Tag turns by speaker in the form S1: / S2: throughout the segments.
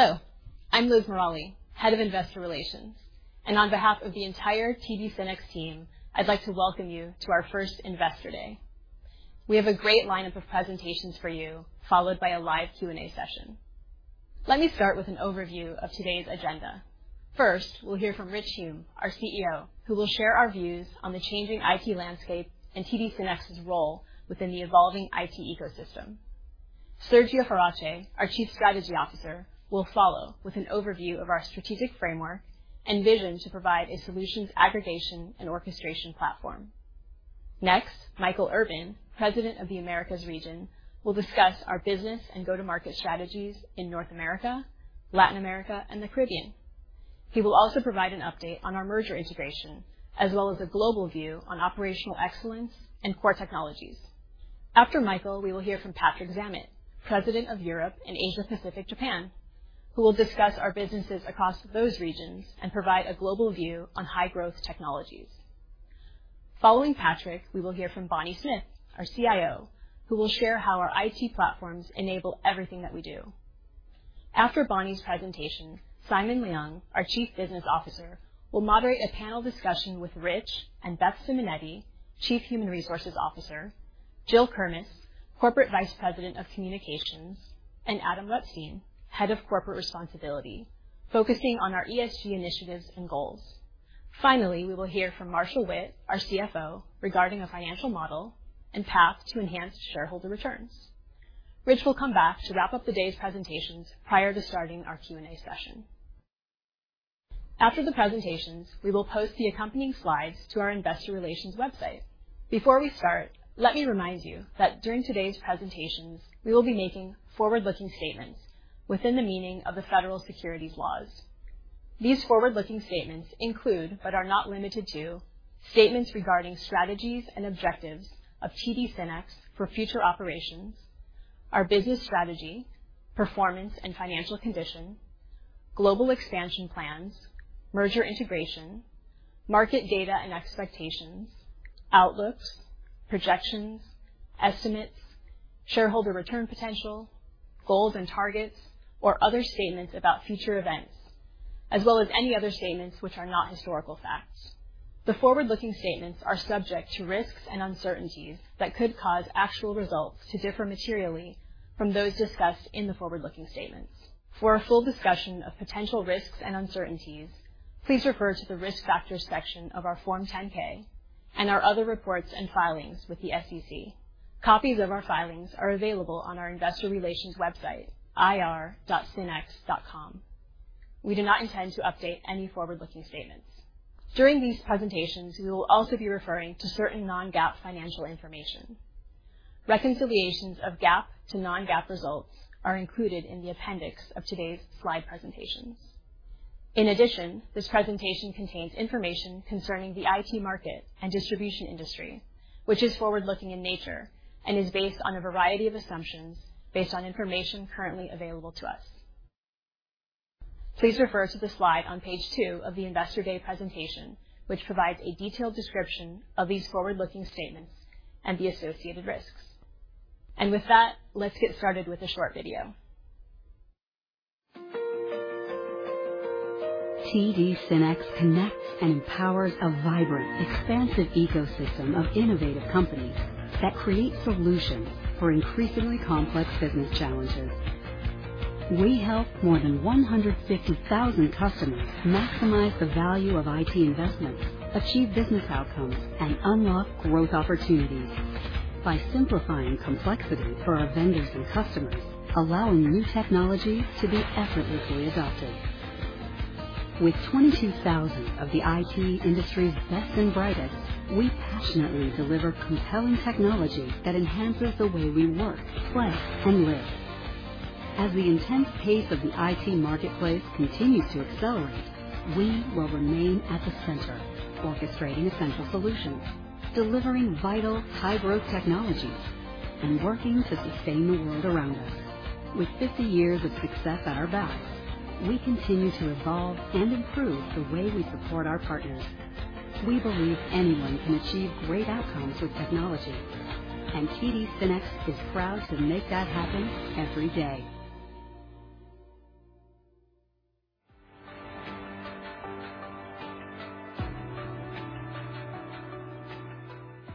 S1: Hello, I'm Liz Morali, Head of Investor Relations. On behalf of the entire TD SYNNEX team, I'd like to welcome you to our first Investor Day. We have a great lineup of presentations for you, followed by a live Q&A session. Let me start with an overview of today's agenda. First, we'll hear from Rich Hume, our CEO, who will share our views on the changing IT landscape and TD SYNNEX's role within the evolving IT ecosystem. Sergio Farache, our Chief Strategy Officer, will follow with an overview of our strategic framework and vision to provide a solutions aggregation and orchestration platform. Next, Michael Urban, President of the Americas region, will discuss our business and go-to-market strategies in North America, Latin America, and the Caribbean. He will also provide an update on our merger integration, as well as a global view on operational excellence and core technologies. After Michael, we will hear from Patrick Zammit, President of Europe and Asia-Pacific, Japan, who will discuss our businesses across those regions and provide a global view on high-growth technologies. Following Patrick, we will hear from Bonnie Smith, our CIO, who will share how our IT platforms enable everything that we do. After Bonnie's presentation, Simon Leung, our Chief Business Officer, will moderate a panel discussion with Rich and Beth Simonetti, Chief Human Resources Officer, Jill Kermes, Corporate Vice President of Communications, and Adam Rutstein, Head of Corporate Responsibility, focusing on our ESG initiatives and goals. Finally, we will hear from Marshall Witt, our CFO, regarding a financial model and path to enhanced shareholder returns. Rich will come back to wrap up the day's presentations prior to starting our Q&A session. After the presentations, we will post the accompanying slides to our investor relations website. Before we start, let me remind you that during today's presentations, we will be making forward-looking statements within the meaning of the federal securities laws. These forward-looking statements include, but are not limited to, statements regarding strategies and objectives of TD SYNNEX for future operations, our business strategy, performance, and financial condition, global expansion plans, merger integration, market data and expectations, outlooks, projections, estimates, shareholder return potential, goals and targets, or other statements about future events, as well as any other statements which are not historical facts. The forward-looking statements are subject to risks and uncertainties that could cause actual results to differ materially from those discussed in the forward-looking statements. For a full discussion of potential risks and uncertainties, please refer to the Risk Factors section of our Form 10-K and our other reports and filings with the SEC. Copies of our filings are available on our investor relations website, ir.synnex.com. We do not intend to update any forward-looking statements. During these presentations, we will also be referring to certain non-GAAP financial information. Reconciliations of GAAP to non-GAAP results are included in the appendix of today's slide presentations. In addition, this presentation contains information concerning the IT market and distribution industry, which is forward-looking in nature and is based on a variety of assumptions based on information currently available to us. Please refer to the slide on page two of the Investor Day presentation, which provides a detailed description of these forward-looking statements and the associated risks. With that, let's get started with a short video.
S2: TD SYNNEX connects and empowers a vibrant, expansive ecosystem of innovative companies that create solutions for increasingly complex business challenges. We help more than 150,000 customers maximize the value of IT investments, achieve business outcomes, and unlock growth opportunities by simplifying complexity for our vendors and customers, allowing new technology to be effortlessly adopted. With 22,000 of the IT industry's best and brightest, we passionately deliver compelling technology that enhances the way we work, play, and live. As the intense pace of the IT marketplace continues to accelerate, we will remain at the center, orchestrating essential solutions, delivering vital high-growth technologies, and working to sustain the world around us. With 50 years of success at our back, we continue to evolve and improve the way we support our partners. We believe anyone can achieve great outcomes with technology, and TD SYNNEX is proud to make that happen every day.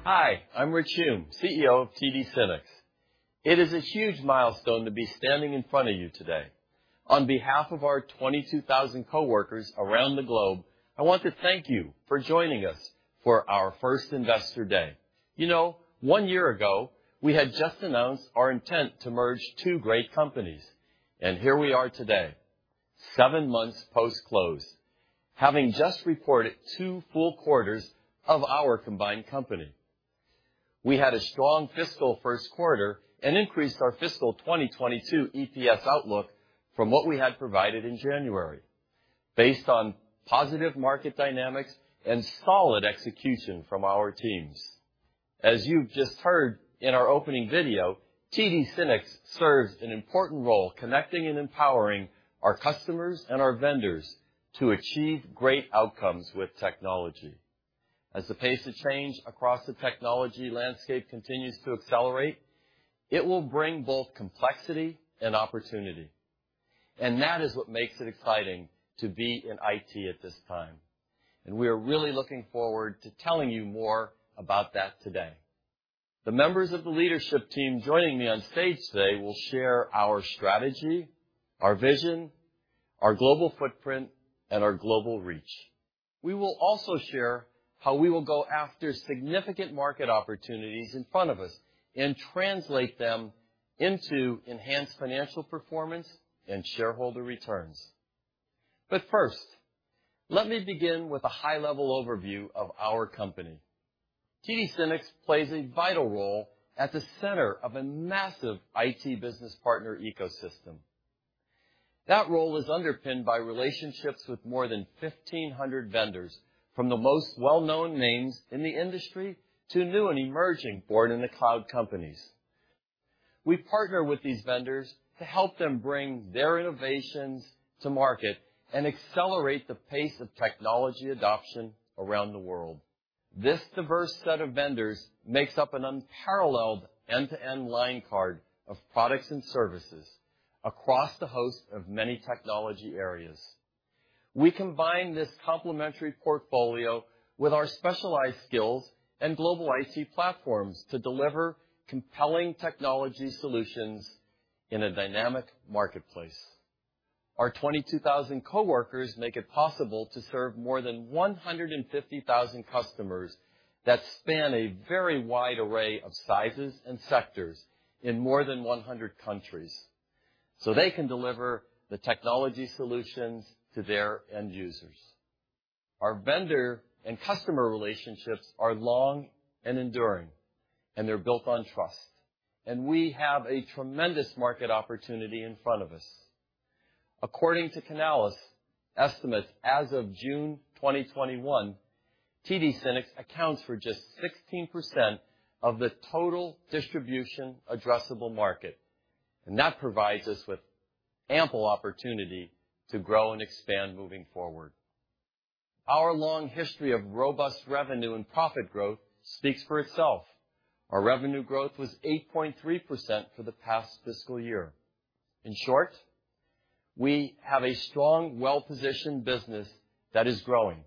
S3: Hi, I'm Rich Hume, CEO of TD SYNNEX. It is a huge milestone to be standing in front of you today. On behalf of our 22,000 coworkers around the globe, I want to thank you for joining us for our first Investor Day. You know, one year ago, we had just announced our intent to merge two great companies, and here we are today, seven months post-close, having just reported two full quarters of our combined company. We had a strong fiscal first quarter and increased our fiscal 2022 EPS outlook from what we had provided in January based on positive market dynamics and solid execution from our teams. As you've just heard in our opening video, TD SYNNEX serves an important role connecting and empowering our customers and our vendors to achieve great outcomes with technology. As the pace of change across the technology landscape continues to accelerate, it will bring both complexity and opportunity. That is what makes it exciting to be in IT at this time. We're really looking forward to telling you more about that today. The members of the leadership team joining me on stage today will share our strategy, our vision, our global footprint, and our global reach. We will also share how we will go after significant market opportunities in front of us and translate them into enhanced financial performance and shareholder returns. First, let me begin with a high-level overview of our company. TD SYNNEX plays a vital role at the center of a massive IT business partner ecosystem. That role is underpinned by relationships with more than 1,500 vendors, from the most well-known names in the industry to new and emerging born-in-the-cloud companies. We partner with these vendors to help them bring their innovations to market and accelerate the pace of technology adoption around the world. This diverse set of vendors makes up an unparalleled end-to-end line card of products and services across the host of many technology areas. We combine this complementary portfolio with our specialized skills and global IT platforms to deliver compelling technology solutions in a dynamic marketplace. Our 22,000 coworkers make it possible to serve more than 150,000 customers that span a very wide array of sizes and sectors in more than 100 countries, so they can deliver the technology solutions to their end users. Our vendor and customer relationships are long and enduring, and they're built on trust. We have a tremendous market opportunity in front of us. According to Canalys estimates, as of June 2021, TD SYNNEX accounts for just 16% of the total distribution addressable market, and that provides us with ample opportunity to grow and expand moving forward. Our long history of robust revenue and profit growth speaks for itself. Our revenue growth was 8.3% for the past fiscal year. In short, we have a strong, well-positioned business that is growing.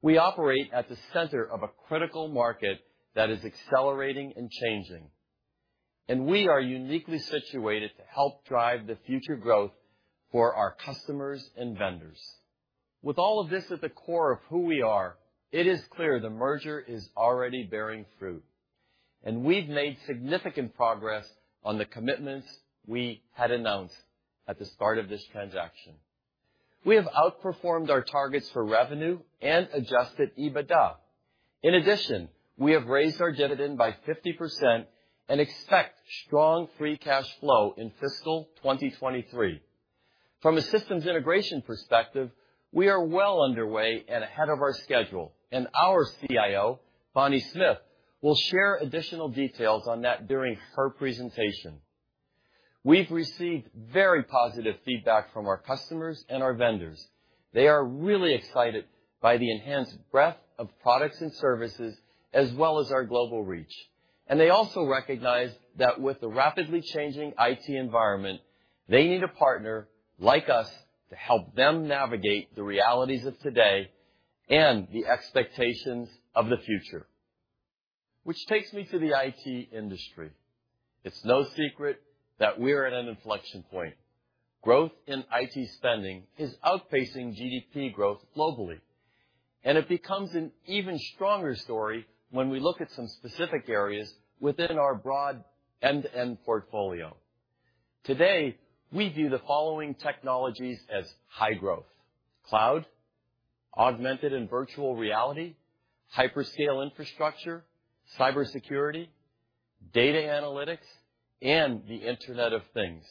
S3: We operate at the center of a critical market that is accelerating and changing, and we are uniquely situated to help drive the future growth for our customers and vendors. With all of this at the core of who we are, it is clear the merger is already bearing fruit, and we've made significant progress on the commitments we had announced at the start of this transaction. We have outperformed our targets for revenue and adjusted EBITDA. In addition, we have raised our dividend by 50% and expect strong free cash flow in fiscal 2023. From a systems integration perspective, we are well underway and ahead of our schedule, and our CIO, Bonnie Smith, will share additional details on that during her presentation. We've received very positive feedback from our customers and our vendors. They are really excited by the enhanced breadth of products and services, as well as our global reach. They also recognize that with the rapidly changing IT environment, they need a partner like us to help them navigate the realities of today and the expectations of the future. Which takes me to the IT industry. It's no secret that we're at an inflection point. Growth in IT spending is outpacing GDP growth globally, and it becomes an even stronger story when we look at some specific areas within our broad end-to-end portfolio. Today, we view the following technologies as high growth, cloud, augmented and virtual reality, hyperscale infrastructure, cybersecurity, data analytics, and the Internet of Things.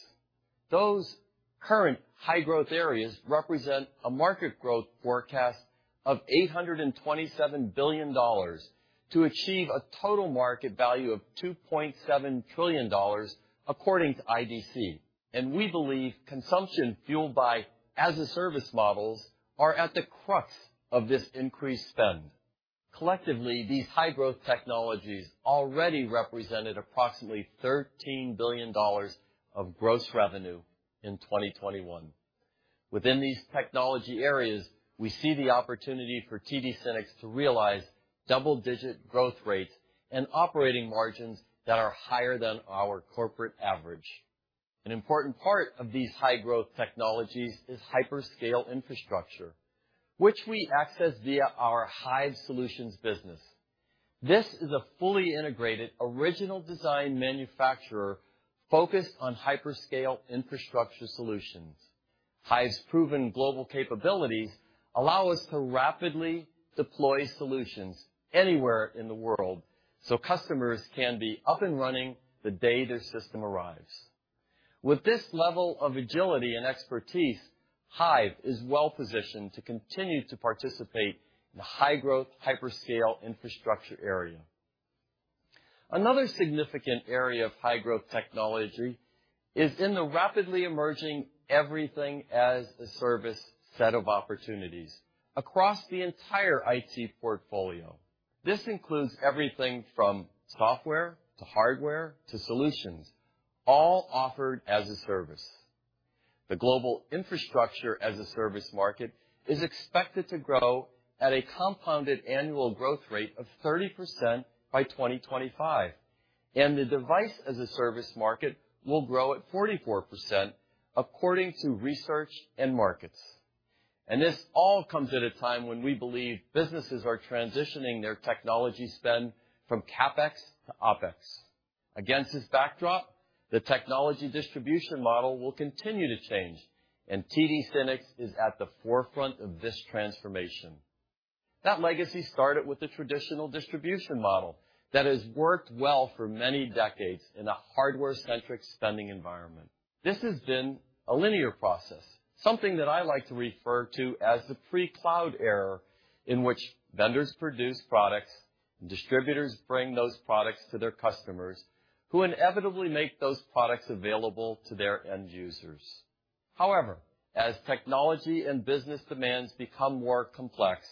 S3: Those current high-growth areas represent a market growth forecast of $827 billion to achieve a total market value of $2.7 trillion, according to IDC. We believe consumption fueled by as-a-service models are at the crux of this increased spend. Collectively, these high-growth technologies already represented approximately $13 billion of gross revenue in 2021. Within these technology areas, we see the opportunity for TD SYNNEX to realize double-digit growth rates and operating margins that are higher than our corporate average. An important part of these high-growth technologies is hyperscale infrastructure, which we access via our Hyve Solutions business. This is a fully integrated original design manufacturer focused on hyperscale infrastructure solutions. Hyve's proven global capabilities allow us to rapidly deploy solutions anywhere in the world, so customers can be up and running the day their system arrives. With this level of agility and expertise, Hyve is well-positioned to continue to participate in the high-growth hyperscale infrastructure area. Another significant area of high growth technology is in the rapidly emerging everything as a service set of opportunities across the entire IT portfolio. This includes everything from software to hardware to solutions, all offered as a service. The global infrastructure as a service market is expected to grow at a compounded annual growth rate of 30% by 2025, and the device as a service market will grow at 44% according to Research and Markets. This all comes at a time when we believe businesses are transitioning their technology spend from CapEx to OpEx. Against this backdrop, the technology distribution model will continue to change, and TD SYNNEX is at the forefront of this transformation. That legacy started with the traditional distribution model that has worked well for many decades in a hardware-centric spending environment. This has been a linear process, something that I like to refer to as the pre-cloud era, in which vendors produce products, and distributors bring those products to their customers, who inevitably make those products available to their end users. However, as technology and business demands become more complex,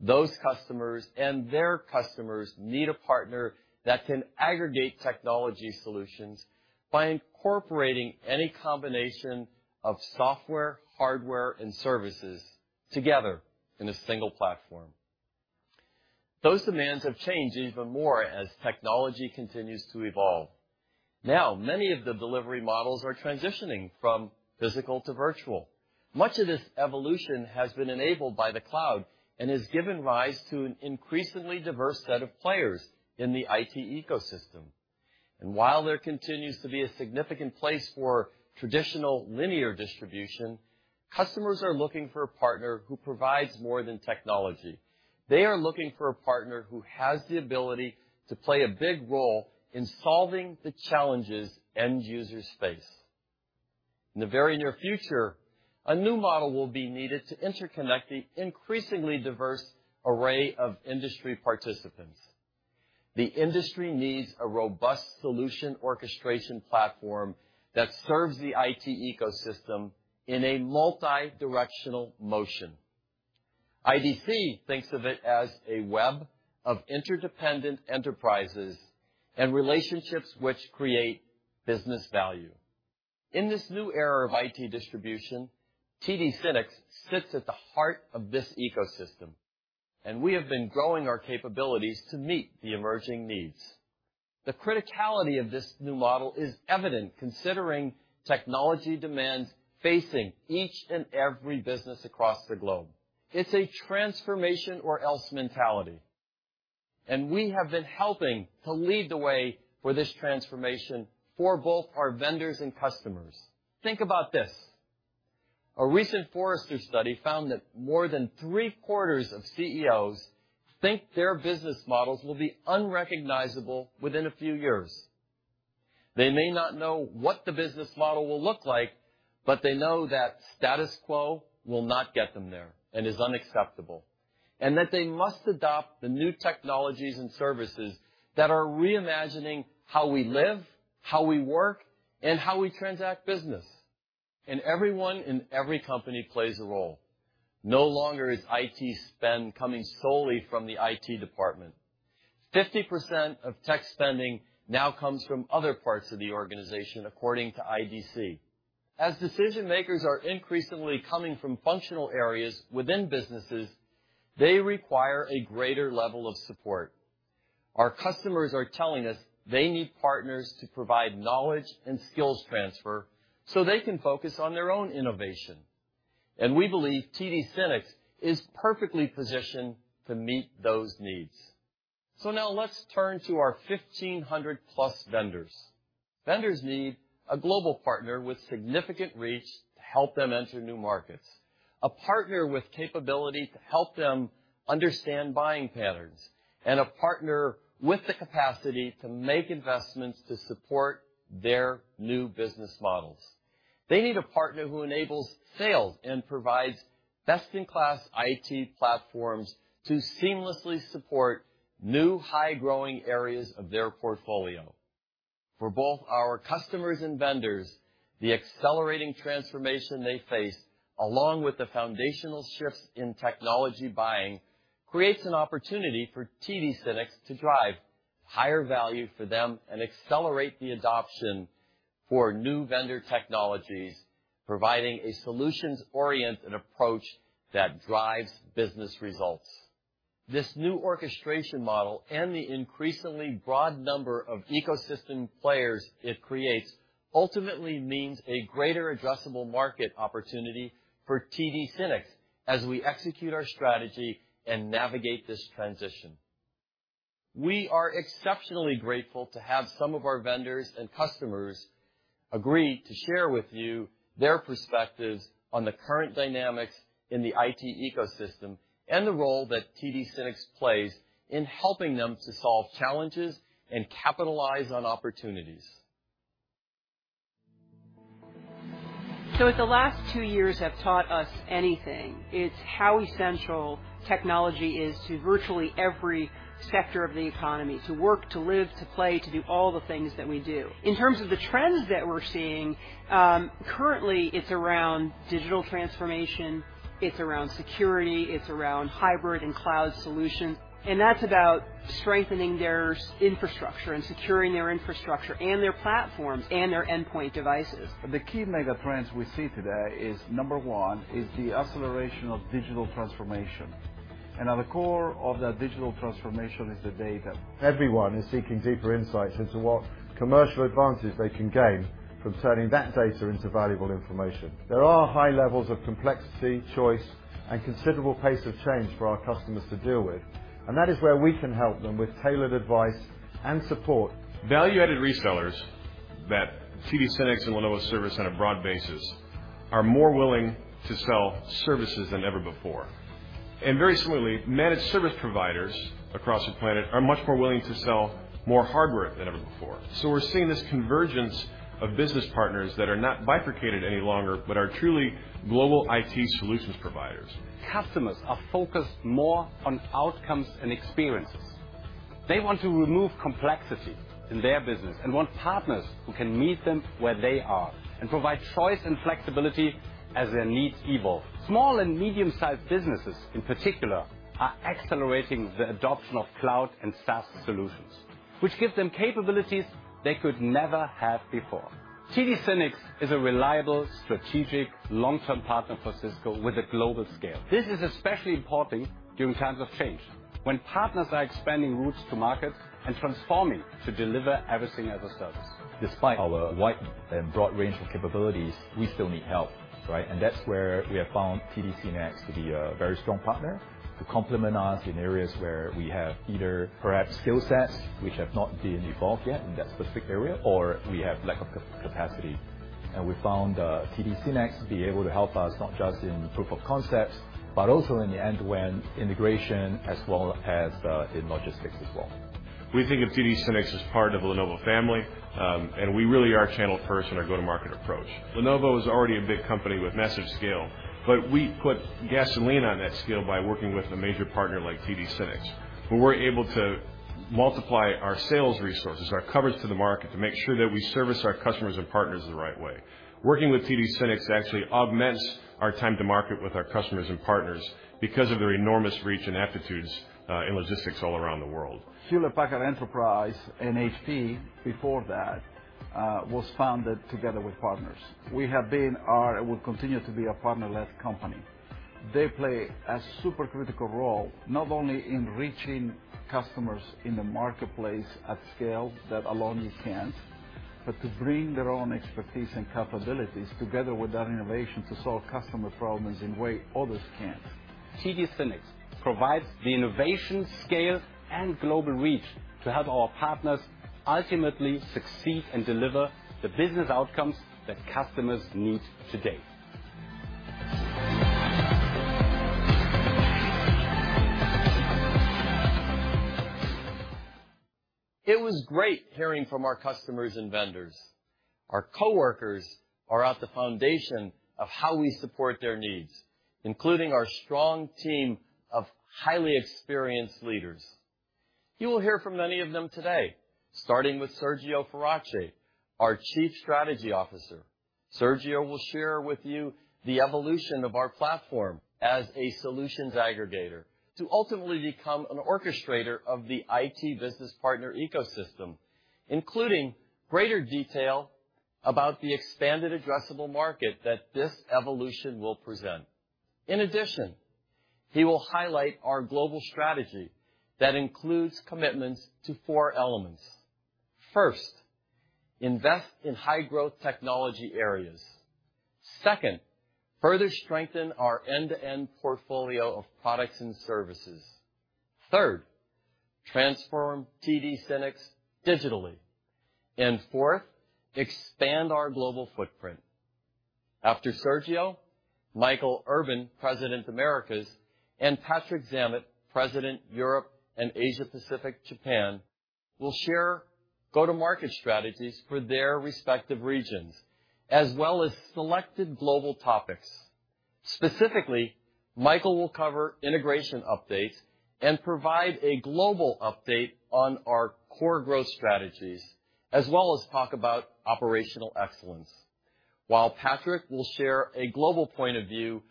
S3: those customers and their customers need a partner that can aggregate technology solutions by incorporating any combination of software, hardware, and services together in a single platform. Those demands have changed even more as technology continues to evolve. Now, many of the delivery models are transitioning from physical to virtual. Much of this evolution has been enabled by the cloud and has given rise to an increasingly diverse set of players in the IT ecosystem. While there continues to be a significant place for traditional linear distribution, customers are looking for a partner who provides more than technology. They are looking for a partner who has the ability to play a big role in solving the challenges end users face. In the very near future, a new model will be needed to interconnect the increasingly diverse array of industry participants. The industry needs a robust solution orchestration platform that serves the IT ecosystem in a multidirectional motion. IDC thinks of it as a web of interdependent enterprises and relationships which create business value. In this new era of IT distribution, TD SYNNEX sits at the heart of this ecosystem, and we have been growing our capabilities to meet the emerging needs. The criticality of this new model is evident considering technology demands facing each and every business across the globe. It's a transformation or else mentality, and we have been helping to lead the way for this transformation for both our vendors and customers. Think about this. A recent Forrester study found that more than three-quarters of CEOs think their business models will be unrecognizable within a few years. They may not know what the business model will look like, but they know that status quo will not get them there and is unacceptable, and that they must adopt the new technologies and services that are reimagining how we live, how we work, and how we transact business. Everyone in every company plays a role. No longer is IT spend coming solely from the IT department. 50% of tech spending now comes from other parts of the organization, according to IDC. As decision-makers are increasingly coming from functional areas within businesses, they require a greater level of support. Our customers are telling us they need partners to provide knowledge and skills transfer so they can focus on their own innovation. We believe TD SYNNEX is perfectly positioned to meet those needs. Now let's turn to our 1,500+ vendors. Vendors need a global partner with significant reach to help them enter new markets, a partner with capability to help them understand buying patterns, and a partner with the capacity to make investments to support their new business models. They need a partner who enables sales and provides best-in-class IT platforms to seamlessly support new high-growing areas of their portfolio. For both our customers and vendors, the accelerating transformation they face, along with the foundational shifts in technology buying, creates an opportunity for TD SYNNEX to drive higher value for them and accelerate the adoption for new vendor technologies, providing a solutions-oriented approach that drives business results. This new orchestration model and the increasingly broad number of ecosystem players it creates ultimately means a greater addressable market opportunity for TD SYNNEX as we execute our strategy and navigate this transition. We are exceptionally grateful to have some of our vendors and customers agree to share with you their perspectives on the current dynamics in the IT ecosystem and the role that TD SYNNEX plays in helping them to solve challenges and capitalize on opportunities.
S4: If the last two years have taught us anything, it's how essential technology is to virtually every sector of the economy, to work, to live, to play, to do all the things that we do. In terms of the trends that we're seeing, currently it's around digital transformation, it's around security, it's around hybrid and cloud solutions. That's about strengthening their infrastructure and securing their infrastructure and their platforms and their endpoint devices.
S5: The key mega trends we see today is, number one, is the acceleration of digital transformation. At the core of that digital transformation is the data. Everyone is seeking deeper insights into what commercial advantages they can gain from turning that data into valuable information. There are high levels of complexity, choice, and considerable pace of change for our customers to deal with, and that is where we can help them with tailored advice and support.
S6: Value-added resellers that TD SYNNEX and Lenovo service on a broad basis are more willing to sell services than ever before. Very similarly, managed service providers across the planet are much more willing to sell more hardware than ever before. We're seeing this convergence of business partners that are not bifurcated any longer, but are truly global IT solutions providers.
S7: Customers are focused more on outcomes and experiences. They want to remove complexity in their business and want partners who can meet them where they are and provide choice and flexibility as their needs evolve. Small and medium-sized businesses, in particular, are accelerating the adoption of cloud and SaaS solutions, which gives them capabilities they could never have before. TD SYNNEX is a reliable, strategic, long-term partner for Cisco with a global scale. This is especially important during times of change, when partners are expanding routes to markets and transforming to deliver everything as a service.
S8: Despite our wide and broad range of capabilities, we still need help, right? That's where we have found TD SYNNEX to be a very strong partner, to complement us in areas where we have either perhaps skill sets which have not been evolved yet in that specific area, or we have lack of capacity. We found TD SYNNEX to be able to help us, not just in proof of concepts, but also in the end when integration as well as in logistics as well.
S6: We think of TD SYNNEX as part of the Lenovo family, and we really are channel first in our go-to-market approach. Lenovo is already a big company with massive scale, but we put gasoline on that scale by working with a major partner like TD SYNNEX, where we're able to multiply our sales resources, our coverage to the market to make sure that we service our customers and partners in the right way. Working with TD SYNNEX actually augments our time to market with our customers and partners because of their enormous reach and aptitudes in logistics all around the world.
S9: Hewlett Packard Enterprise, and HP before that, was founded together with partners. We have been, are, and will continue to be a partner-led company. They play a super critical role, not only in reaching customers in the marketplace at scale that alone you can't, but to bring their own expertise and capabilities together with that innovation to solve customer problems in ways others can't.
S7: TD SYNNEX provides the innovation, scale, and global reach to help our partners ultimately succeed and deliver the business outcomes that customers need today.
S3: It was great hearing from our customers and vendors. Our coworkers are at the foundation of how we support their needs, including our strong team of highly experienced leaders. You will hear from many of them today, starting with Sergio Farache, our Chief Strategy Officer. Sergio will share with you the evolution of our platform as a solutions aggregator to ultimately become an orchestrator of the IT business partner ecosystem, including greater detail about the expanded addressable market that this evolution will present. In addition, he will highlight our global strategy that includes commitments to four elements. First, invest in high-growth technology areas. Second, further strengthen our end-to-end portfolio of products and services. Third, transform TD SYNNEX digitally. Fourth, expand our global footprint. After Sergio, Michael Urban, President, Americas, and Patrick Zammit, President, Europe and Asia Pacific, Japan, will share go-to-market strategies for their respective regions, as well as selected global topics. Specifically, Michael will cover integration updates and provide a global update on our core growth strategies, as well as talk about operational excellence. While Patrick will share a global point of view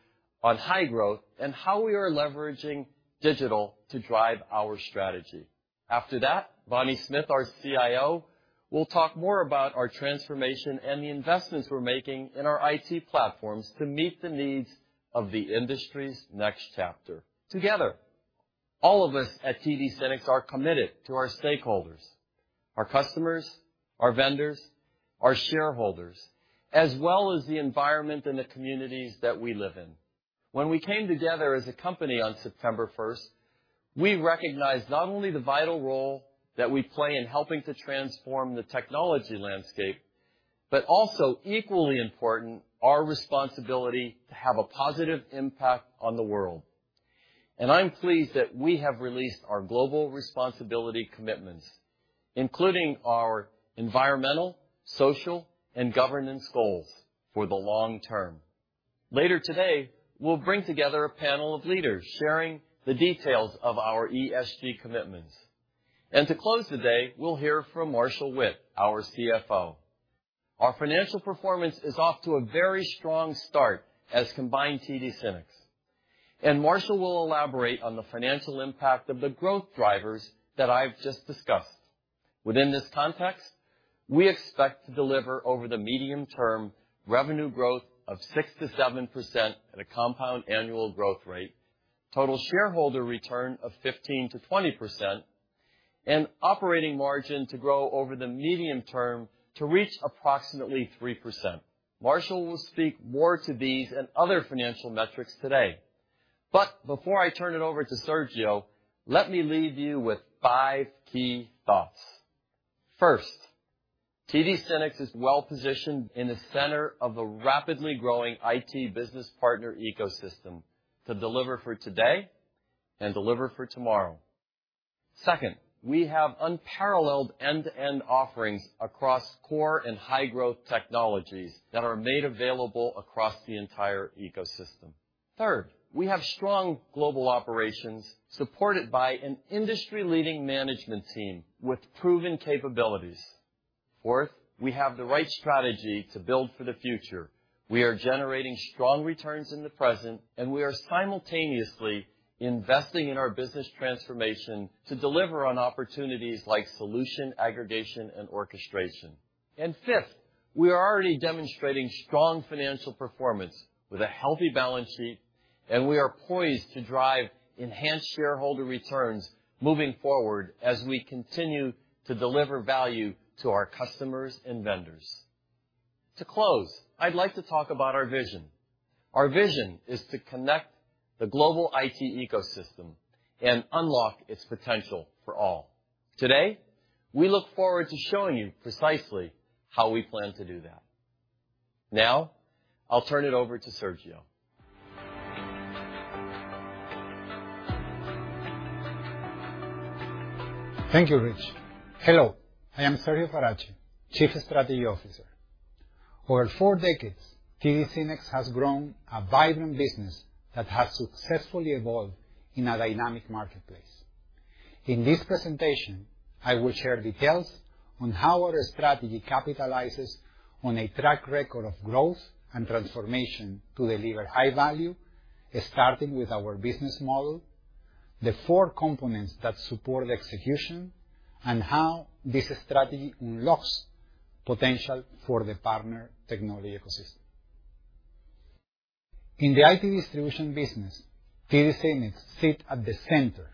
S3: on high growth and how we are leveraging digital to drive our strategy. After that, Bonnie Smith, our CIO, will talk more about our transformation and the investments we're making in our IT platforms to meet the needs of the industry's next chapter. Together, all of us at TD SYNNEX are committed to our stakeholders, our customers, our vendors, our shareholders, as well as the environment and the communities that we live in. When we came together as a company on September 1st, we recognized not only the vital role that we play in helping to transform the technology landscape, but also equally important, our responsibility to have a positive impact on the world. I'm pleased that we have released our global responsibility commitments, including our environmental, social, and governance goals for the long term. Later today, we'll bring together a panel of leaders sharing the details of our ESG commitments. To close today, we'll hear from Marshall Witt, our CFO. Our financial performance is off to a very strong start as combined TD SYNNEX. Marshall will elaborate on the financial impact of the growth drivers that I've just discussed. Within this context, we expect to deliver over the medium-term revenue growth of 6%-7% at a compound annual growth rate, total shareholder return of 15%-20%, and operating margin to grow over the medium term to reach approximately 3%. Marshall will speak more to these and other financial metrics today. Before I turn it over to Sergio, let me leave you with five key thoughts. First, TD SYNNEX is well-positioned in the center of a rapidly growing IT business partner ecosystem to deliver for today and deliver for tomorrow. Second, we have unparalleled end-to-end offerings across core and high-growth technologies that are made available across the entire ecosystem. Third, we have strong global operations supported by an industry-leading management team with proven capabilities. Fourth, we have the right strategy to build for the future. We are generating strong returns in the present, and we are simultaneously investing in our business transformation to deliver on opportunities like solution aggregation and orchestration. Fifth, we are already demonstrating strong financial performance with a healthy balance sheet, and we are poised to drive enhanced shareholder returns moving forward as we continue to deliver value to our customers and vendors. To close, I'd like to talk about our vision. Our vision is to connect the global IT ecosystem and unlock its potential for all. Today, we look forward to showing you precisely how we plan to do that. Now, I'll turn it over to Sergio.
S10: Thank you, Rich. Hello, I am Sergio Farache, Chief Strategy Officer. Over four decades, TD SYNNEX has grown a vibrant business that has successfully evolved in a dynamic marketplace. In this presentation, I will share details on how our strategy capitalizes on a track record of growth and transformation to deliver high value, starting with our business model, the four components that support execution, and how this strategy unlocks potential for the partner technology ecosystem. In the IT distribution business, TD SYNNEX sit at the center.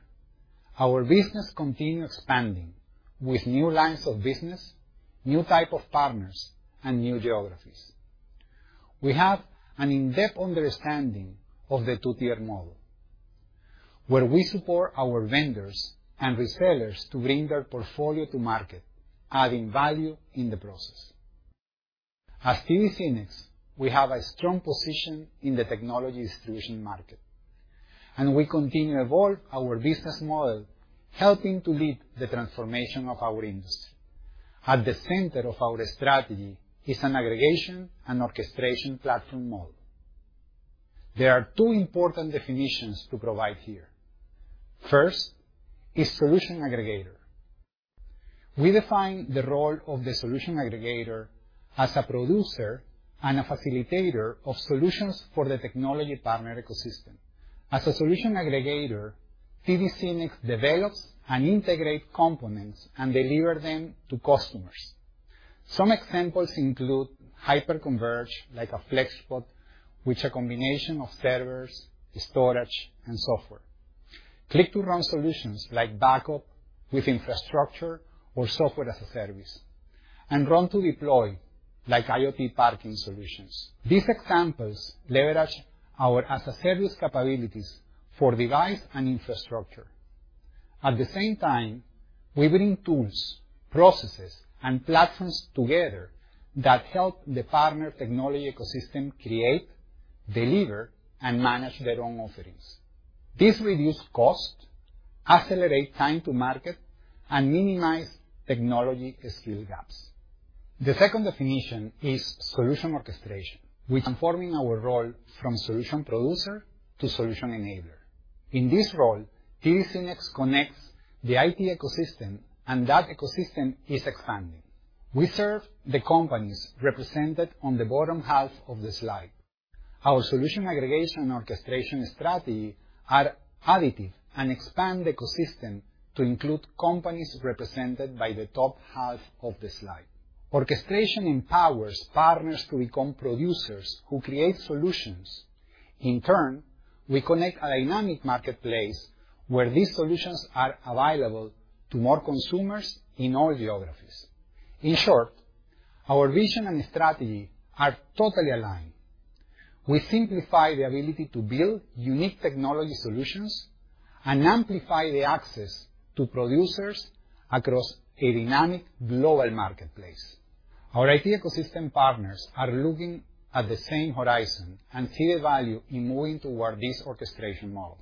S10: Our business continue expanding with new lines of business, new type of partners, and new geographies. We have an in-depth understanding of the two-tier model, where we support our vendors and resellers to bring their portfolio to market, adding value in the process. At TD SYNNEX, we have a strong position in the technology distribution market, and we continue to evolve our business model, helping to lead the transformation of our industry. At the center of our strategy is an aggregation and orchestration platform model. There are two important definitions to provide here. First is solution aggregator. We define the role of the solution aggregator as a producer and a facilitator of solutions for the technology partner ecosystem. As a solution aggregator, TD SYNNEX develops and integrates components and delivers them to customers. Some examples include hyperconverged, like a FlexPod, which is a combination of servers, storage, and software. Click to Run solutions like backup with infrastructure or software as a service, and run-to-deploy like IoT parking solutions. These examples leverage our as-a-service capabilities for device and infrastructure. At the same time, we bring tools, processes, and platforms together that help the partner technology ecosystem create, deliver, and manage their own offerings. This reduces costs, accelerates time to market, and minimizes technology skill gaps. The second definition is solution orchestration. We're transforming our role from solution producer to solution enabler. In this role, TD SYNNEX connects the IT ecosystem, and that ecosystem is expanding. We serve the companies represented on the bottom half of the slide. Our solution aggregation and orchestration strategy are additive and expand the ecosystem to include companies represented by the top-half of the slide. Orchestration empowers partners to become producers who create solutions. In turn, we connect a dynamic marketplace where these solutions are available to more consumers in all geographies. In short, our vision and strategy are totally aligned. We simplify the ability to build unique technology solutions and amplify the access to producers across a dynamic global marketplace. Our IT ecosystem partners are looking at the same horizon and see a value in moving toward this orchestration model.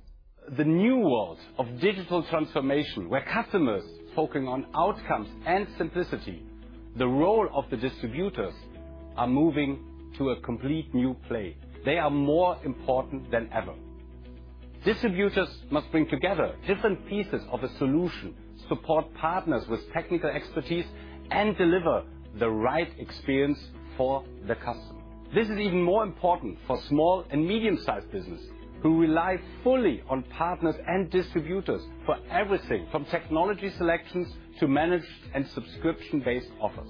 S7: The new world of digital transformation, where customers are focusing on outcomes and simplicity, the role of the distributors is moving to a completely new play. They are more important than ever. Distributors must bring together different pieces of a solution, support partners with technical expertise, and deliver the right experience for the customer. This is even more important for small and medium-sized businesses who rely fully on partners and distributors for everything from technology selections to managed and subscription-based offers.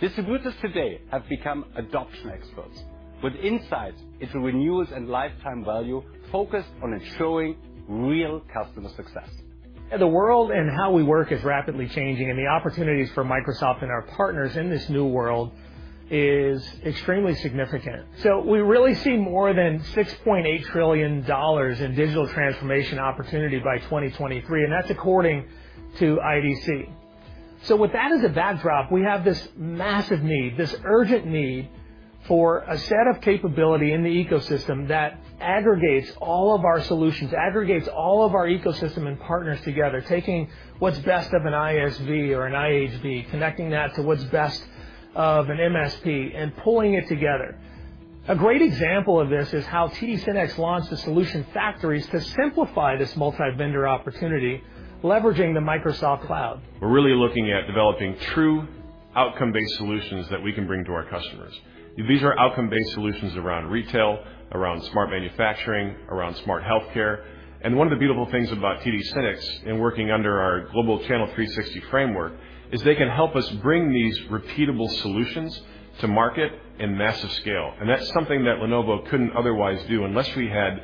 S7: Distributors today have become adoption experts with insights into renewals and lifetime value focused on ensuring real customer success.
S11: The world and how we work is rapidly changing, and the opportunities for Microsoft and our partners in this new world is extremely significant. We really see more than $6.8 trillion in digital transformation opportunity by 2023, and that's according to IDC. With that as a backdrop, we have this massive need, this urgent need for a set of capability in the ecosystem that aggregates all of our solutions, aggregates all of our ecosystem and partners together, taking what's best of an ISV or an IHV, connecting that to what's best of an MSP and pulling it together. A great example of this is how TD SYNNEX launched the solution factories to simplify this multi-vendor opportunity, leveraging the Microsoft cloud.
S6: We're really looking at developing true outcome-based solutions that we can bring to our customers. These are outcome-based solutions around retail, around smart manufacturing, around smart healthcare. One of the beautiful things about TD SYNNEX in working under our global-channel 360 framework is they can help us bring these repeatable solutions to market in massive scale. That's something that Lenovo couldn't otherwise do unless we had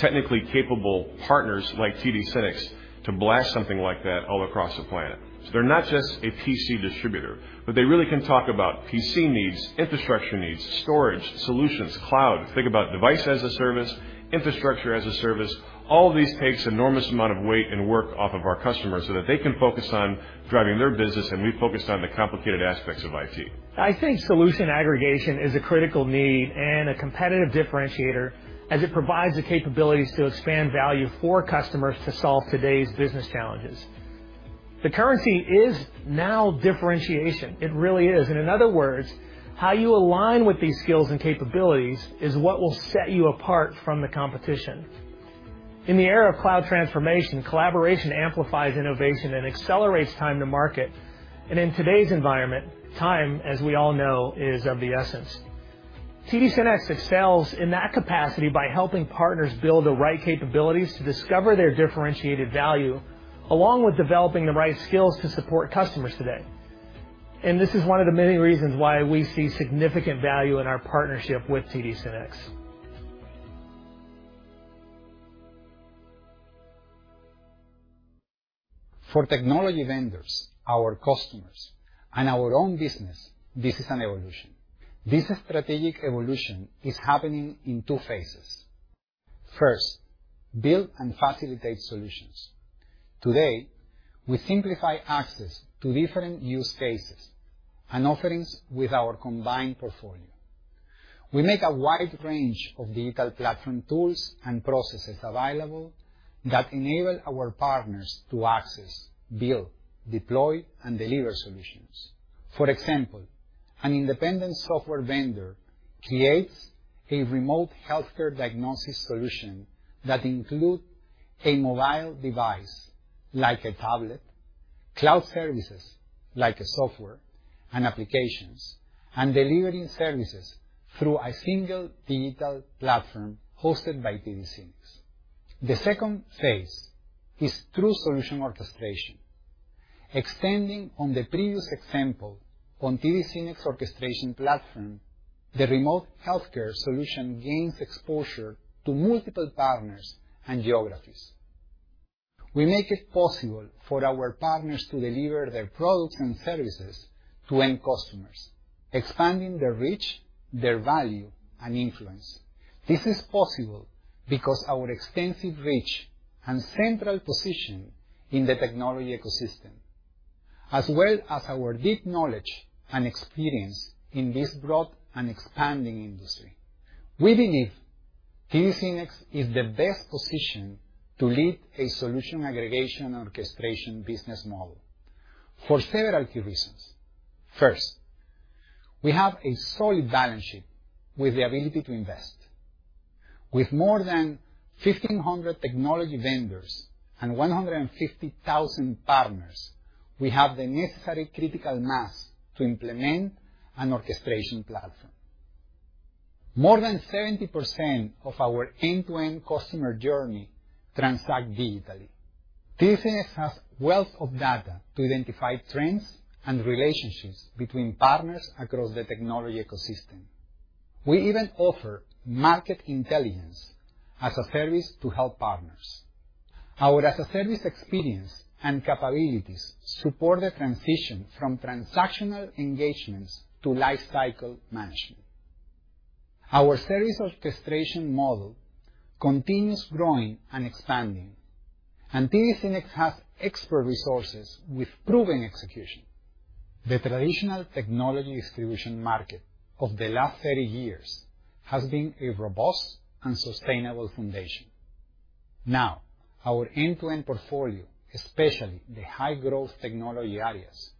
S6: technically capable partners like TD SYNNEX to blast something like that all across the planet. They're not just a PC distributor, but they really can talk about PC needs, infrastructure needs, storage, solutions, cloud. Think about device as a service, infrastructure as a service. All of these takes enormous amount of weight and work off of our customers so that they can focus on driving their business, and we focus on the complicated aspects of IT.
S11: I think solution aggregation is a critical need and a competitive differentiator as it provides the capabilities to expand value for customers to solve today's business challenges. The currency is now differentiation. It really is. In other words, how you align with these skills and capabilities is what will set you apart from the competition. In the era of cloud transformation, collaboration amplifies innovation and accelerates time to market. In today's environment, time, as we all know, is of the essence. TD SYNNEX excels in that capacity by helping partners build the right capabilities to discover their differentiated value, along with developing the right skills to support customers today. This is one of the many reasons why we see significant value in our partnership with TD SYNNEX.
S10: For technology vendors, our customers, and our own business, this is an evolution. This strategic evolution is happening in two phases. First, build and facilitate solutions. Today, we simplify access to different use cases and offerings with our combined portfolio. We make a wide range of digital platform tools and processes available that enable our partners to access, build, deploy, and deliver solutions. For example, an independent software vendor creates a remote healthcare diagnosis solution that include a mobile device, like a tablet, cloud services, like a software and applications, and delivering services through a single digital platform hosted by TD SYNNEX. The second phase is true solution orchestration. Extending on the previous example on TD SYNNEX orchestration platform, the remote healthcare solution gains exposure to multiple partners and geographies. We make it possible for our partners to deliver their products and services to end customers, expanding their reach, their value, and influence. This is possible because our extensive reach and central position in the technology ecosystem, as well as our deep knowledge and experience in this broad and expanding industry. We believe TD SYNNEX is the best position to lead a solution aggregation and orchestration business model for several key reasons. First, we have a solid balance sheet with the ability to invest. With more than 1,500 technology vendors and 150,000 partners, we have the necessary critical mass to implement an orchestration platform. More than 70% of our end-to-end customer journey transact digitally. TD SYNNEX has wealth of data to identify trends and relationships between partners across the technology ecosystem. We even offer market intelligence as a service to help partners. Our as-a-service experience and capabilities support the transition from transactional engagements to life cycle management. Our service orchestration model continues growing and expanding, and TD SYNNEX has expert resources with proven execution. The traditional technology distribution market of the last 30 years has been a robust and sustainable foundation. Now, our end-to-end portfolio, especially the high-growth technology areas,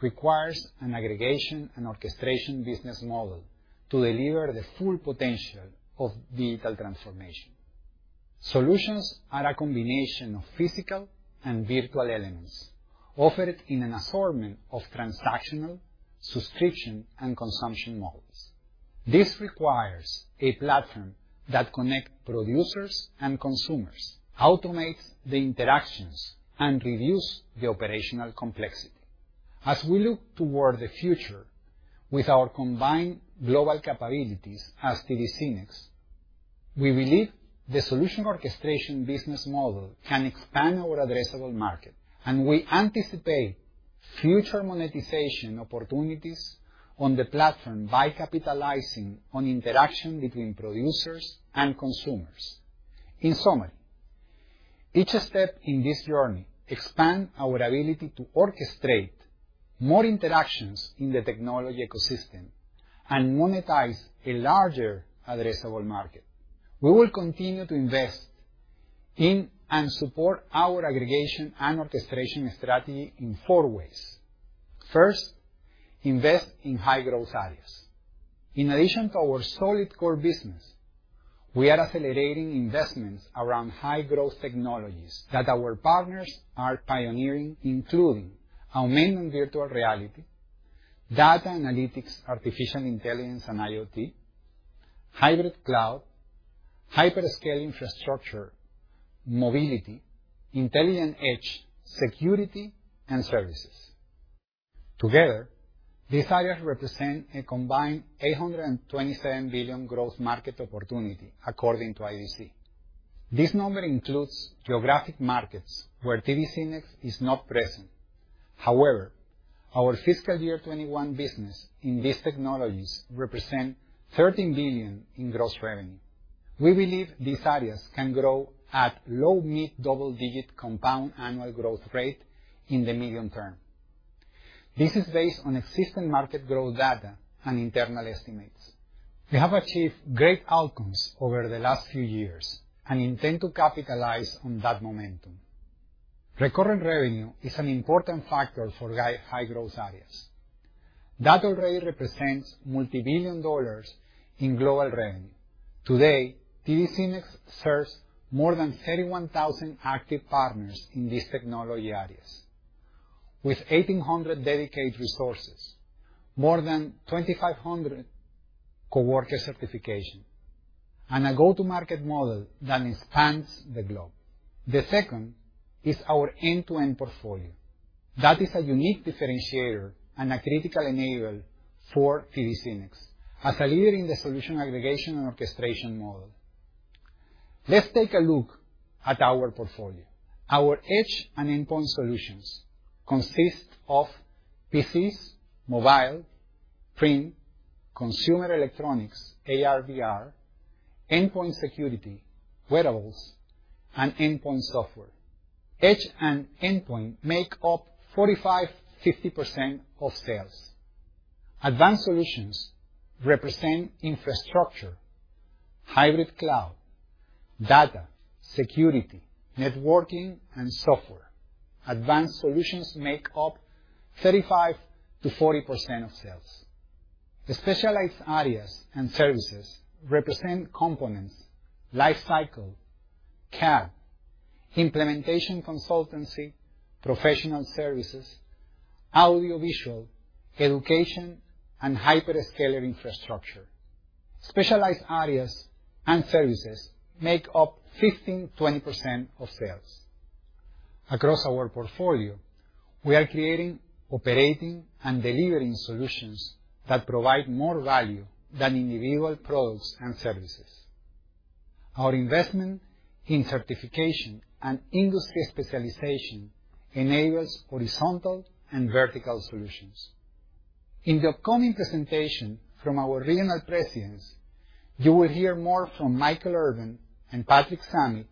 S10: requires an aggregation and orchestration business model to deliver the full potential of digital transformation. Solutions are a combination of physical and virtual elements offered in an assortment of transactional, subscription, and consumption models. This requires a platform that connects producers and consumers, automates the interactions, and reduces the operational complexity. As we look toward the future with our combined global capabilities as TD SYNNEX, we believe the solution orchestration business model can expand our addressable market, and we anticipate future monetization opportunities on the platform by capitalizing on interaction between producers and consumers. In summary, each step in this journey expand our ability to orchestrate more interactions in the technology ecosystem and monetize a larger addressable market. We will continue to invest in and support our aggregation and orchestration strategy in four ways. First, invest in high-growth areas. In addition to our solid core business, we are accelerating investments around high-growth technologies that our partners are pioneering, including augmented and virtual reality, data analytics, artificial intelligence, and IoT, hybrid cloud, hyperscale infrastructure, mobility, intelligent edge, security, and services. Together, these areas represent a combined $827 billion growth market opportunity according to IDC. This number includes geographic markets where TD SYNNEX is not present. However, our fiscal year 2021 business in these technologies represents $13 billion in gross revenue. We believe these areas can grow at low- to mid-double-digit compound annual growth rate in the medium term. This is based on existing market growth data and internal estimates. We have achieved great outcomes over the last few years and intend to capitalize on that momentum. Recurrent revenue is an important factor for guiding high-growth areas. That already represents multibillion dollars in global revenue. Today, TD SYNNEX serves more than 31,000 active partners in these technology areas with 1,800 dedicated resources, more than 2,500 coworker certifications, and a go-to-market model that spans the globe. The second is our end-to-end portfolio. That is a unique differentiator and a critical enabler for TD SYNNEX as a leader in the solution aggregation and orchestration model. Let's take a look at our portfolio. Our edge and endpoint solutions consist of PCs, mobile, print, consumer electronics, AR/VR, endpoint security, wearables, and endpoint software. Edge and endpoint make up 45%-50% of sales. Advanced Solutions represent infrastructure, hybrid cloud, data, security, networking, and software. Advanced Solutions make up 35%-40% of sales. The specialized areas and services represent components, lifecycle, CAD, implementation consultancy, professional services, audio visual, education, and hyperscaler infrastructure. Specialized areas and services make up 15%-20% of sales. Across our portfolio, we are creating, operating, and delivering solutions that provide more value than individual products and services. Our investment in certification and industry specialization enables horizontal and vertical solutions. In the upcoming presentation from our regional presidents, you will hear more from Michael Urban and Patrick Zammit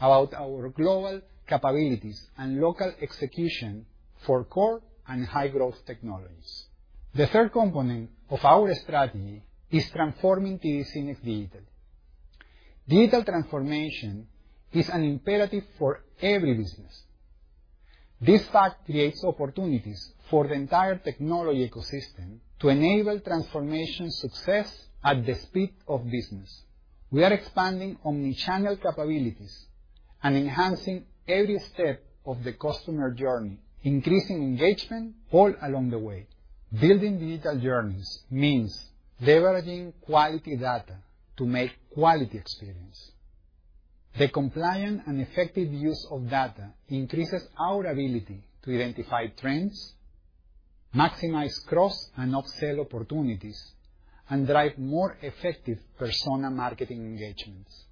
S10: about our global capabilities and local execution for core and high-growth technologies. The third component of our strategy is transforming TD SYNNEX digital. Digital transformation is an imperative for every business. This fact creates opportunities for the entire technology ecosystem to enable transformation success at the speed of business. We are expanding omni-channel capabilities and enhancing every step of the customer journey, increasing engagement all along the way. Building digital journeys means leveraging quality data to make quality experience. The compliant and effective use of data increases our ability to identify trends, maximize cross and up-sell opportunities, and drive more effective persona marketing engagements.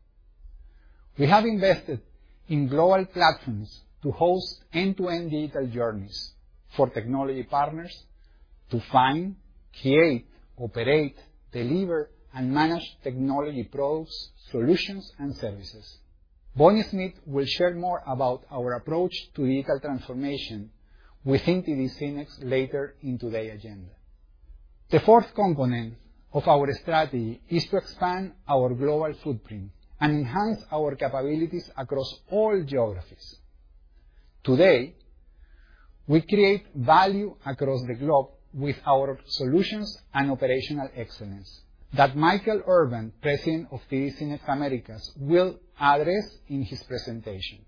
S10: We have invested in global platforms to host end-to-end digital journeys for technology partners to find, create, operate, deliver, and manage technology products, solutions, and services. Bonnie Smith will share more about our approach to digital transformation within TD SYNNEX later in today's agenda. The fourth component of our strategy is to expand our global footprint and enhance our capabilities across all geographies. Today, we create value across the globe with our solutions and operational excellence that Michael Urban, President of TD SYNNEX Americas, will address in his presentation.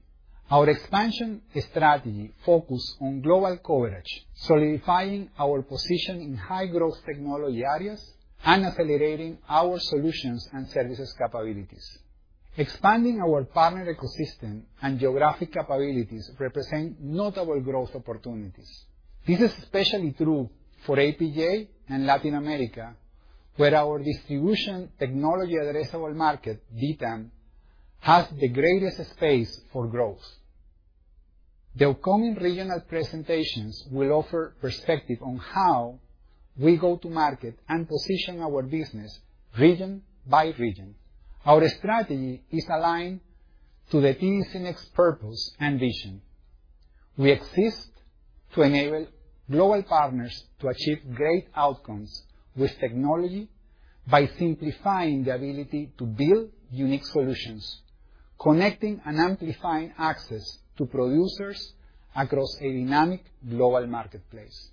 S10: Our expansion strategy focus on global coverage, solidifying our position in high-growth technology areas, and accelerating our solutions and services capabilities. Expanding our partner ecosystem and geographic capabilities represent notable growth opportunities. This is especially true for APJ and Latin America, where our distribution technology addressable market, DTAM, has the greatest space for growth. The upcoming regional presentations will offer perspective on how we go to market and position our business region by region. Our strategy is aligned to the TD SYNNEX purpose and vision. We exist to enable global partners to achieve great outcomes with technology by simplifying the ability to build unique solutions, connecting and amplifying access to producers across a dynamic global marketplace.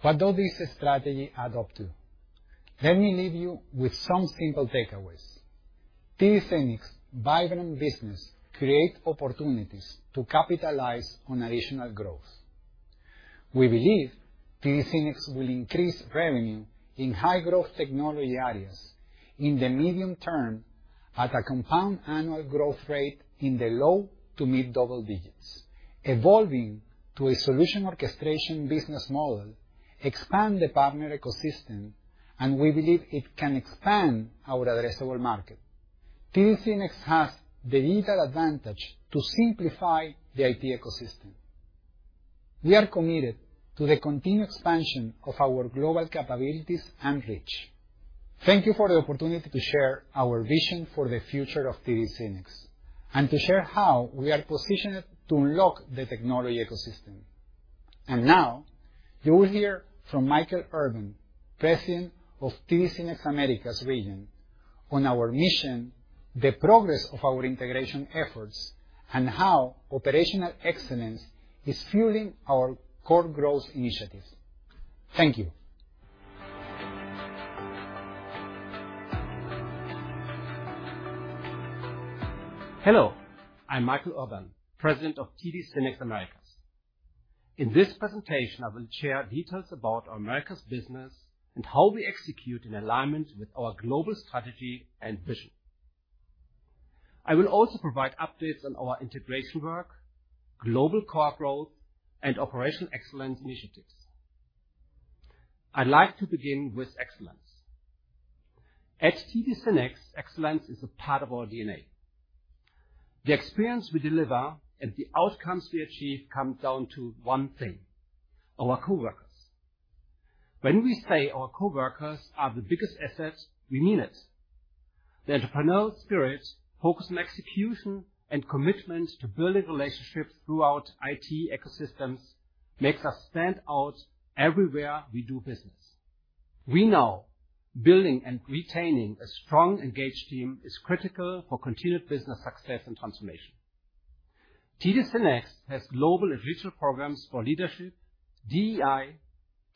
S10: What does this strategy add up to? Let me leave you with some simple takeaways. TD SYNNEX vibrant business create opportunities to capitalize on additional growth. We believe TD SYNNEX will increase revenue in high-growth technology areas in the medium term at a compound annual growth rate in the low to mid-double digits, evolving to a solution orchestration business model, expand the partner ecosystem, and we believe it can expand our addressable market. TD SYNNEX has the digital advantage to simplify the IT ecosystem. We are committed to the continued expansion of our global capabilities and reach. Thank you for the opportunity to share our vision for the future of TD SYNNEX, and to share how we are positioned to unlock the technology ecosystem. Now you will hear from Michael Urban, President of TD SYNNEX Americas region, on our mission, the progress of our integration efforts, and how operational excellence is fueling our core growth initiatives. Thank you.
S12: Hello, I'm Michael Urban, President of TD SYNNEX Americas. In this presentation, I will share details about our Americas business and how we execute in alignment with our global strategy and vision. I will also provide updates on our integration work, global core growth, and operational excellence initiatives. I'd like to begin with excellence. At TD SYNNEX, excellence is a part of our DNA. The experience we deliver and the outcomes we achieve come down to one thing, our coworkers. When we say our coworkers are the biggest assets, we mean it. The entrepreneurial spirit, focus on execution, and commitment to building relationships throughout IT ecosystems makes us stand out everywhere we do business. We know building and retaining a strong, engaged team is critical for continued business success and transformation. TD SYNNEX has global educational programs for leadership, DEI,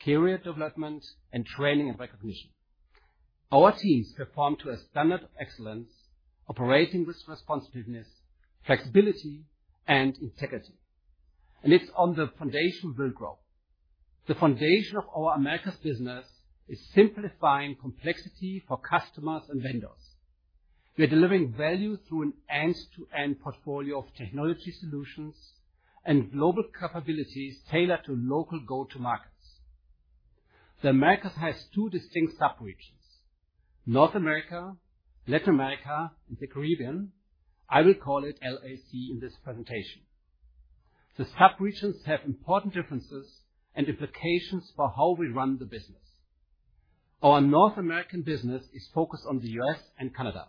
S12: career development, and training and recognition. Our teams perform to a standard of excellence, operating with responsiveness, flexibility, and integrity, and it's on the foundation we'll grow. The foundation of our Americas business is simplifying complexity for customers and vendors. We are delivering value through an end-to-end portfolio of technology solutions and global capabilities tailored to local go-to markets. The Americas has two distinct sub-regions, North America, Latin America, and the Caribbean. I will call it LAC in this presentation. The sub-regions have important differences and implications for how we run the business. Our North American business is focused on the U.S. and Canada.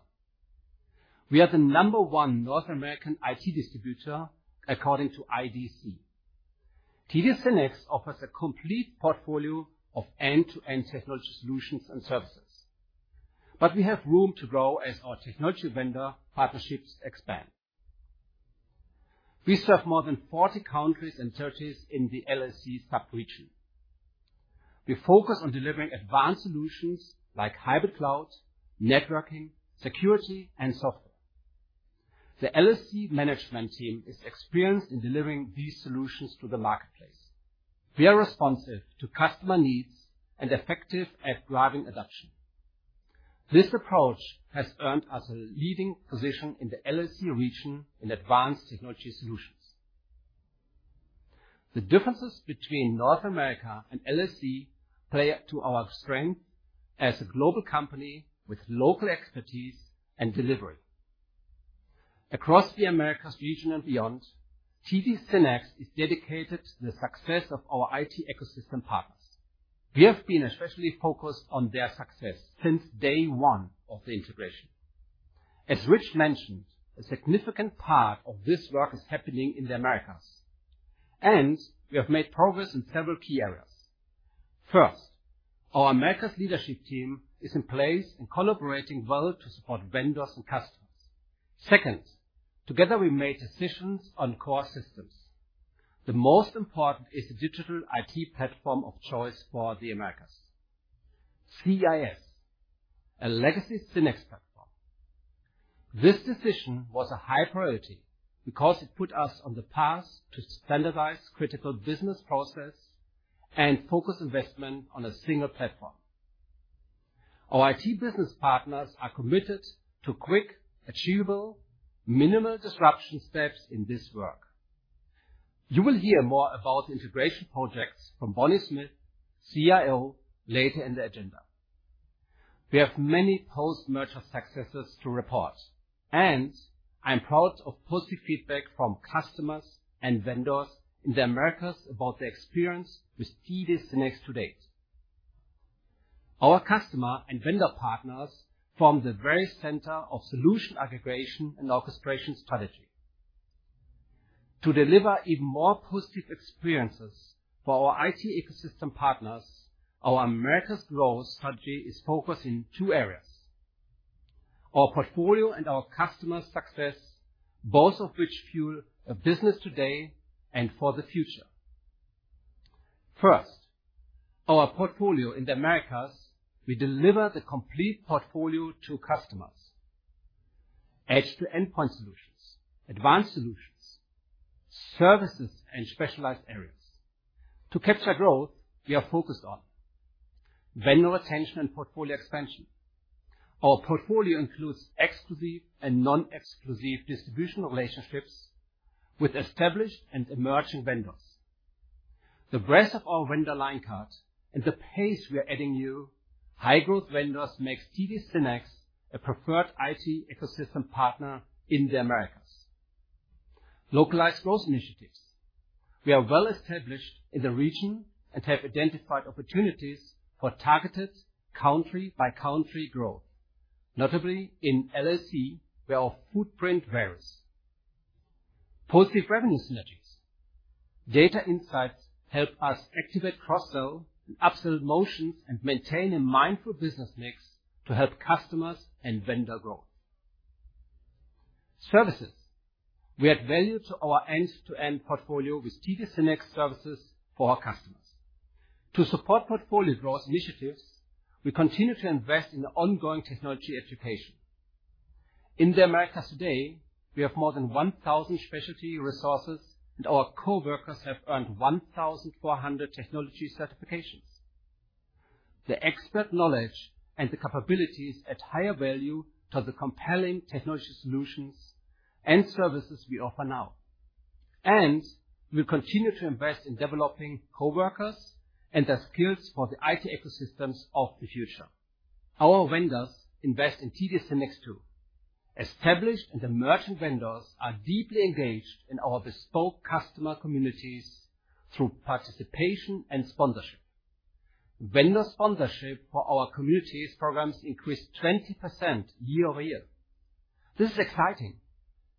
S12: We are the number one North American IT distributor according to IDC. TD SYNNEX offers a complete portfolio of end-to-end technology solutions and services, but we have room to grow as our technology vendor partnerships expand. We serve more than 40 countries and territories in the LAC sub-region. We focus on delivering Advanced Solutions like hybrid cloud, networking, security, and software. The LAC management team is experienced in delivering these solutions to the marketplace. We are responsive to customer needs and effective at driving adoption. This approach has earned us a leading position in the LAC region in advanced technology solutions. The differences between North America and LAC play to our strength as a global company with local expertise and delivery. Across the Americas region and beyond, TD SYNNEX is dedicated to the success of our IT ecosystem partners. We have been especially focused on their success since day one of the integration. As Rich mentioned, a significant part of this work is happening in the Americas, and we have made progress in several key areas. First, our Americas leadership team is in place and collaborating well to support vendors and customers. Second, together, we made decisions on core systems. The most important is the digital IT platform of choice for the Americas, CIS, a legacy SYNNEX platform. This decision was a high priority because it put us on the path to standardize critical business process and focus investment on a single platform. Our IT business partners are committed to quick, achievable, minimal disruption steps in this work. You will hear more about integration projects from Bonnie Smith, CIO, later in the agenda. We have many post-merger successes to report, and I'm proud of positive feedback from customers and vendors in the Americas about their experience with TD SYNNEX to date. Our customer and vendor partners form the very center of solution aggregation and orchestration strategy. To deliver even more positive experiences for our IT ecosystem partners, our Americas growth strategy is focused in two areas: our portfolio and our customer success, both of which fuel a business today and for the future. First, our portfolio in the Americas, we deliver the complete portfolio to customers. Edge to endpoint solutions, Advanced Solutions, services, and specialized areas. To capture growth, we are focused on vendor retention and portfolio expansion. Our portfolio includes exclusive and non-exclusive distribution relationships with established and emerging vendors. The breadth of our vendor line card and the pace we are adding new high-growth vendors makes TD SYNNEX a preferred IT ecosystem partner in the Americas. Localized growth initiatives. We are well established in the region and have identified opportunities for targeted country-by-country growth, notably in LAC, where our footprint varies. Positive revenue synergies. Data insights help us activate cross-sell and upsell motions and maintain a mindful business mix to help customers and vendor growth. Services. We add value to our end-to-end portfolio with TD SYNNEX services for our customers. To support portfolio growth initiatives, we continue to invest in ongoing technology education. In the Americas today, we have more than 1,000 specialty resources, and our coworkers have earned 1,400 technology certifications. The expert knowledge and the capabilities add higher value to the compelling technology solutions and services we offer now. We continue to invest in developing coworkers and their skills for the IT ecosystems of the future. Our vendors invest in TD SYNNEX too. Established and emerging vendors are deeply engaged in our bespoke customer communities through participation and sponsorship. Vendor sponsorship for our communities programs increased 20% year-over-year. This is exciting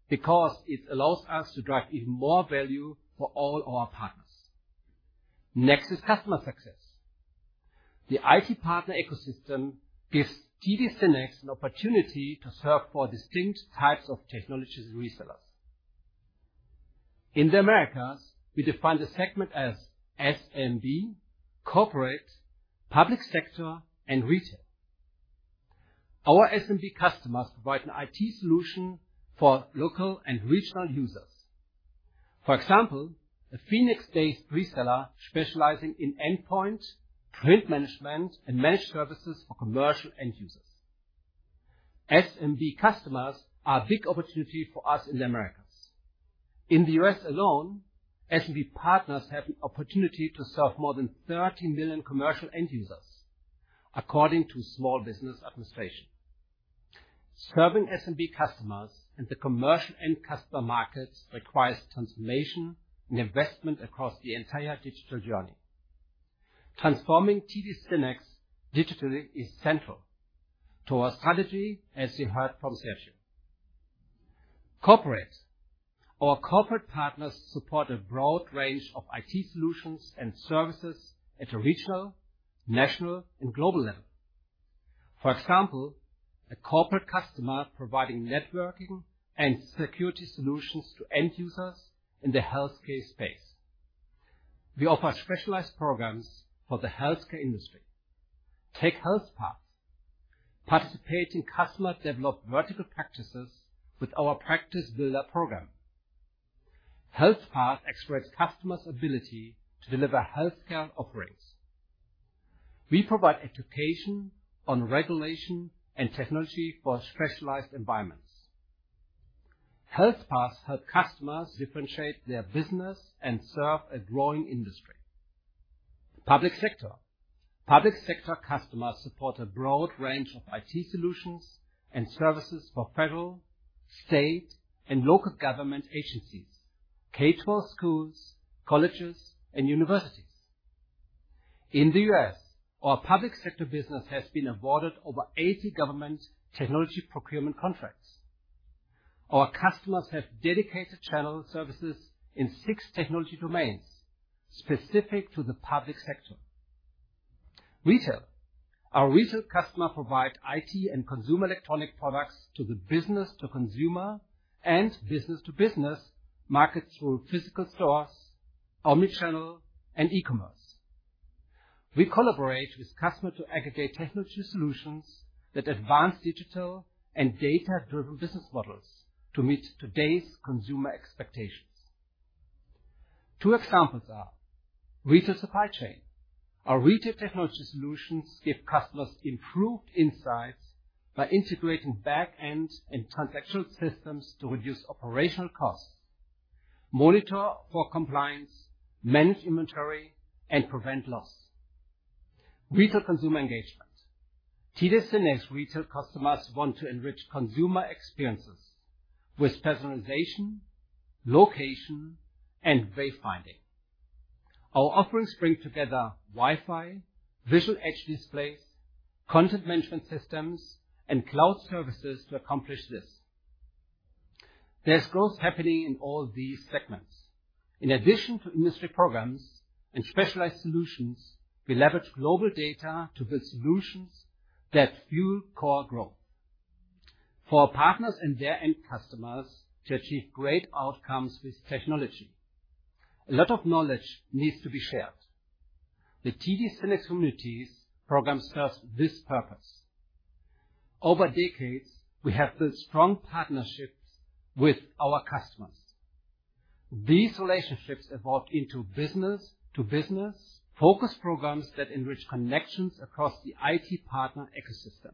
S12: because it allows us to drive even more value for all our partners. Next is customer success. The IT partner ecosystem gives TD SYNNEX an opportunity to serve four distinct types of technology resellers. In the Americas, we define the segment as SMB, corporate, public sector, and retail. Our SMB customers provide an IT solution for local and regional users. For example, a Phoenix-based reseller specializing in endpoint, print management, and managed services for commercial end users. SMB customers are a big opportunity for us in the Americas. In the U.S. alone, SMB partners have the opportunity to serve more than 30 million commercial end users, according to Small Business Administration. Serving SMB customers and the commercial end customer markets requires transformation and investment across the entire digital journey. Transforming TD SYNNEX digitally is central to our strategy, as you heard from Sergio. Corporate. Our corporate partners support a broad range of IT solutions and services at a regional, national, and global level. For example, a corporate customer providing networking and security solutions to end users in the healthcare space. We offer specialized programs for the healthcare industry. Take HealthPath, participate in customer-developed vertical practices with our Practice Builder program. HealthPath accelerates customers' ability to deliver healthcare offerings. We provide education on regulation and technology for specialized environments. HealthPath helps customers differentiate their business and serve a growing industry. Public sector customers support a broad range of IT solutions and services for federal, state, and local government agencies, K-12 schools, colleges, and universities. In the U.S., our public sector business has been awarded over 80 government technology procurement contracts. Our customers have dedicated channel services in six technology domains specific to the public sector. Retail. Our retail customers provide IT and consumer electronic products to the business to consumer and business to business markets through physical stores, omni-channel, and e-commerce. We collaborate with customers to aggregate technology solutions that advance digital and data-driven business models to meet today's consumer expectations. Two examples are retail supply chain. Our retail technology solutions give customers improved insights by integrating back-end and transactional systems to reduce operational costs, monitor for compliance, manage inventory, and prevent loss. Retail consumer engagement. TD SYNNEX retail customers want to enrich consumer experiences with personalization, location, and way finding. Our offerings bring together Wi-Fi, visual edge displays, content management systems, and cloud services to accomplish this. There's growth happening in all these segments. In addition to industry programs and specialized solutions, we leverage global data to build solutions that fuel core growth. For our partners and their end customers to achieve great outcomes with technology, a lot of knowledge needs to be shared. The TD SYNNEX community program serves this purpose. Over decades, we have built strong partnerships with our customers. These relationships evolved into business to business focus programs that enrich connections across the IT partner ecosystem.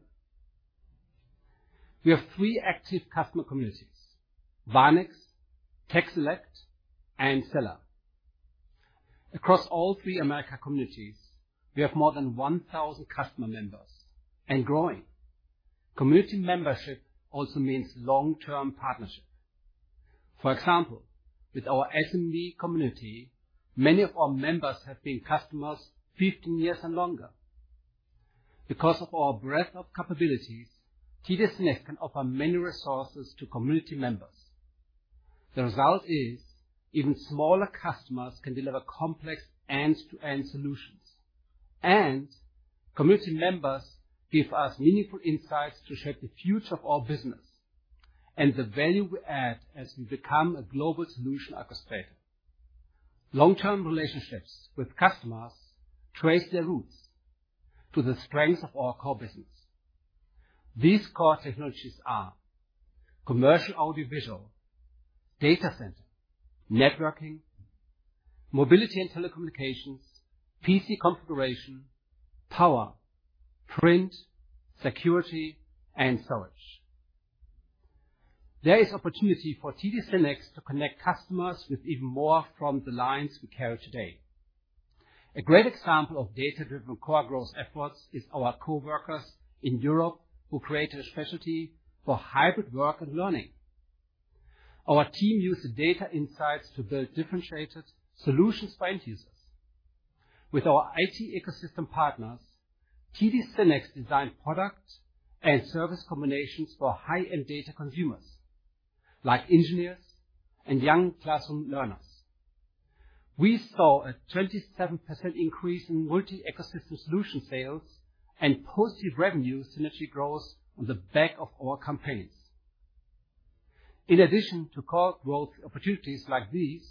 S12: We have three active customer communities, Varnex, TechSelect, and Stellr. Across all three Americas communities, we have more than 1,000 customer members and growing. Community membership also means long-term partnership. For example, with our SMB community, many of our members have been customers 15 years and longer. Because of our breadth of capabilities, TD SYNNEX can offer many resources to community members. The result is even smaller customers can deliver complex end-to-end solutions. Community members give us meaningful insights to shape the future of our business and the value we add as we become a global solution orchestrator. Long-term relationships with customers trace their roots to the strengths of our core business. These core technologies are commercial audio visual, data center, networking, mobility and telecommunications, PC configuration, power, print, security, and storage. There is opportunity for TD SYNNEX to connect customers with even more from the lines we carry today. A great example of data-driven core growth efforts is our coworkers in Europe who created a specialty for hybrid work and learning. Our team used data insights to build differentiated solutions for end users. With our IT ecosystem partners, TD SYNNEX designed product and service combinations for high-end data consumers like engineers and young classroom learners. We saw a 27% increase in multi-ecosystem solution sales and positive revenue synergy growth on the back of our campaigns. In addition to core growth opportunities like these,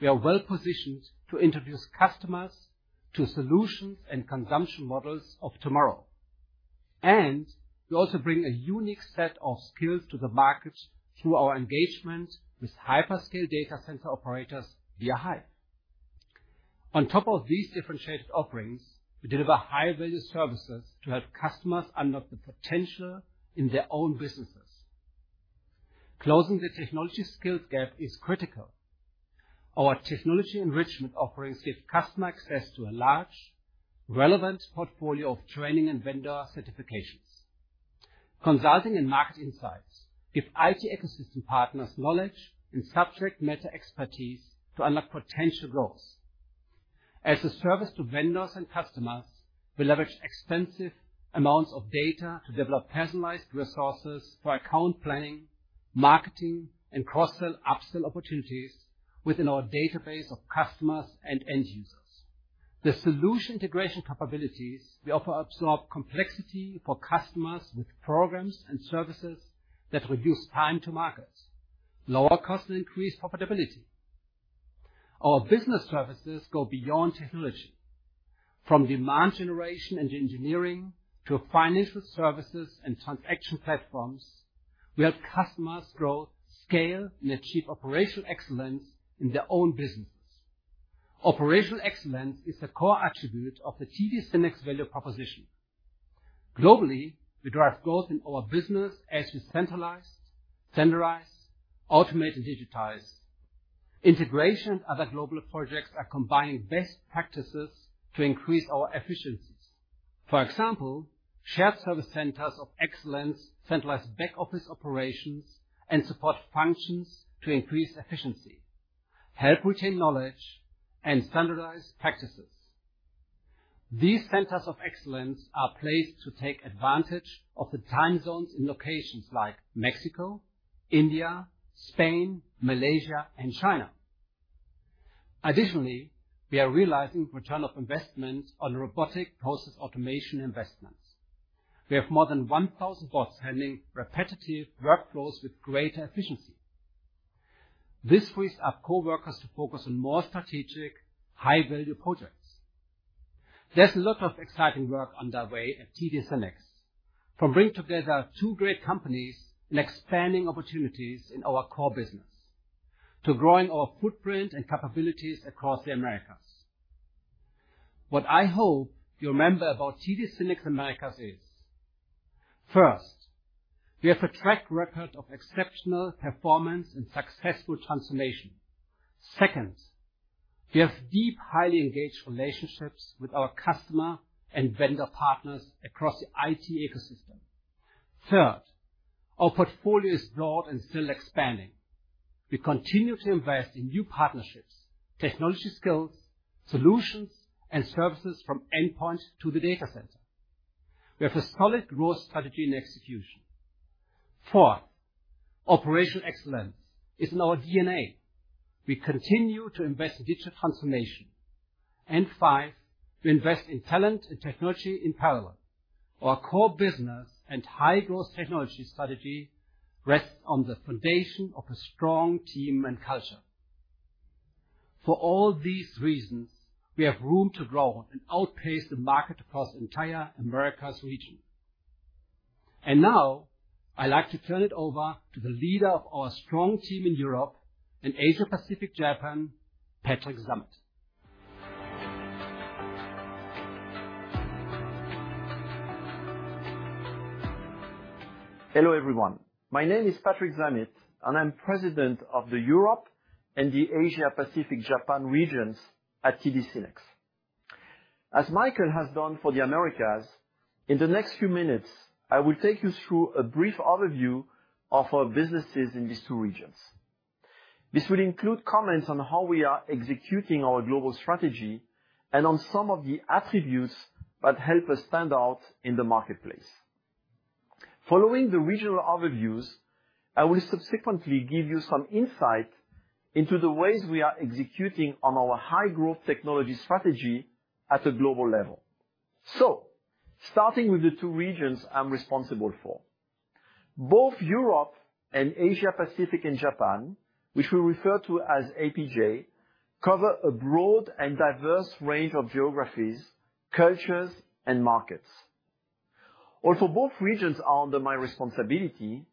S12: we are well-positioned to introduce customers to solutions and consumption models of tomorrow. We also bring a unique set of skills to the market through our engagement with hyperscale data center operators via Hyve. On top of these differentiated offerings, we deliver high-value services to help customers unlock the potential in their own businesses. Closing the technology skills gap is critical. Our technology enrichment offerings give customer access to a large relevant portfolio of training and vendor certifications. Consulting and market insights give IT ecosystem partners knowledge and subject matter expertise to unlock potential growth. As a service to vendors and customers, we leverage extensive amounts of data to develop personalized resources for account planning, marketing, and cross-sell, up-sell opportunities within our database of customers and end users. The solution integration capabilities we offer absorb complexity for customers with programs and services that reduce time to markets, lower cost, and increase profitability. Our business services go beyond technology. From demand generation and engineering to financial services and transaction platforms. We help customers grow, scale, and achieve operational excellence in their own businesses. Operational excellence is a core attribute of the TD SYNNEX value proposition. Globally, we drive growth in our business as we centralize, standardize, automate, and digitize. Integration of our global projects are combining best practices to increase our efficiencies. For example, Shared Service Centers of Excellence centralize back office operations and support functions to increase efficiency, help retain knowledge, and standardize practices. These Centers of Excellence are placed to take advantage of the time zones in locations like Mexico, India, Spain, Malaysia, and China. Additionally, we are realizing return on investments on robotic process automation investments. We have more than 1,000 bots handling repetitive workflows with greater efficiency. This frees up coworkers to focus on more strategic, high-value projects. There's a lot of exciting work underway at TD SYNNEX, from bringing together two great companies and expanding opportunities in our core business, to growing our footprint and capabilities across the Americas. What I hope you remember about TD SYNNEX Americas is, first, we have a track record of exceptional performance and successful transformation. Second, we have deep, highly-engaged relationships with our customer and vendor partners across the IT ecosystem. Third, our portfolio is broad and still expanding. We continue to invest in new partnerships, technology skills, solutions, and services from endpoint to the data center. We have a solid growth strategy and execution. Fourth, operational excellence is in our DNA. We continue to invest in digital transformation. Five, we invest in talent and technology in parallel. Our core business and high-growth technology strategy rests on the foundation of a strong team and culture. For all these reasons, we have room to grow and outpace the market across the entire Americas region. Now, I'd like to turn it over to the leader of our strong team in Europe and Asia-Pacific Japan, Patrick Zammit.
S13: Hello, everyone. My name is Patrick Zammit, and I'm President of the Europe and the Asia-Pacific, Japan regions at TD SYNNEX. As Michael has done for the Americas, in the next few minutes, I will take you through a brief overview of our businesses in these two regions. This will include comments on how we are executing our global strategy and on some of the attributes that help us stand out in the marketplace. Following the regional overviews, I will subsequently give you some insight into the ways we are executing on our high-growth technology strategy at a global level. Starting with the two regions I'm responsible for. Both Europe and Asia-Pacific and Japan, which we refer to as APJ, cover a broad and diverse range of geographies, cultures, and markets. Also, both regions are under my responsibility.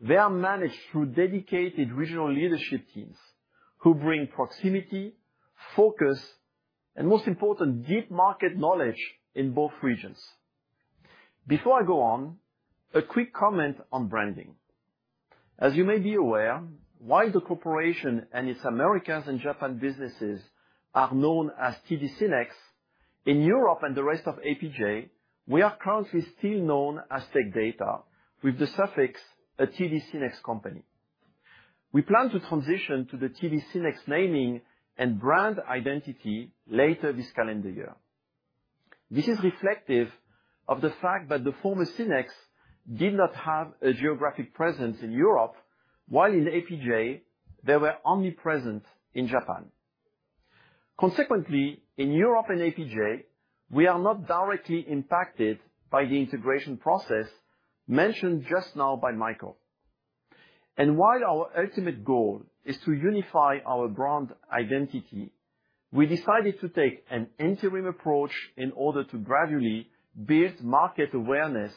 S13: They are managed through dedicated regional leadership teams who bring proximity, focus, and most important, deep market knowledge in both regions. Before I go on, a quick comment on branding. As you may be aware, while the corporation and its Americas and Japan businesses are known as TD SYNNEX, in Europe and the rest of APJ, we are currently still known as Tech Data with the suffix "A TD SYNNEX Company." We plan to transition to the TD SYNNEX naming and brand identity later this calendar year. This is reflective of the fact that the former SYNNEX did not have a geographic presence in Europe, while in APJ they were only present in Japan. Consequently, in Europe and APJ, we are not directly-impacted by the integration process mentioned just now by Michael. While our ultimate goal is to unify our brand identity, we decided to take an interim approach in order to gradually build market awareness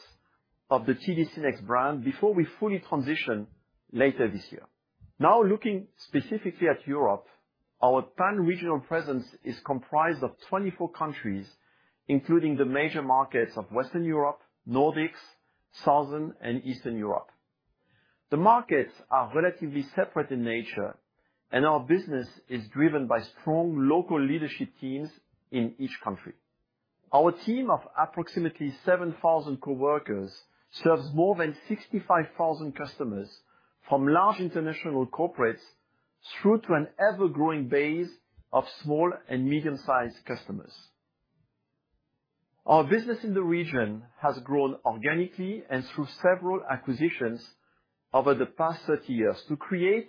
S13: of the TD SYNNEX brand before we fully transition later this year. Now, looking specifically at Europe, our pan-regional presence is comprised of 24 countries, including the major markets of Western Europe, Nordics, Southern, and Eastern Europe. The markets are relatively-separate in nature, and our business is driven by strong local leadership teams in each country. Our team of approximately 7,000 coworkers serves more than 65,000 customers, from large international corporates through to an ever-growing base of small and medium-sized customers. Our business in the region has grown organically and through several acquisitions over the past 30 years to create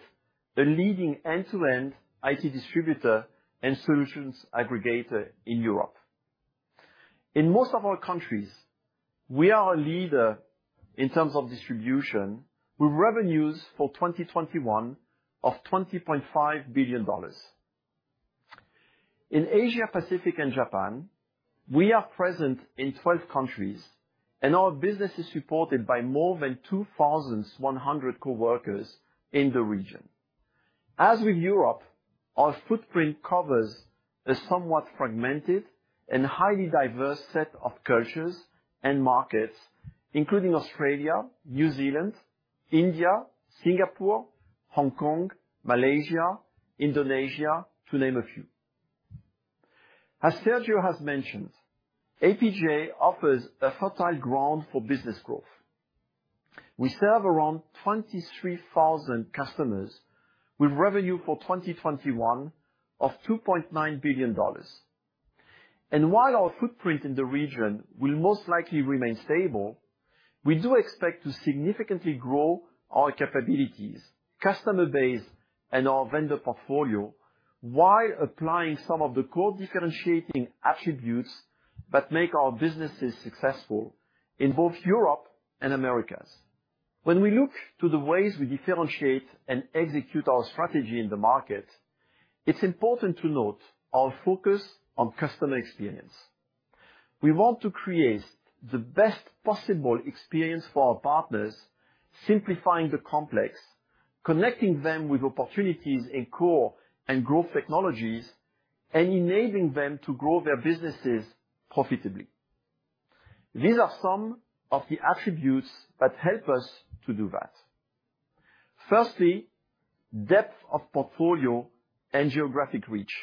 S13: a leading end-to-end IT distributor and solutions aggregator in Europe. In most of our countries, we are a leader in terms of distribution, with revenues for 2021 of $25 billion. In Asia, Pacific, and Japan, we are present in 12 countries, and our business is supported by more than 2,100 coworkers in the region. As with Europe, our footprint covers a somewhat fragmented and highly diverse set of cultures and markets, including Australia, New Zealand, India, Singapore, Hong Kong, Malaysia, Indonesia, to name a few. As Sergio has mentioned, APJ offers a fertile ground for business growth. We serve around 23,000 customers with revenue for 2021 of $2.9 billion. While our footprint in the region will most likely remain stable, we do expect to significantly grow our capabilities, customer base, and our vendor portfolio while applying some of the core differentiating attributes that make our businesses successful in both Europe and Americas. When we look to the ways we differentiate and execute our strategy in the market, it's important to note our focus on customer experience. We want to create the best possible experience for our partners, simplifying the complex, connecting them with opportunities in core and growth technologies, and enabling them to grow their businesses profitably. These are some of the attributes that help us to do that. Firstly, depth of portfolio and geographic reach.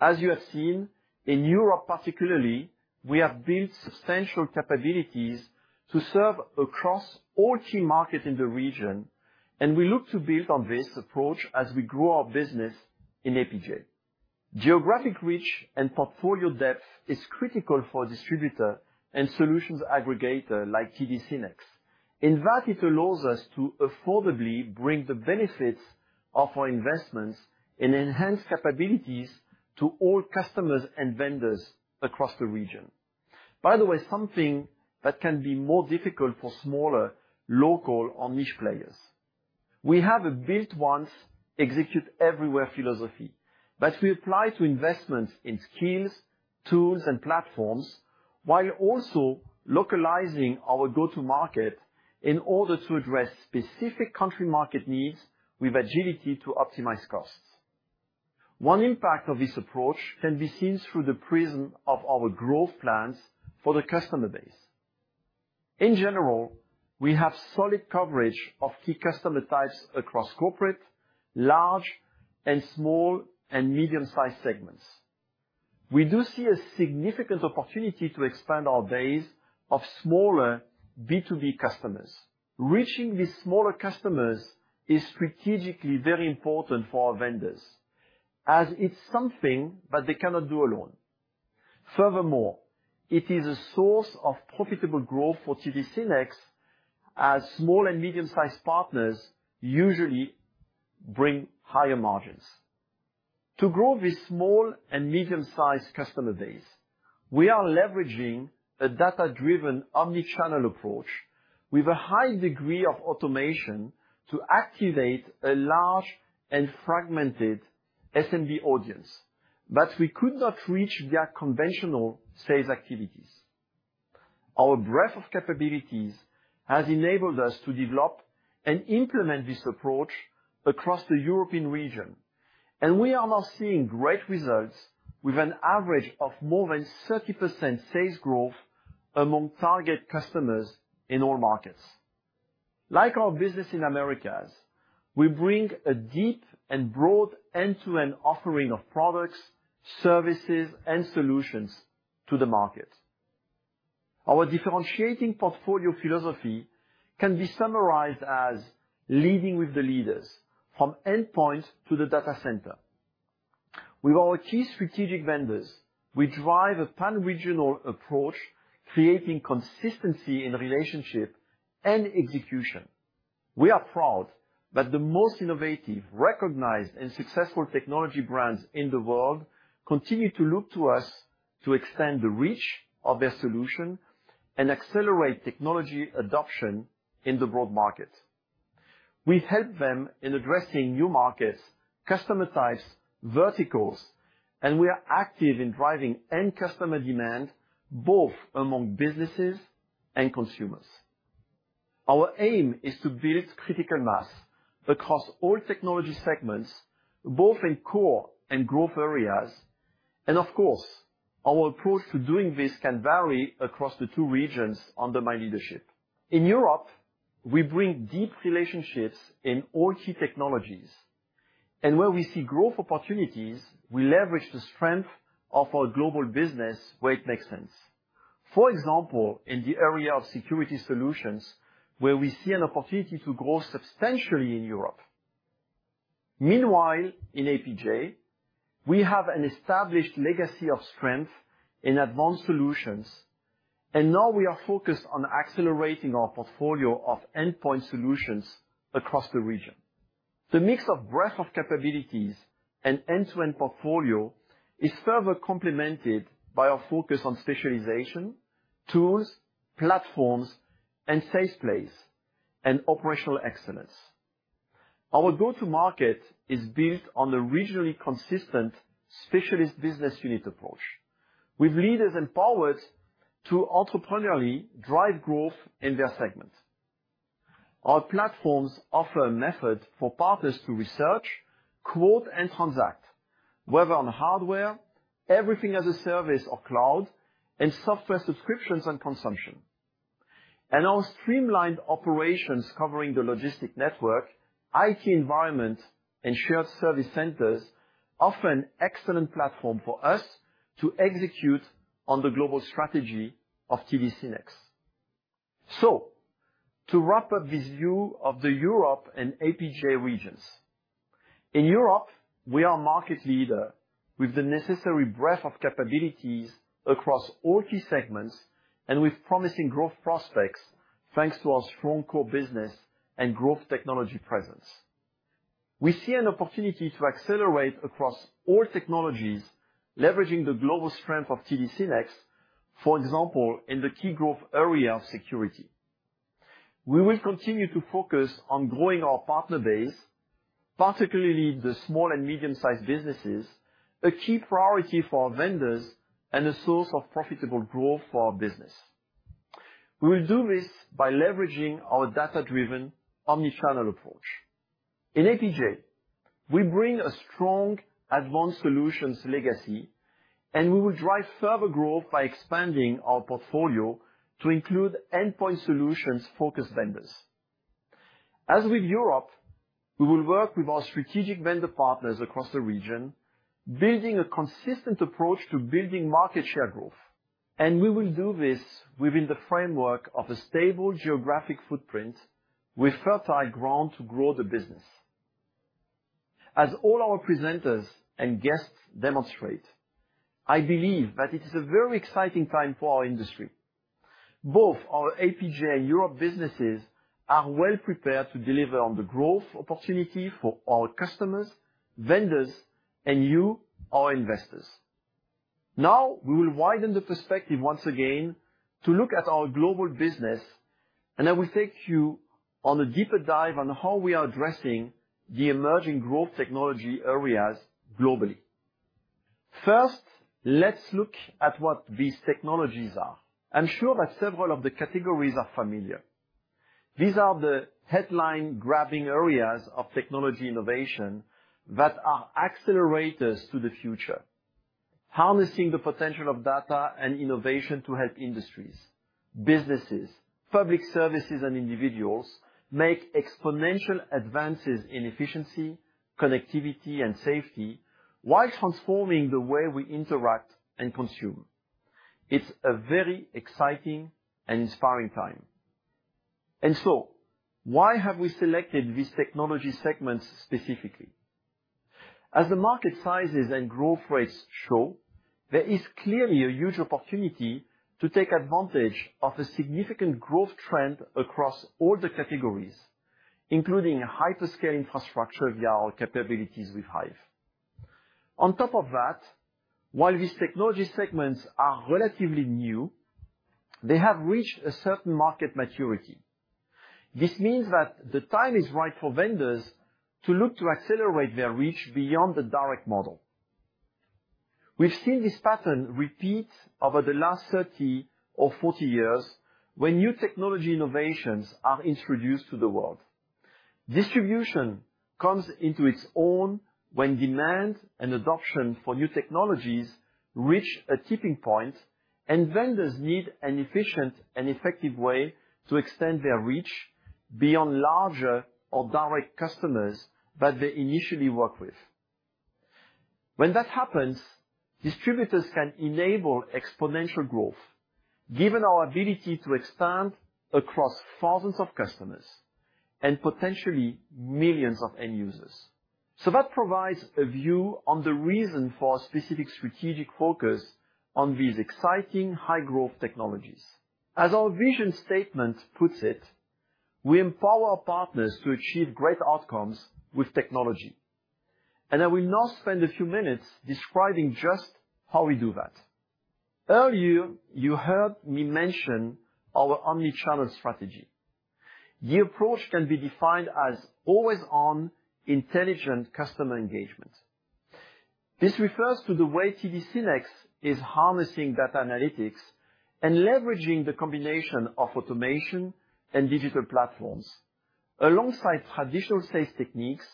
S13: As you have seen, in Europe particularly, we have built substantial capabilities to serve across all key markets in the region, and we look to build on this approach as we grow our business in APJ. Geographic reach and portfolio depth is critical for a distributor and solutions aggregator like TD SYNNEX. In fact, it allows us to affordably bring the benefits of our investments and enhance capabilities to all customers and vendors across the region. By the way, something that can be more difficult for smaller, local, or niche players. We have a build once execute everywhere philosophy that we apply to investments in skills, tools, and platforms, while also localizing our go-to market in order to address specific country market needs with agility to optimize costs. One impact of this approach can be seen through the prism of our growth plans for the customer base. In general, we have solid coverage of key customer types across corporate, large, and small and medium-sized segments. We do see a significant opportunity to expand our base of smaller B2B customers. Reaching these smaller customers is strategically very important for our vendors, as it's something that they cannot do alone. Furthermore, it is a source of profitable growth for TD SYNNEX as small and medium-sized partners usually bring higher margins. To grow this small and medium-sized customer base, we are leveraging a data-driven omni-channel approach with a high degree of automation to activate a large and fragmented SMB audience that we could not reach via conventional sales activities. Our breadth of capabilities has enabled us to develop and implement this approach across the European region, and we are now seeing great results with an average of more than 30% sales growth among target customers in all markets. Like our business in Americas, we bring a deep and broad end-to-end offering of products, services, and solutions to the market. Our differentiating portfolio philosophy can be summarized as leading with the leaders from endpoint to the data center. With our key strategic vendors, we drive a pan-regional approach, creating consistency in relationship and execution. We are proud that the most innovative, recognized, and successful technology brands in the world continue to look to us to extend the reach of their solution and accelerate technology adoption in the broad market. We help them in addressing new markets, customer types, verticals, and we are active in driving end customer demand, both among businesses and consumers. Our aim is to build critical mass across all technology segments, both in core and growth areas. Of course, our approach to doing this can vary across the two regions under my leadership. In Europe, we bring deep relationships in all key technologies, and where we see growth opportunities, we leverage the strength of our global business where it makes sense. For example, in the area of security solutions, where we see an opportunity to grow substantially in Europe. Meanwhile, in APJ, we have an established legacy of strength in Advanced Solutions, and now we are focused on accelerating our portfolio of endpoint solutions across the region. The mix of breadth of capabilities and end-to-end portfolio is further complemented by our focus on specialization, tools, platforms, and sales plays, and operational excellence. Our go-to market is built on the regionally consistent specialist business unit approach, with leaders empowered to entrepreneurially drive growth in their segments. Our platforms offer a method for partners to research, quote, and transact, whether on hardware, everything as a service or cloud, and software subscriptions and consumption. Our streamlined operations covering the logistics network, IT environment, and shared service centers offer an excellent platform for us to execute on the global strategy of TD SYNNEX. To wrap up this view of the Europe and APJ regions. In Europe, we are market leader with the necessary breadth of capabilities across all key segments and with promising growth prospects thanks to our strong core business and growth technology presence. We see an opportunity to accelerate across all technologies, leveraging the global strength of TD SYNNEX, for example, in the key growth area of security. We will continue to focus on growing our partner base, particularly the small and medium-sized businesses, a key priority for our vendors and a source of profitable growth for our business. We will do this by leveraging our data-driven omnichannel approach. In APJ, we bring a strong Advanced Solutions legacy, and we will drive further growth by expanding our portfolio to include endpoint solutions-focused vendors. As with Europe, we will work with our strategic vendor partners across the region, building a consistent approach to building market share growth, and we will do this within the framework of a stable geographic footprint with fertile ground to grow the business. As all our presenters and guests demonstrate, I believe that it is a very exciting time for our industry. Both our APJ and Europe businesses are well prepared to deliver on the growth opportunity for our customers, vendors, and you, our investors. Now we will widen the perspective once again to look at our global business, and I will take you on a deeper dive on how we are addressing the emerging growth technology areas globally. First, let's look at what these technologies are. I'm sure that several of the categories are familiar. These are the headline-grabbing areas of technology innovation that are accelerators to the future, harnessing the potential of data and innovation to help industries, businesses, public services, and individuals make exponential advances in efficiency, connectivity, and safety while transforming the way we interact and consume. It's a very exciting and inspiring time. Why have we selected these technology segments specifically? As the market sizes and growth rates show, there is clearly a huge opportunity to take advantage of a significant growth trend across all the categories, including hyperscale infrastructure via our capabilities with Hyve. On top of that, while these technology segments are relatively new, they have reached a certain market maturity. This means that the time is right for vendors to look to accelerate their reach beyond the direct model. We've seen this pattern repeat over the last 30 or 40 years when new technology innovations are introduced to the world. Distribution comes into its own when demand and adoption for new technologies reach a tipping point and vendors need an efficient and effective way to extend their reach beyond larger or direct customers that they initially work with. When that happens, distributors can enable exponential growth given our ability to expand across thousands of customers and potentially millions of end users. That provides a view on the reason for a specific strategic focus on these exciting high-growth technologies. As our vision statement puts it, we empower partners to achieve great outcomes with technology. I will now spend a few minutes describing just how we do that. Earlier, you heard me mention our omnichannel strategy. The approach can be defined as always-on intelligent customer engagement. This refers to the way TD SYNNEX is harnessing data analytics and leveraging the combination of automation and digital platforms alongside traditional sales techniques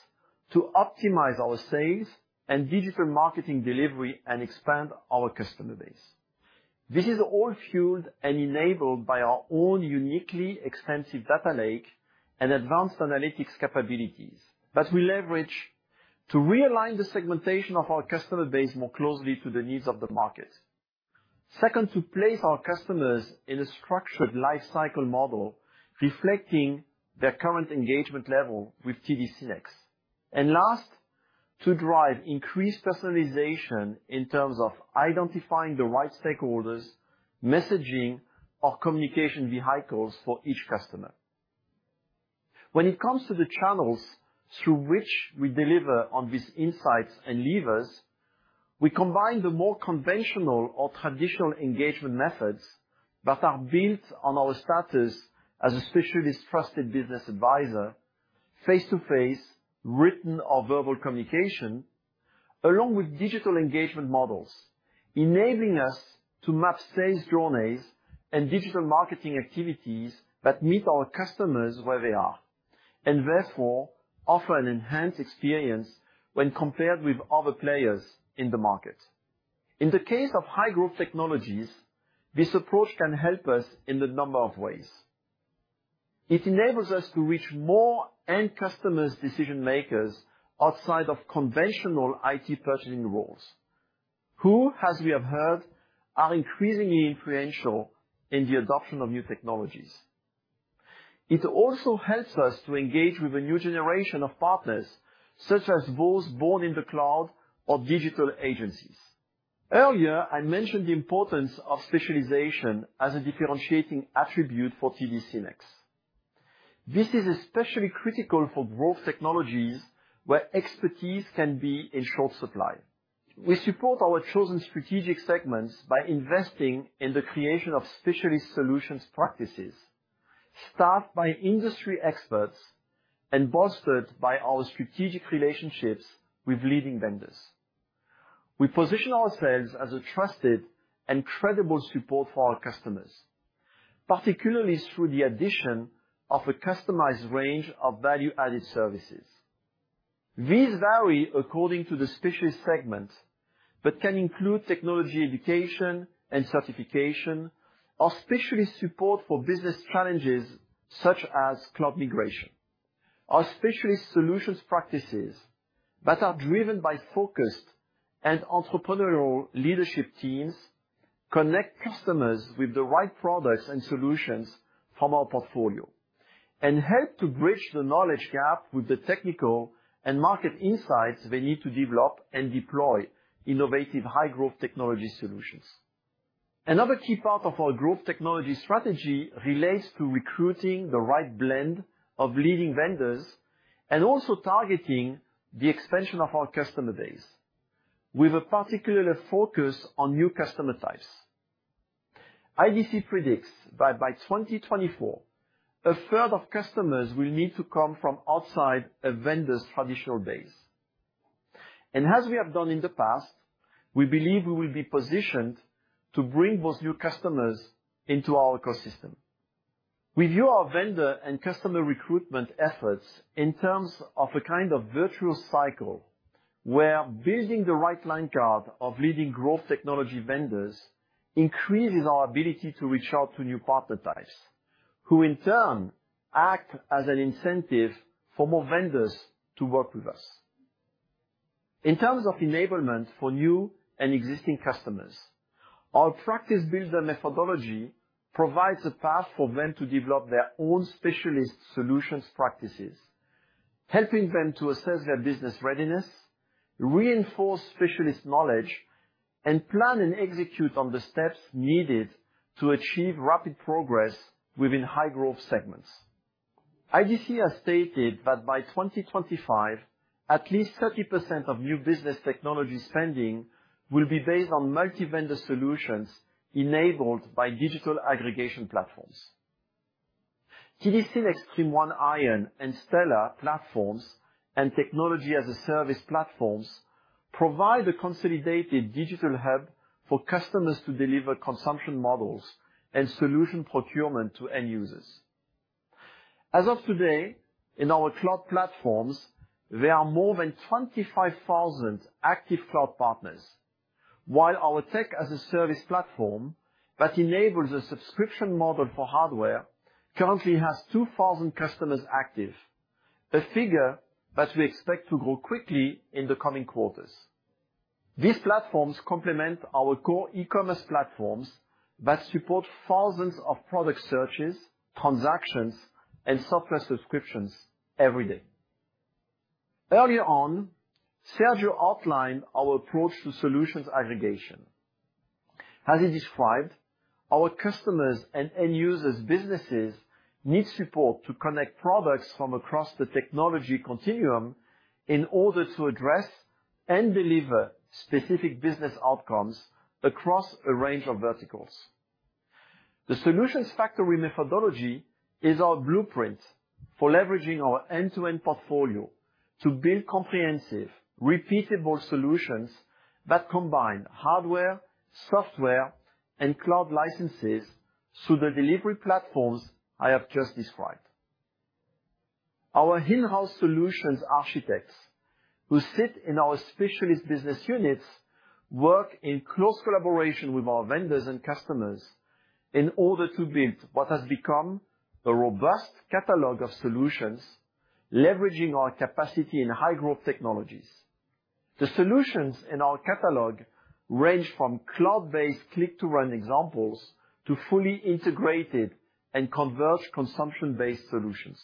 S13: to optimize our sales and digital marketing delivery and expand our customer base. This is all fueled and enabled by our own uniquely extensive data lake and advanced analytics capabilities that we leverage to realign the segmentation of our customer base more closely to the needs of the market. Second, to place our customers in a structured life cycle model reflecting their current engagement level with TD SYNNEX. Last, to drive increased personalization in terms of identifying the right stakeholders, messaging or communication vehicles for each customer. When it comes to the channels through which we deliver on these insights and levers. We combine the more conventional or traditional engagement methods that are built on our status as a specialist trusted business advisor, face-to-face, written or verbal communication, along with digital engagement models, enabling us to map sales journeys and digital marketing activities that meet our customers where they are, and therefore offer an enhanced experience when compared with other players in the market. In the case of high-growth technologies, this approach can help us in a number of ways. It enables us to reach more end customers' decision-makers outside of conventional IT purchasing roles, who, as we have heard, are increasingly influential in the adoption of new technologies. It also helps us to engage with a new generation of partners, such as those born in the cloud or digital agencies. Earlier, I mentioned the importance of specialization as a differentiating attribute for TD SYNNEX. This is especially critical for growth technologies where expertise can be in short supply. We support our chosen strategic segments by investing in the creation of Specialist Solutions practices staffed by industry experts and bolstered by our strategic relationships with leading vendors. We position ourselves as a trusted and credible support for our customers, particularly through the addition of a customized range of value-added services. These vary according to the specialist segment, but can include technology education and certification or specialist support for business challenges such as cloud migration. Our Specialist Solutions practices that are driven by focused and entrepreneurial leadership teams connect customers with the right products and solutions from our portfolio and help to bridge the knowledge gap with the technical and market insights they need to develop and deploy innovative high-growth technology solutions. Another key part of our growth technology strategy relates to recruiting the right blend of leading vendors and also targeting the expansion of our customer base with a particular focus on new customer types. IDC predicts that by 2024, 1/3 of customers will need to come from outside a vendor's traditional base. As we have done in the past, we believe we will be positioned to bring those new customers into our ecosystem. We view our vendor and customer recruitment efforts in terms of a kind of virtuous cycle, where building the right lineup of leading growth technology vendors increases our ability to reach out to new partner types, who in turn act as an incentive for more vendors to work with us. In terms of enablement for new and existing customers, our Practice Builder methodology provides a path for them to develop their own Specialist Solutions practices, helping them to assess their business readiness, reinforce specialist knowledge, and plan and execute on the steps needed to achieve rapid progress within high-growth segments. IDC has stated that by 2025, at least 30% of new business technology spending will be based on multi-vendor solutions enabled by digital aggregation platforms. TD SYNNEX StreamOne Ion and Stellr platforms and technology-as-a-service platforms provide a consolidated digital hub for customers to deliver consumption models and solution procurement to end-users. As of today, in our cloud platforms, there are more than 25,000 active cloud partners, while our tech-as-a-service platform that enables a subscription model for hardware currently has 2,000 customers active, a figure that we expect to grow quickly in the coming quarters. These platforms complement our core e-commerce platforms that support thousands of product searches, transactions, and software subscriptions every day. Earlier on, Sergio outlined our approach to solutions aggregation. As he described, our customers and end users' businesses need support to connect products from across the technology continuum in order to address and deliver specific business outcomes across a range of verticals. The solutions factory methodology is our blueprint for leveraging our end-to-end portfolio to build comprehensive, repeatable solutions that combine hardware, software, and cloud licenses through the delivery platforms I have just described. Our in-house solutions architects, who sit in our specialist business units, work in close collaboration with our vendors and customers in order to build what has become a robust catalog of solutions, leveraging our capacity in high-growth technologies. The solutions in our catalog range from cloud-based Click to Run examples to fully-integrated and converged consumption-based solutions.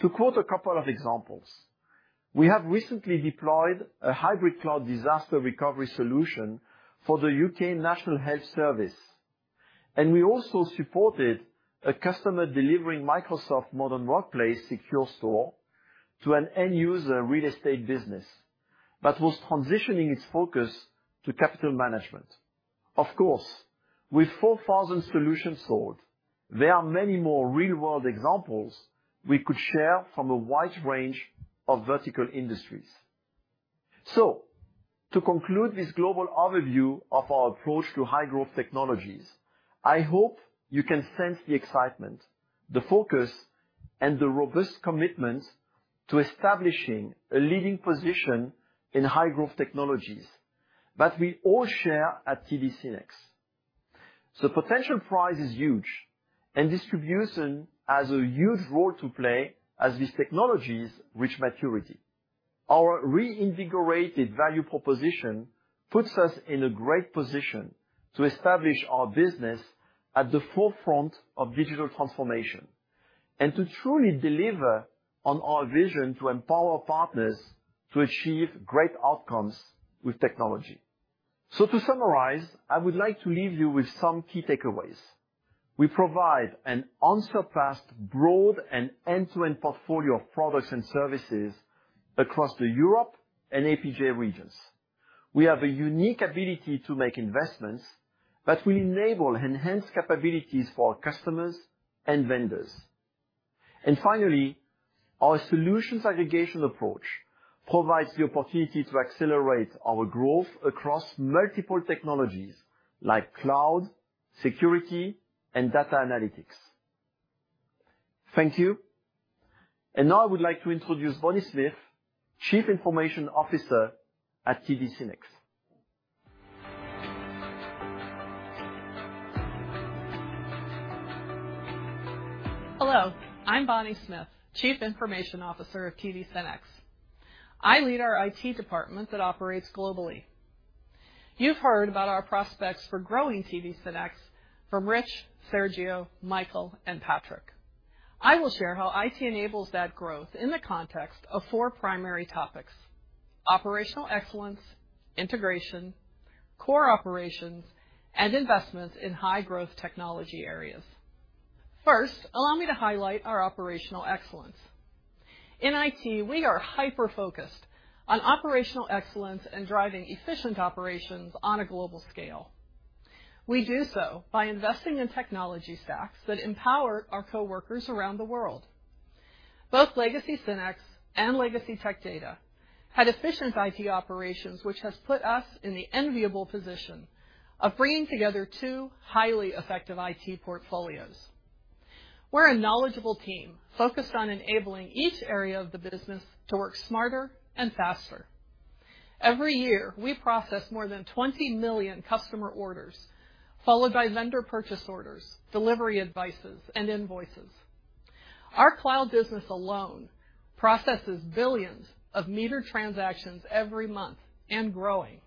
S13: To quote a couple of examples, we have recently deployed a hybrid cloud disaster recovery solution for the U.K. National Health Service. We also supported a customer delivering Microsoft Modern Workplace Secure Score to an end user real estate business that was transitioning its focus to capital management. Of course, with 4,000 solutions sold, there are many more real-world examples we could share from a wide range of vertical industries. To conclude this global overview of our approach to high growth technologies, I hope you can sense the excitement, the focus, and the robust commitment to establishing a leading position in high growth technologies that we all share at TD SYNNEX. The potential prize is huge, and distribution has a huge role to play as these technologies reach maturity. Our reinvigorated value proposition puts us in a great position to establish our business at the forefront of digital transformation and to truly deliver on our vision to empower partners to achieve great outcomes with technology. To summarize, I would like to leave you with some key takeaways. We provide an unsurpassed, broad and end-to-end portfolio of products and services across the Europe and APJ regions. We have a unique ability to make investments that will enable enhanced capabilities for our customers and vendors. Finally, our solutions aggregation approach provides the opportunity to accelerate our growth across multiple technologies like cloud, security, and data analytics. Thank you. Now I would like to introduce Bonnie Smith, Chief Information Officer at TD SYNNEX.
S14: Hello, I'm Bonnie Smith, Chief Information Officer of TD SYNNEX. I lead our IT department that operates globally. You've heard about our prospects for growing TD SYNNEX from Rich, Sergio, Michael, and Patrick. I will share how IT enables that growth in the context of four primary topics, operational excellence, integration, core operations, and investments in high growth technology areas. First, allow me to highlight our operational excellence. In IT, we are hyper-focused on operational excellence and driving efficient operations on a global scale. We do so by investing in technology stacks that empower our coworkers around the world. Both legacy SYNNEX and legacy Tech Data had efficient IT operations, which has put us in the enviable position of bringing together two highly effective IT portfolios. We're a knowledgeable team focused on enabling each area of the business to work smarter and faster. Every year, we process more than 20 million customer orders, followed by vendor purchase orders, delivery advices, and invoices. Our cloud business alone processes billions of meter transactions every month, and growing.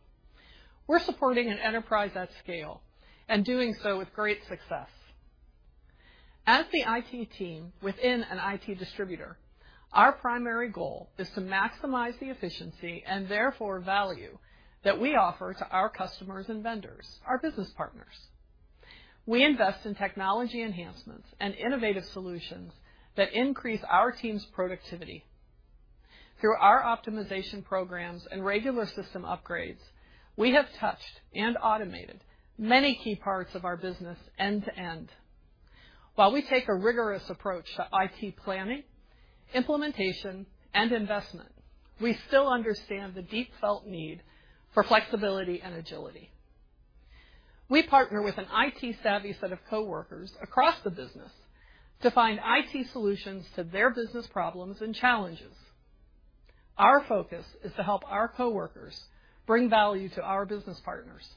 S14: We're supporting an enterprise at scale and doing so with great success. As the IT team within an IT distributor, our primary goal is to maximize the efficiency and therefore value that we offer to our customers and vendors, our business partners. We invest in technology enhancements and innovative solutions that increase our team's productivity. Through our optimization programs and regular system upgrades, we have touched and automated many key parts of our business end to end. While we take a rigorous approach to IT planning, implementation, and investment, we still understand the deep felt need for flexibility and agility. We partner with an IT-savvy set of coworkers across the business to find IT solutions to their business problems and challenges. Our focus is to help our coworkers bring value to our business partners.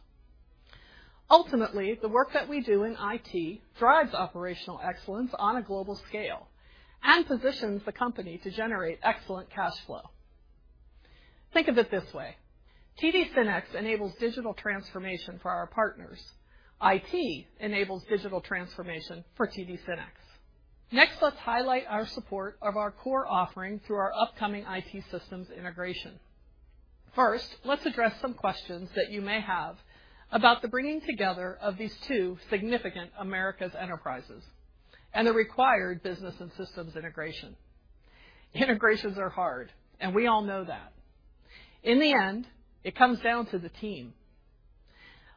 S14: Ultimately, the work that we do in IT drives operational excellence on a global scale and positions the company to generate excellent cash flow. Think of it this way: TD SYNNEX enables digital transformation for our partners. IT enables digital transformation for TD SYNNEX. Next, let's highlight our support of our core offering through our upcoming IT systems integration. First, let's address some questions that you may have about the bringing together of these two significant Americas enterprises and the required business and systems integration. Integrations are hard, and we all know that. In the end, it comes down to the team.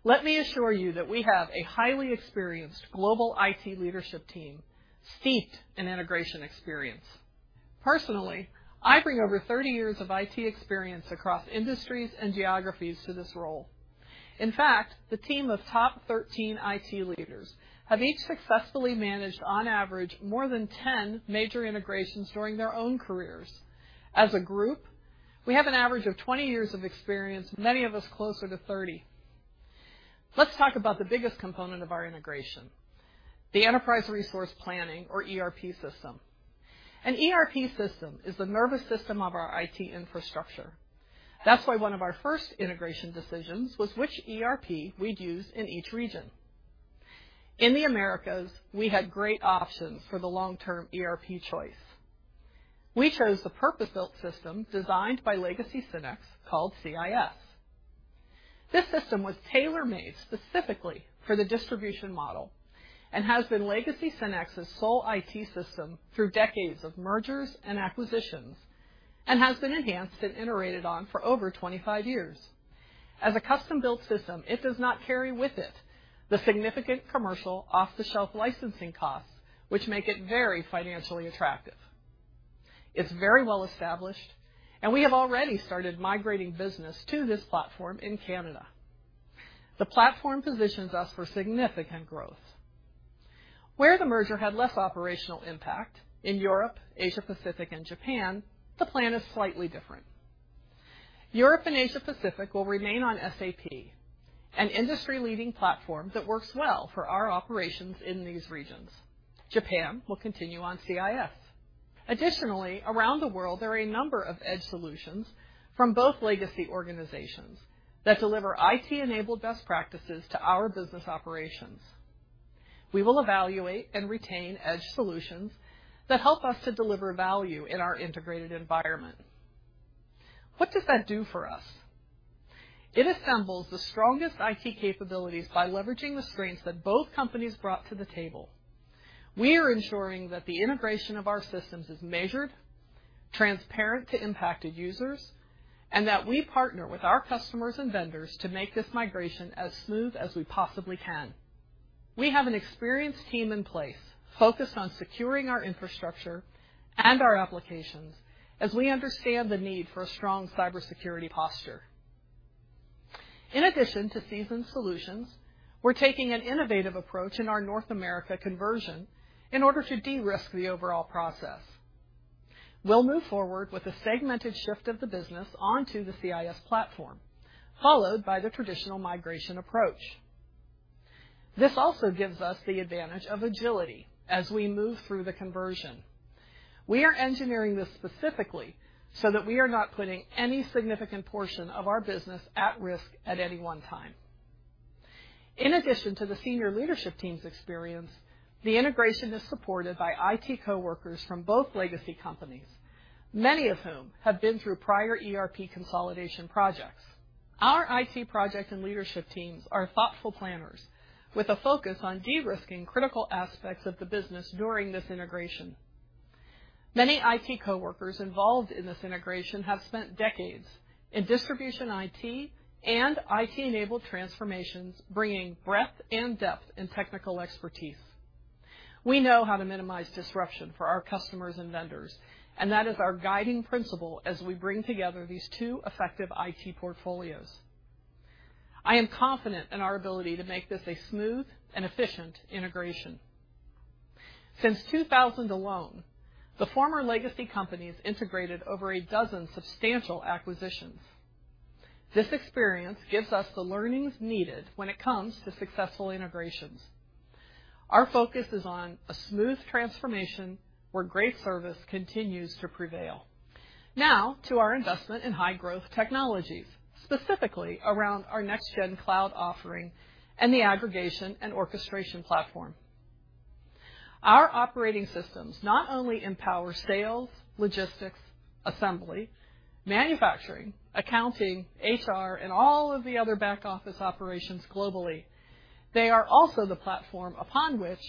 S14: Let me assure you that we have a highly-experienced global IT leadership team steeped in integration experience. Personally, I bring over 30 years of IT experience across industries and geographies to this role. In fact, the team of top-13 IT leaders have each successfully managed, on average, more than 10 major integrations during their own careers. As a group, we have an average of 20 years of experience, many of us closer to 30. Let's talk about the biggest component of our integration, the enterprise resource planning or ERP system. An ERP system is the nervous system of our IT infrastructure. That's why one of our first integration decisions was which ERP we'd use in each region. In the Americas, we had great options for the long-term ERP choice. We chose the purpose-built system designed by Legacy SYNNEX called CIS. This system was tailor-made specifically for the distribution model and has been legacy SYNNEX's sole IT system through decades of mergers and acquisitions, and has been enhanced and iterated on for over 25 years. As a custom-built system, it does not carry with it the significant commercial off-the-shelf licensing costs which make it very financially attractive. It's very well-established, and we have already started migrating business to this platform in Canada. The platform positions us for significant growth. Where the merger had less operational impact in Europe, Asia Pacific, and Japan, the plan is slightly different. Europe and Asia Pacific will remain on SAP, an industry-leading platform that works well for our operations in these regions. Japan will continue on CIS. Additionally, around the world, there are a number of edge solutions from both legacy organizations that deliver IT-enabled best practices to our business operations. We will evaluate and retain edge solutions that help us to deliver value in our integrated environment. What does that do for us? It assembles the strongest IT capabilities by leveraging the strengths that both companies brought to the table. We are ensuring that the integration of our systems is measured, transparent to impacted users, and that we partner with our customers and vendors to make this migration as smooth as we possibly can. We have an experienced team in place focused on securing our infrastructure and our applications as we understand the need for a strong cybersecurity posture. In addition to seasoned solutions, we're taking an innovative approach in our North America conversion in order to de-risk the overall process. We'll move forward with a segmented shift of the business onto the CIS platform, followed by the traditional migration approach. This also gives us the advantage of agility as we move through the conversion. We are engineering this specifically so that we are not putting any significant portion of our business at risk at any one time. In addition to the senior leadership team's experience, the integration is supported by IT coworkers from both legacy companies, many of whom have been through prior ERP consolidation projects. Our IT project and leadership teams are thoughtful planners with a focus on de-risking critical aspects of the business during this integration. Many IT coworkers involved in this integration have spent decades in distribution IT and IT-enabled transformations, bringing breadth and depth in technical expertise. We know how to minimize disruption for our customers and vendors, and that is our guiding principle as we bring together these two effective IT portfolios. I am confident in our ability to make this a smooth and efficient integration. Since 2000 alone, the former legacy companies integrated over a dozen substantial acquisitions. This experience gives us the learnings needed when it comes to successful integrations. Our focus is on a smooth transformation where great service continues to prevail. Now to our investment in high growth technologies, specifically around our next gen cloud offering and the aggregation and orchestration platform. Our operating systems not only empower sales, logistics, assembly, manufacturing, accounting, HR, and all of the other back office operations globally, they are also the platform upon which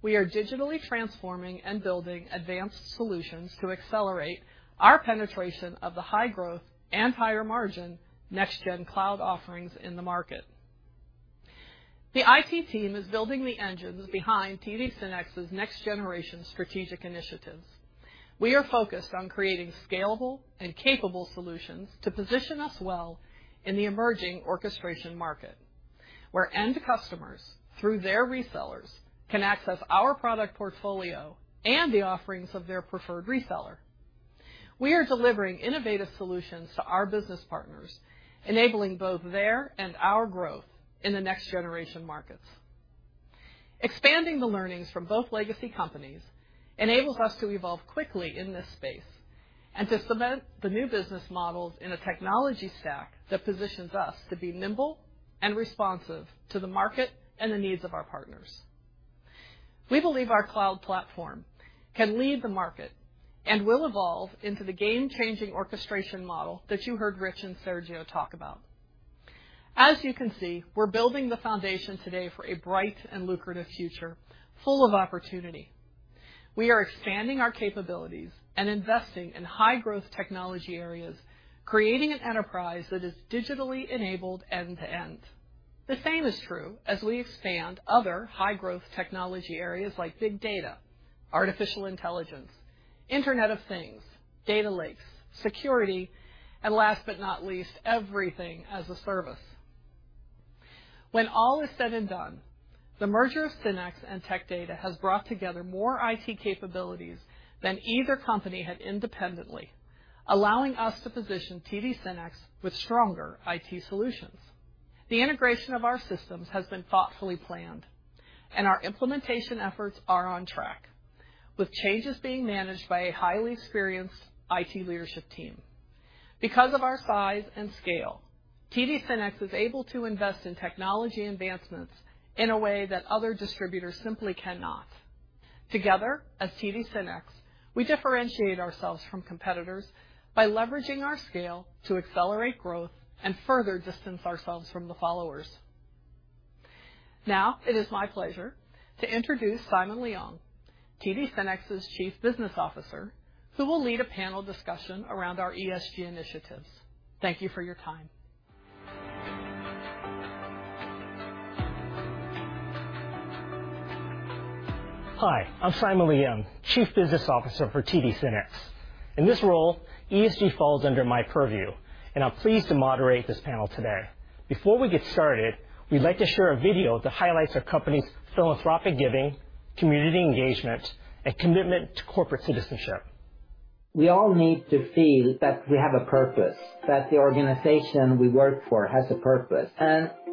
S14: we are digitally transforming and building Advanced Solutions to accelerate our penetration of the high growth and higher margin next gen cloud offerings in the market. The IT team is building the engines behind TD SYNNEX's next generation strategic initiatives. We are focused on creating scalable and capable solutions to position us well in the emerging orchestration market, where end customers, through their resellers, can access our product portfolio and the offerings of their preferred reseller. We are delivering innovative solutions to our business partners, enabling both their and our growth in the next generation markets. Expanding the learnings from both legacy companies enables us to evolve quickly in this space and to cement the new business models in a technology stack that positions us to be nimble and responsive to the market and the needs of our partners. We believe our cloud platform can lead the market and will evolve into the game changing orchestration model that you heard Rich and Sergio talk about. As you can see, we're building the foundation today for a bright and lucrative future full of opportunity. We are expanding our capabilities and investing in high growth technology areas, creating an enterprise that is digitally enabled end to end. The same is true as we expand other high growth technology areas like big data, artificial intelligence, Internet of Things, data lakes, security, and last but not least, everything as a service. When all is said and done, the merger of SYNNEX and Tech Data has brought together more IT capabilities than either company had independently, allowing us to position TD SYNNEX with stronger IT solutions. The integration of our systems has been thoughtfully planned and our implementation efforts are on track, with changes being managed by a highly experienced IT leadership team. Because of our size and scale, TD SYNNEX is able to invest in technology advancements in a way that other distributors simply cannot. Together, as TD SYNNEX, we differentiate ourselves from competitors by leveraging our scale to accelerate growth and further distance ourselves from the followers. Now it is my pleasure to introduce Simon Leung, TD SYNNEX's Chief Business Officer, who will lead a panel discussion around our ESG initiatives. Thank you for your time.
S15: Hi, I'm Simon Leung, Chief Business Officer for TD SYNNEX. In this role, ESG falls under my purview, and I'm pleased to moderate this panel today. Before we get started, we'd like to share a video that highlights our company's philanthropic giving, community engagement, and commitment to corporate citizenship.
S16: We all need to feel that we have a purpose, that the organization we work for has a purpose.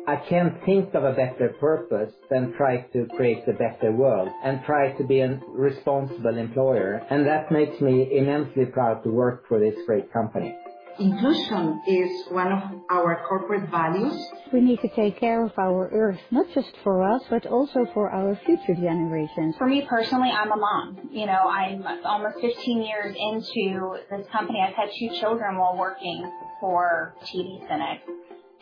S16: I can't think of a better purpose than try to create a better world and try to be a responsible employer. That makes me immensely proud to work for this great company. Inclusion is one of our corporate values. We need to take care of our earth, not just for us, but also for our future generations. For me personally, I'm a mom. You know, I'm almost 15 years into this company. I've had two children while working for TD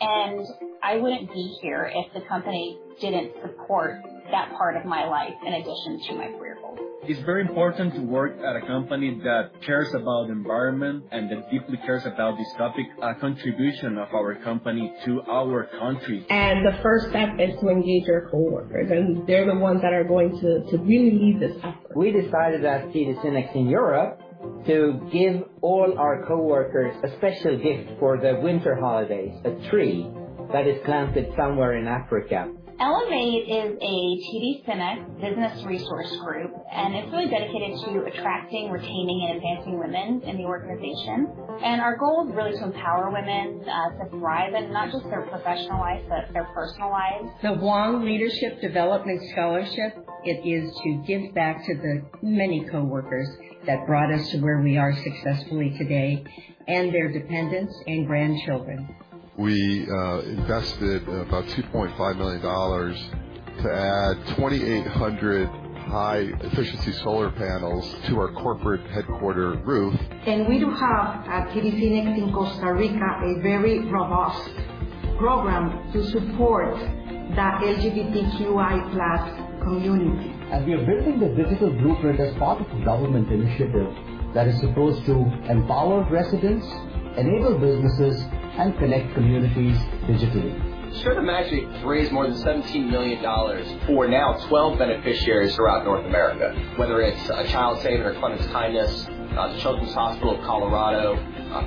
S16: SYNNEX. I wouldn't be here if the company didn't support that part of my life in addition to my career goals. It's very important to work at a company that cares about environment and that deeply cares about this topic, contribution of our company to our country. The first step is to engage your coworkers. They're the ones that are going to really lead this effort. We decided at TD SYNNEX in Europe to give all our coworkers a special gift for the winter holidays, a tree that is planted somewhere in Africa. Elevate is a TD SYNNEX business resource group, and it's really dedicated to attracting, retaining, and advancing women in the organization. Our goal is really to empower women to thrive in not just their professional lives, but their personal lives. The Huang Leadership Development Scholarship, it is to give back to the many coworkers that brought us to where we are successfully today and their dependents and grandchildren. We invested about $2.5 million to add 2,800 high-efficiency solar panels to our corporate headquarters roof. We do have at TD SYNNEX in Costa Rica a very robust program to support the LGBTQI+ community. We are building the digital blueprint as part of the government initiative that is supposed to empower residents, enable businesses, and connect communities digitally. Share the Magic has raised more than $17 million for now 12 beneficiaries throughout North America, whether it's a ChildSavers, KidSenses, Children's Hospital Colorado,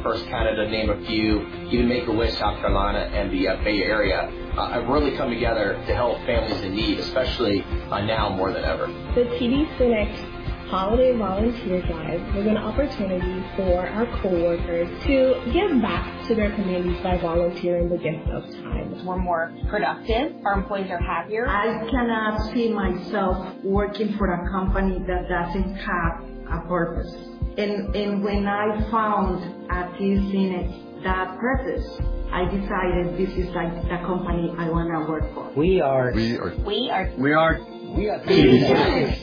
S16: First Book Canada to name a few, even Make-A-Wish South Carolina, and the Bay Area have really come together to help families in need, especially now more than ever. The TD SYNNEX Holiday Volunteer Drive was an opportunity for our coworkers to give back to their communities by volunteering the gift of time. We're more productive. Our employees are happier. I cannot see myself working for a company that doesn't have a purpose. When I found at TD SYNNEX that purpose, I decided this is like the company I wanna work for. We are. We are. We are. We are. We are. TD SYNNEX.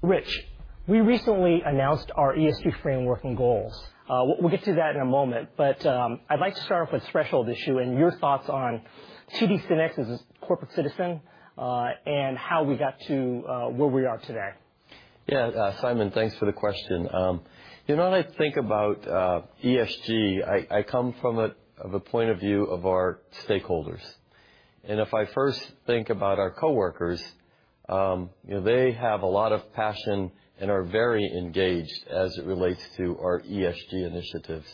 S15: Rich, we recently announced our ESG framework and goals. We'll get to that in a moment, but I'd like to start off with threshold issue and your thoughts on TD SYNNEX as a corporate citizen, and how we got to where we are today.
S3: Yeah, Simon, thanks for the question. You know, when I think about ESG, I come from the point of view of our stakeholders. If I first think about our coworkers, you know, they have a lot of passion and are very engaged as it relates to our ESG initiatives.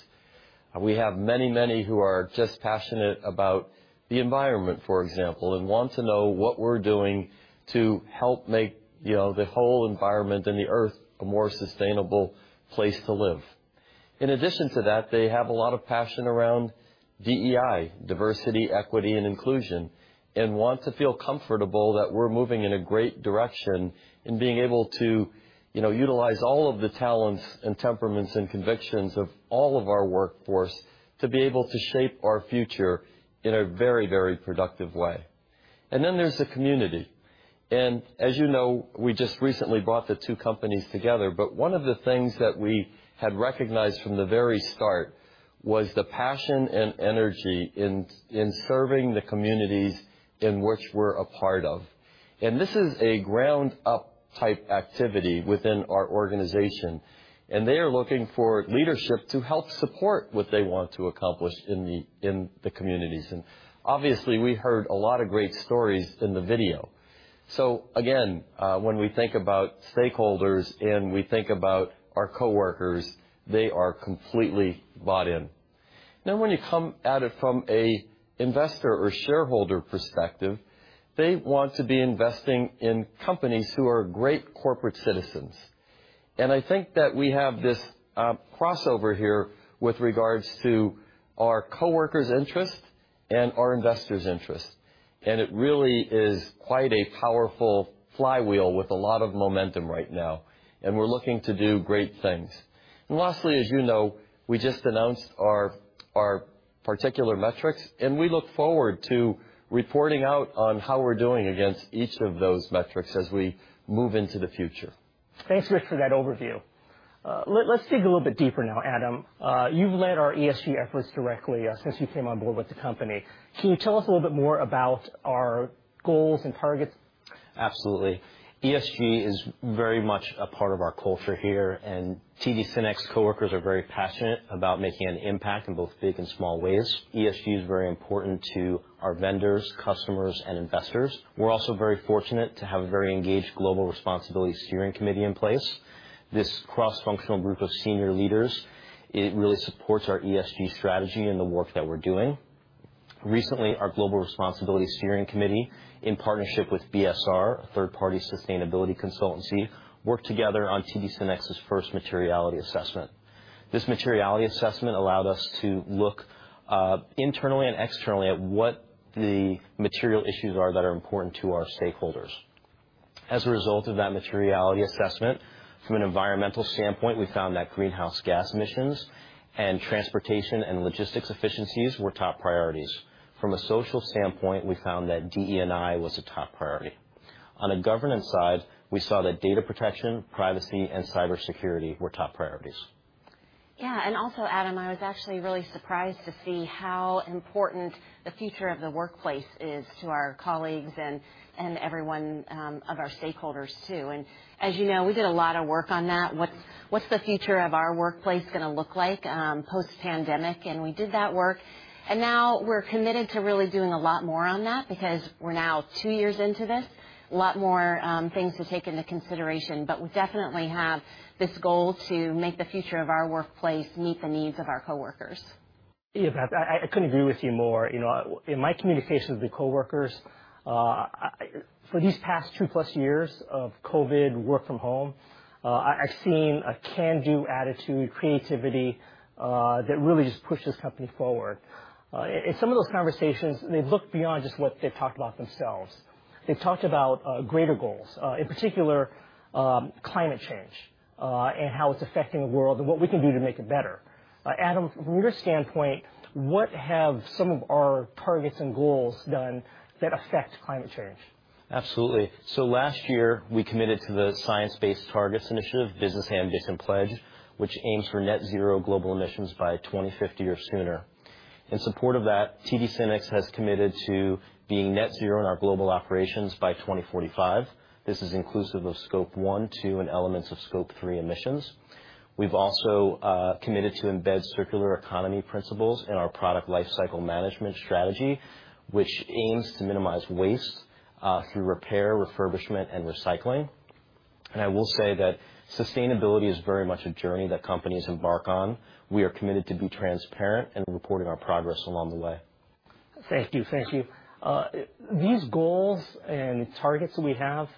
S3: We have many who are just passionate about the environment, for example, and want to know what we're doing to help make, you know, the whole environment and the Earth a more sustainable place to live. In addition to that, they have a lot of passion around DEI, diversity, equity, and inclusion, and want to feel comfortable that we're moving in a great direction in being able to, you know, utilize all of the talents and temperaments and convictions of all of our workforce to be able to shape our future in a very, very productive way. There's the community. As you know, we just recently brought the two companies together, but one of the things that we had recognized from the very start was the passion and energy in serving the communities in which we're a part of. This is a ground up type activity within our organization, and they are looking for leadership to help support what they want to accomplish in the communities. Obviously, we heard a lot of great stories in the video. Again, when we think about stakeholders and we think about our coworkers, they are completely bought in. Now, when you come at it from a investor or shareholder perspective, they want to be investing in companies who are great corporate citizens. I think that we have this crossover here with regards to our coworkers' interest and our investors' interest. It really is quite a powerful flywheel with a lot of momentum right now, and we're looking to do great things. Lastly, as you know, we just announced our particular metrics, and we look forward to reporting out on how we're doing against each of those metrics as we move into the future.
S15: Thanks, Rich, for that overview. Let's dig a little bit deeper now, Adam. You've led our ESG efforts directly since you came on board with the company. Can you tell us a little bit more about our goals and targets?
S17: Absolutely. ESG is very much a part of our culture here, and TD SYNNEX coworkers are very passionate about making an impact in both big and small ways. ESG is very important to our vendors, customers, and investors. We're also very fortunate to have a very engaged global responsibility steering committee in place. This cross-functional group of senior leaders, it really supports our ESG strategy and the work that we're doing. Recently, our global responsibility steering committee, in partnership with BSR, a third-party sustainability consultancy, worked together on TD SYNNEX's first materiality assessment. This materiality assessment allowed us to look internally and externally at what the material issues are that are important to our stakeholders. As a result of that materiality assessment, from an environmental standpoint, we found that greenhouse gas emissions and transportation and logistics efficiencies were top priorities. From a social standpoint, we found that DE&I was a top priority. On the governance side, we saw that data protection, privacy, and cybersecurity were top priorities.
S18: Yeah. Also, Adam, I was actually really surprised to see how important the future of the workplace is to our colleagues and every one of our stakeholders too. As you know, we did a lot of work on that. What's the future of our workplace gonna look like post-pandemic? We did that work, and now we're committed to really doing a lot more on that because we're now two years into this, a lot more things to take into consideration. We definitely have this goal to make the future of our workplace meet the needs of our coworkers.
S15: Yeah, Beth, I couldn't agree with you more. You know, in my communications with coworkers, for these past two-plus years of COVID work from home, I've seen a can-do attitude, creativity, that really just pushed this company forward. In some of those conversations, they've looked beyond just what they've talked about themselves. They've talked about greater goals, in particular, climate change, and how it's affecting the world and what we can do to make it better. Adam, from your standpoint, what have some of our targets and goals done that affect climate change?
S17: Absolutely. Last year, we committed to the Science Based Targets initiative Business Ambition pledge, which aims for net zero global emissions by 2050 or sooner. In support of that, TD SYNNEX has committed to being net zero in our global operations by 2045. This is inclusive of Scope 1, 2, and elements of Scope 3 emissions. We've also committed to embed circular economy principles in our product lifecycle management strategy, which aims to minimize waste through repair, refurbishment, and recycling. I will say that sustainability is very much a journey that companies embark on. We are committed to be transparent and reporting our progress along the way.
S15: Thank you. These goals and targets that we have,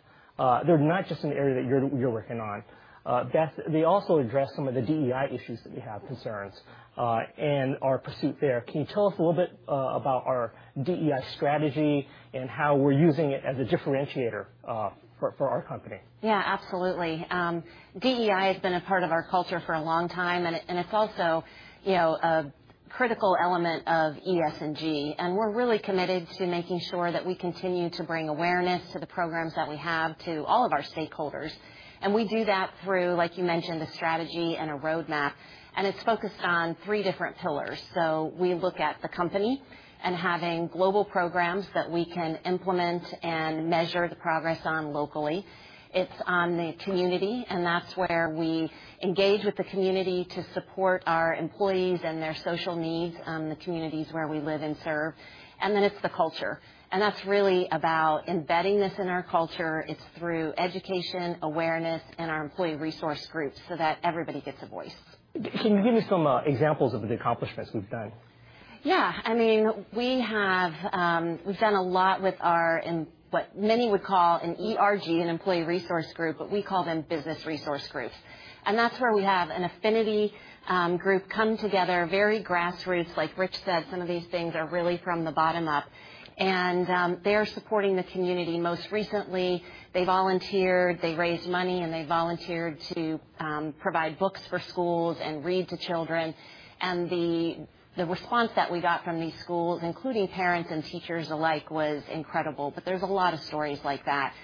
S15: they're not just in the area that you're working on. Beth, they also address some of the DEI issues that we have concerns and our pursuit there. Can you tell us a little bit about our DEI strategy and how we're using it as a differentiator for our company?
S18: Yeah, absolutely. DEI has been a part of our culture for a long time, and it's also, you know, a critical element of ESG. We're really committed to making sure that we continue to bring awareness to the programs that we have to all of our stakeholders, and we do that through, like you mentioned, the strategy and a roadmap, and it's focused on three different pillars. We look at the company and having global programs that we can implement and measure the progress on locally. It's on the community, and that's where we engage with the community to support our employees and their social needs, the communities where we live and serve. It's the culture, and that's really about embedding this in our culture. It's through education, awareness, and our employee resource groups so that everybody gets a voice.
S15: Can you give me some examples of the accomplishments we've done?
S18: Yeah. I mean, we have, we've done a lot with our in what many would call an ERG, an employee resource group, but we call them business resource groups. That's where we have an affinity group come together, very grassroots. Like Rich said, some of these things are really from the bottom up. They are supporting the community. Most recently, they volunteered, they raised money, and they volunteered to provide books for schools and read to children. The response that we got from these schools, including parents and teachers alike, was incredible. There's a lot of stories like that.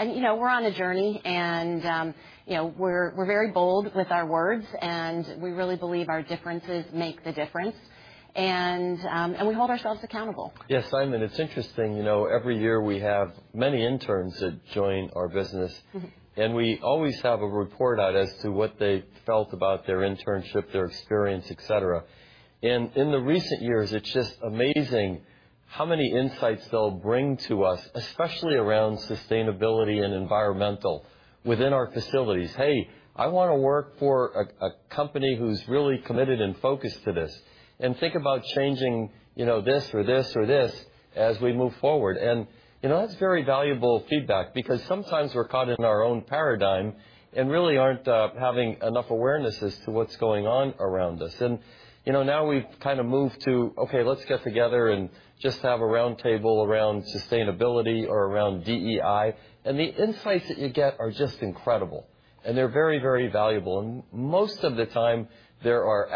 S18: You know, we're on a journey and, you know, we're very bold with our words, and we really believe our differences make the difference. We hold ourselves accountable.
S3: Yes, Simon, it's interesting, you know. Every year, we have many interns that join our business.
S18: Mm-hmm.
S3: We always have a report out as to what they felt about their internship, their experience, etc. In the recent years, it's just amazing how many insights they'll bring to us, especially around sustainability and environmental within our facilities. "Hey, I wanna work for a company who's really committed and focused to this, and think about changing, you know, this or this or this as we move forward." You know, that's very valuable feedback because sometimes we're caught in our own paradigm and really aren't having enough awareness as to what's going on around us. You know, now we've kind of moved to, okay, let's get together and just have a roundtable around sustainability or around DEI, and the insights that you get are just incredible. They're very, very valuable. Most of the time, there are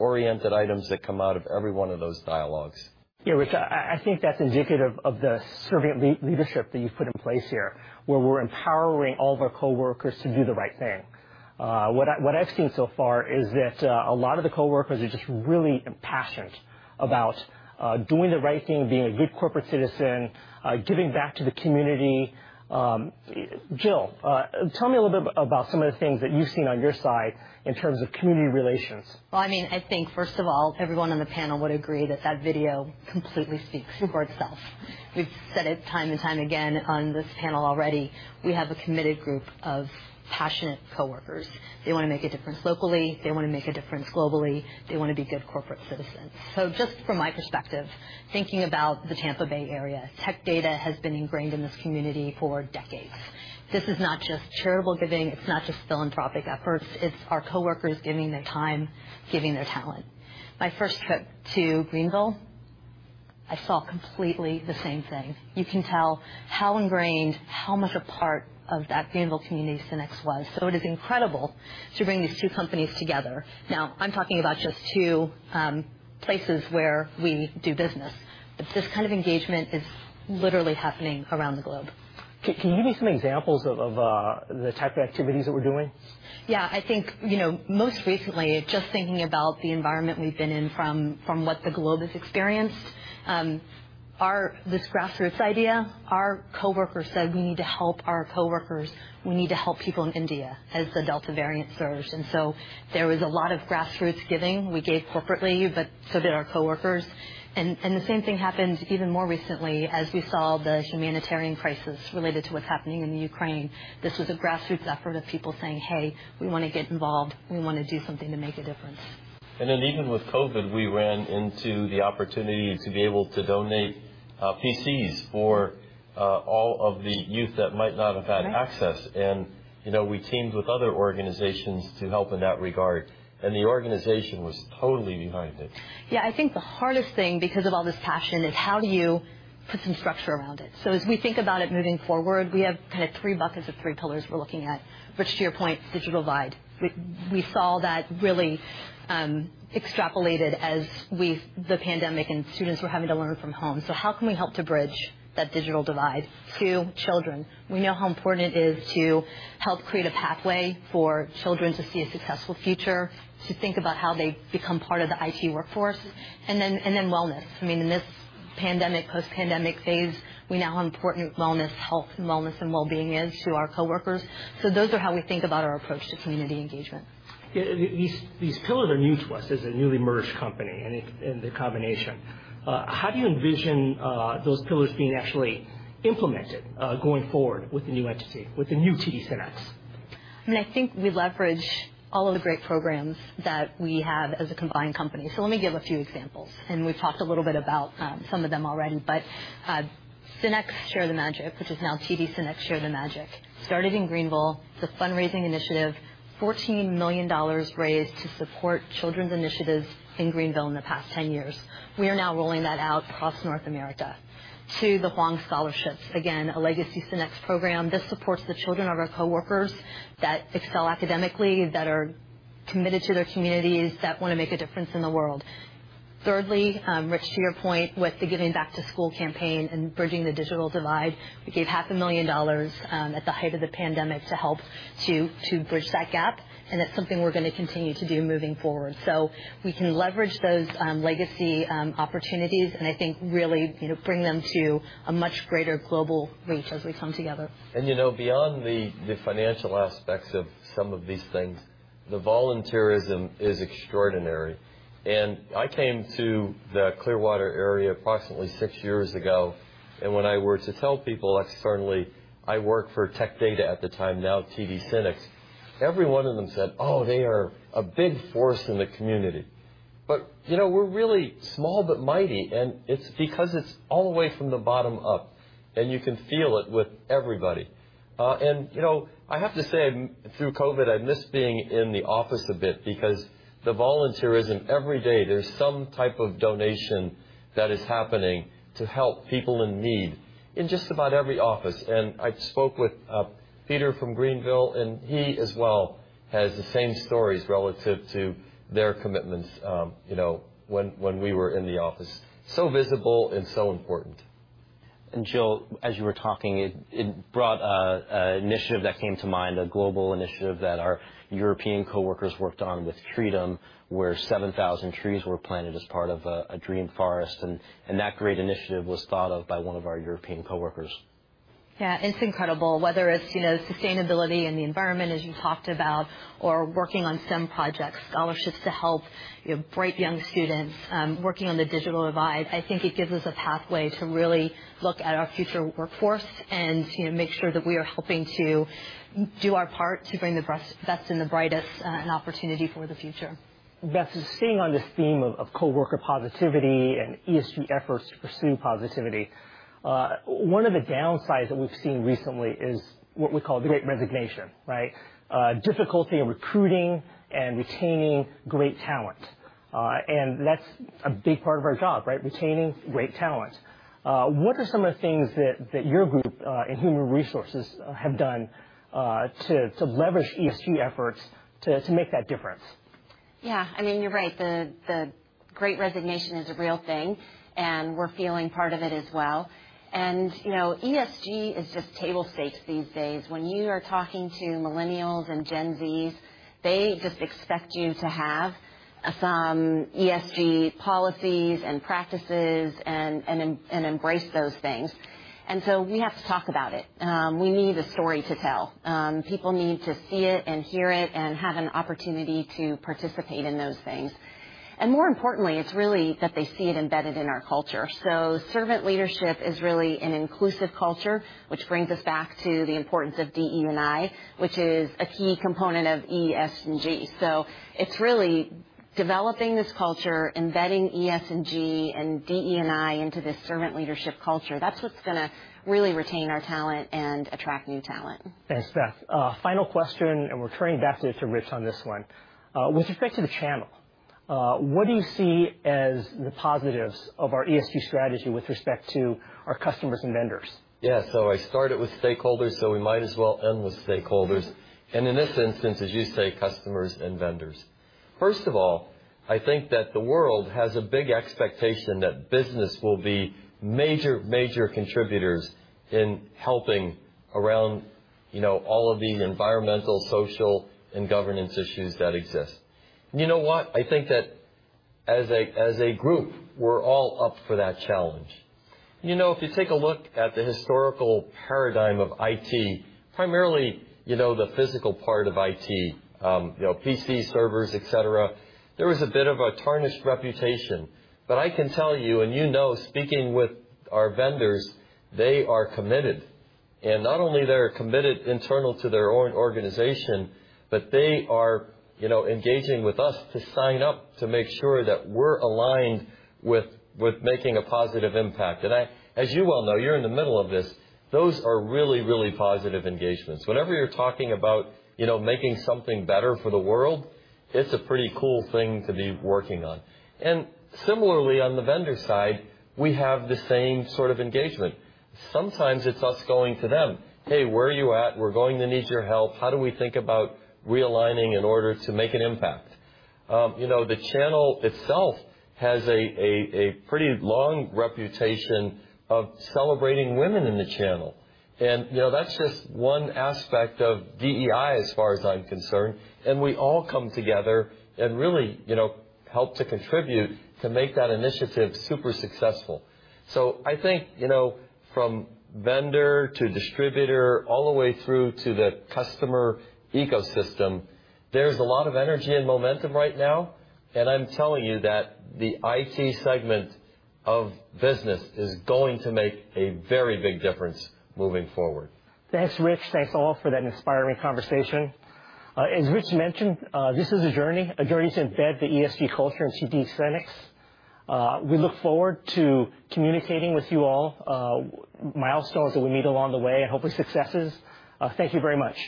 S3: action-oriented items that come out of every one of those dialogues.
S15: Yeah, Rich, I think that's indicative of the servant leadership that you've put in place here, where we're empowering all of our coworkers to do the right thing. What I've seen so far is that a lot of the coworkers are just really passionate about doing the right thing, being a good corporate citizen, giving back to the community. Jill, tell me a little bit about some of the things that you've seen on your side in terms of community relations.
S19: Well, I mean, I think, first of all, everyone on the panel would agree that that video completely speaks for itself. We've said it time and time again on this panel already, we have a committed group of passionate coworkers. They wanna make a difference locally. They wanna make a difference globally. They wanna be good corporate citizens. Just from my perspective, thinking about the Tampa Bay area, Tech Data has been ingrained in this community for decades. This is not just charitable giving, it's not just philanthropic efforts, it's our coworkers giving their time, giving their talent. My first trip to Greenville, I saw completely the same thing. You can tell how ingrained, how much a part of that Greenville community SYNNEX was. It is incredible to bring these two companies together. Now, I'm talking about just two places where we do business, but this kind of engagement is literally happening around the globe.
S15: Can you give me some examples of the type of activities that we're doing?
S19: I think, you know, most recently, just thinking about the environment we've been in from what the globe has experienced, this grassroots idea, our coworkers said we need to help our coworkers. We need to help people in India as the Delta variant surged. There was a lot of grassroots giving. We gave corporately, but so did our coworkers. The same thing happened even more recently as we saw the humanitarian crisis related to what's happening in Ukraine. This was a grassroots effort of people saying, "Hey, we wanna get involved. We wanna do something to make a difference.
S3: Even with COVID, we ran into the opportunity to be able to donate PCs for all of the youth that might not have had access. You know, we teamed with other organizations to help in that regard, and the organization was totally behind it.
S19: Yeah. I think the hardest thing because of all this passion is how do you put some structure around it? As we think about it moving forward, we have kind of three buckets or three pillars we're looking at. Rich, to your point, digital divide. We saw that really exacerbated the pandemic, and students were having to learn from home. How can we help to bridge that digital divide to children? We know how important it is to help create a pathway for children to see a successful future, to think about how they become part of the IT workforce. And then wellness. I mean, in this pandemic, post-pandemic phase, we know how important wellness, health, and wellness and wellbeing is to our coworkers. Those are how we think about our approach to community engagement.
S15: Yeah. These pillars are new to us as a newly merged company, and the combination. How do you envision those pillars being actually implemented going forward with the new entity, with the new TD SYNNEX?
S19: I mean, I think we leverage all of the great programs that we have as a combined company. Let me give a few examples, and we've talked a little bit about some of them already. SYNNEX Share the Magic, which is now TD SYNNEX Share the Magic, started in Greenville. It's a fundraising initiative, $14 million raised to support children's initiatives in Greenville in the past 10 years. We are now rolling that out across North America. The Huang scholarships, again, a legacy SYNNEX program. This supports the children of our coworkers that excel academically, that are committed to their communities, that wanna make a difference in the world. Thirdly, Rich, to your point, with the Giving Back to School campaign and bridging the digital divide, we gave half a million dollars at the height of the pandemic to help bridge that gap, and that's something we're gonna continue to do moving forward. We can leverage those legacy opportunities, and I think really, you know, bring them to a much greater global reach as we come together.
S3: You know, beyond the financial aspects of some of these things, the volunteerism is extraordinary. I came to the Clearwater area approximately six years ago, and when I were to tell people externally, I worked for Tech Data at the time, now TD SYNNEX, every one of them said, "Oh, they are a big force in the community." You know, we're really small but mighty, and it's because it's all the way from the bottom up, and you can feel it with everybody. You know, I have to say, through COVID, I miss being in the office a bit because the volunteerism, every day there's some type of donation that is happening to help people in need in just about every office. I spoke with Peter from Greenville, and he as well has the same stories relative to their commitments, you know, when we were in the office. Visible and so important.
S17: Jill, as you were talking, it brought an initiative that came to mind, a global initiative that our European coworkers worked on with Treedom, where 7,000 trees were planted as part of a dream forest, and that great initiative was thought of by one of our European coworkers.
S19: Yeah. It's incredible. Whether it's, you know, sustainability and the environment as you talked about or working on STEM projects, scholarships to help, you know, bright young students, working on the digital divide, I think it gives us a pathway to really look at our future workforce and, you know, make sure that we are helping to do our part to bring the best and the brightest an opportunity for the future.
S15: Beth, staying on this theme of coworker positivity and ESG efforts to pursue positivity, one of the downsides that we've seen recently is what we call the Great Resignation, right? Difficulty of recruiting and retaining great talent. That's a big part of our job, right? Retaining great talent. What are some of the things that your group in human resources have done to leverage ESG efforts to make that difference?
S18: Yeah. I mean, you're right. The Great Resignation is a real thing, and we're feeling part of it as well. You know, ESG is just table stakes these days. When you are talking to Millennials and Gen Zs, they just expect you to have some ESG policies and practices and embrace those things. We have to talk about it. We need a story to tell. People need to see it and hear it and have an opportunity to participate in those things. More importantly, it's really that they see it embedded in our culture. Servant leadership is really an inclusive culture, which brings us back to the importance of DE&I, which is a key component of ESG. It's really developing this culture, embedding ESG and DE&I into this servant leadership culture. That's what's gonna really retain our talent and attract new talent.
S15: Thanks, Beth. Final question, and we're turning back to Rich on this one. With respect to the channel, what do you see as the positives of our ESG strategy with respect to our customers and vendors?
S3: Yeah. I started with stakeholders, so we might as well end with stakeholders. In this instance, as you say, customers and vendors. First of all, I think that the world has a big expectation that business will be major contributors in helping around, you know, all of the environmental, social, and governance issues that exist. You know what? I think that as a group, we're all up for that challenge. You know, if you take a look at the historical paradigm of IT, primarily, you know, the physical part of IT, you know, PC servers, etc., there was a bit of a tarnished reputation. I can tell you and you know, speaking with our vendors, they are committed, and not only they're committed internal to their own organization, but they are, you know, engaging with us to sign up to make sure that we're aligned with making a positive impact. I, as you well know, you're in the middle of this, those are really, really positive engagements. Whenever you're talking about, you know, making something better for the world, it's a pretty cool thing to be working on. Similarly, on the vendor side, we have the same sort of engagement. Sometimes it's us going to them, "Hey, where are you at? We're going to need your help. How do we think about realigning in order to make an impact?" You know, the channel itself has a pretty long reputation of celebrating women in the channel. You know, that's just one aspect of DEI as far as I'm concerned, and we all come together and really, you know, help to contribute to make that initiative super successful. I think, you know, from vendor to distributor, all the way through to the customer ecosystem, there's a lot of energy and momentum right now, and I'm telling you that the IT segment of business is going to make a very big difference moving forward.
S15: Thanks, Rich. Thanks, all, for that inspiring conversation. As Rich mentioned, this is a journey to embed the ESG culture in TD SYNNEX. We look forward to communicating with you all milestones that we meet along the way and hopefully successes. Thank you very much.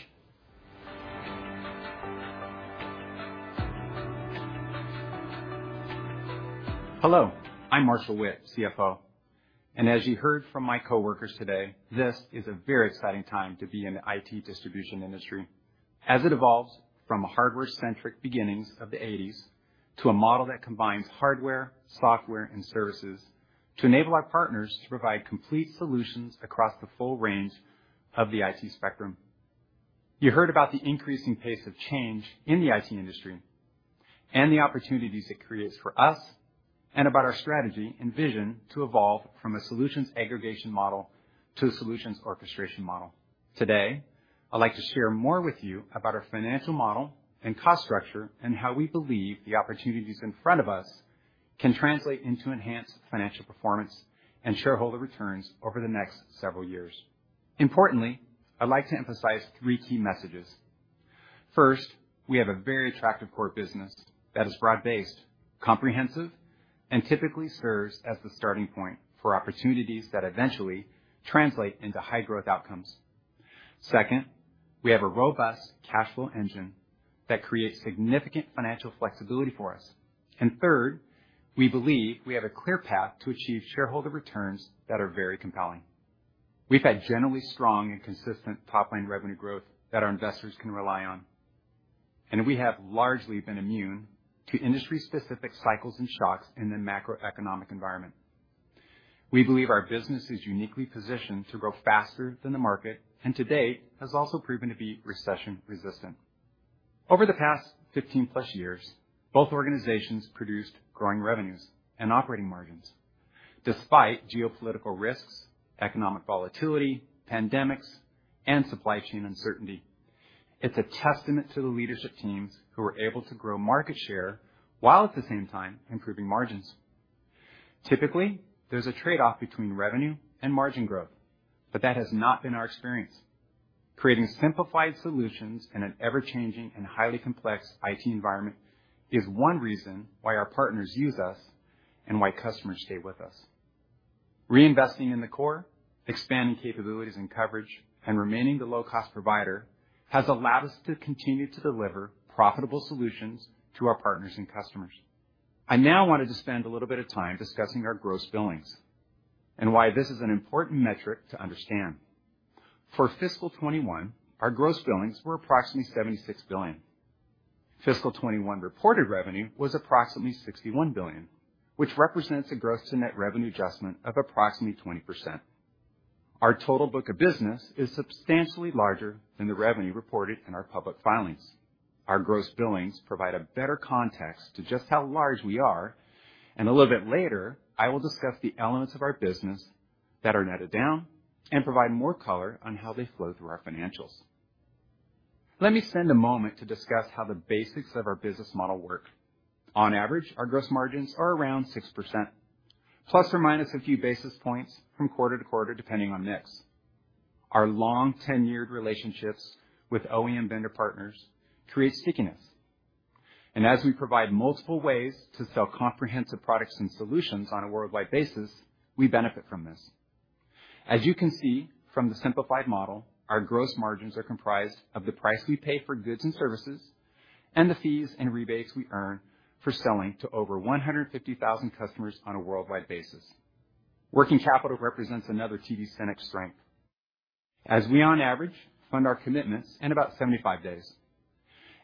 S20: Hello, I'm Marshall Witt, CFO. As you heard from my coworkers today, this is a very exciting time to be in the IT distribution industry as it evolves from a hardware-centric beginnings of the eighties to a model that combines hardware, software, and services to enable our partners to provide complete solutions across the full range of the IT spectrum. You heard about the increasing pace of change in the IT industry and the opportunities it creates for us, and about our strategy and vision to evolve from a solutions aggregation model to a solutions orchestration model. Today, I'd like to share more with you about our financial model and cost structure, and how we believe the opportunities in front of us can translate into enhanced financial performance and shareholder returns over the next several years. Importantly, I'd like to emphasize three key messages. First, we have a very attractive core business that is broad-based, comprehensive, and typically serves as the starting point for opportunities that eventually translate into high growth outcomes. Second, we have a robust cash flow engine that creates significant financial flexibility for us. Third, we believe we have a clear path to achieve shareholder returns that are very compelling. We've had generally strong and consistent top-line revenue growth that our investors can rely on, and we have largely been immune to industry-specific cycles and shocks in the macroeconomic environment. We believe our business is uniquely positioned to grow faster than the market, and to date, has also proven to be recession-resistant. Over the past fifteen-plus years, both organizations produced growing revenues and operating margins despite geopolitical risks, economic volatility, pandemics, and supply chain uncertainty. It's a testament to the leadership teams who are able to grow market share while at the same time improving margins. Typically, there's a trade-off between revenue and margin growth, but that has not been our experience. Creating simplified solutions in an ever-changing and highly complex IT environment is one reason why our partners use us and why customers stay with us. Reinvesting in the core, expanding capabilities and coverage, and remaining the low-cost provider has allowed us to continue to deliver profitable solutions to our partners and customers. I now wanted to spend a little bit of time discussing our gross billings and why this is an important metric to understand. For fiscal 2021, our gross billings were approximately $76 billion. Fiscal 2021 reported revenue was approximately $61 billion, which represents a gross to net revenue adjustment of approximately 20%. Our total book of business is substantially larger than the revenue reported in our public filings. Our gross billings provide a better context to just how large we are, and a little bit later, I will discuss the elements of our business that are netted down and provide more color on how they flow through our financials. Let me spend a moment to discuss how the basics of our business model work. On average, our gross margins are around 6%, ± a few basis points from quarter to quarter, depending on mix. Our long ten-year relationships with OEM vendor partners create stickiness. As we provide multiple ways to sell comprehensive products and solutions on a worldwide basis, we benefit from this. As you can see from the simplified model, our gross margins are comprised of the price we pay for goods and services, and the fees and rebates we earn for selling to over 150,000 customers on a worldwide basis. Working capital represents another TD SYNNEX strength. As we, on average, fund our commitments in about 75 days,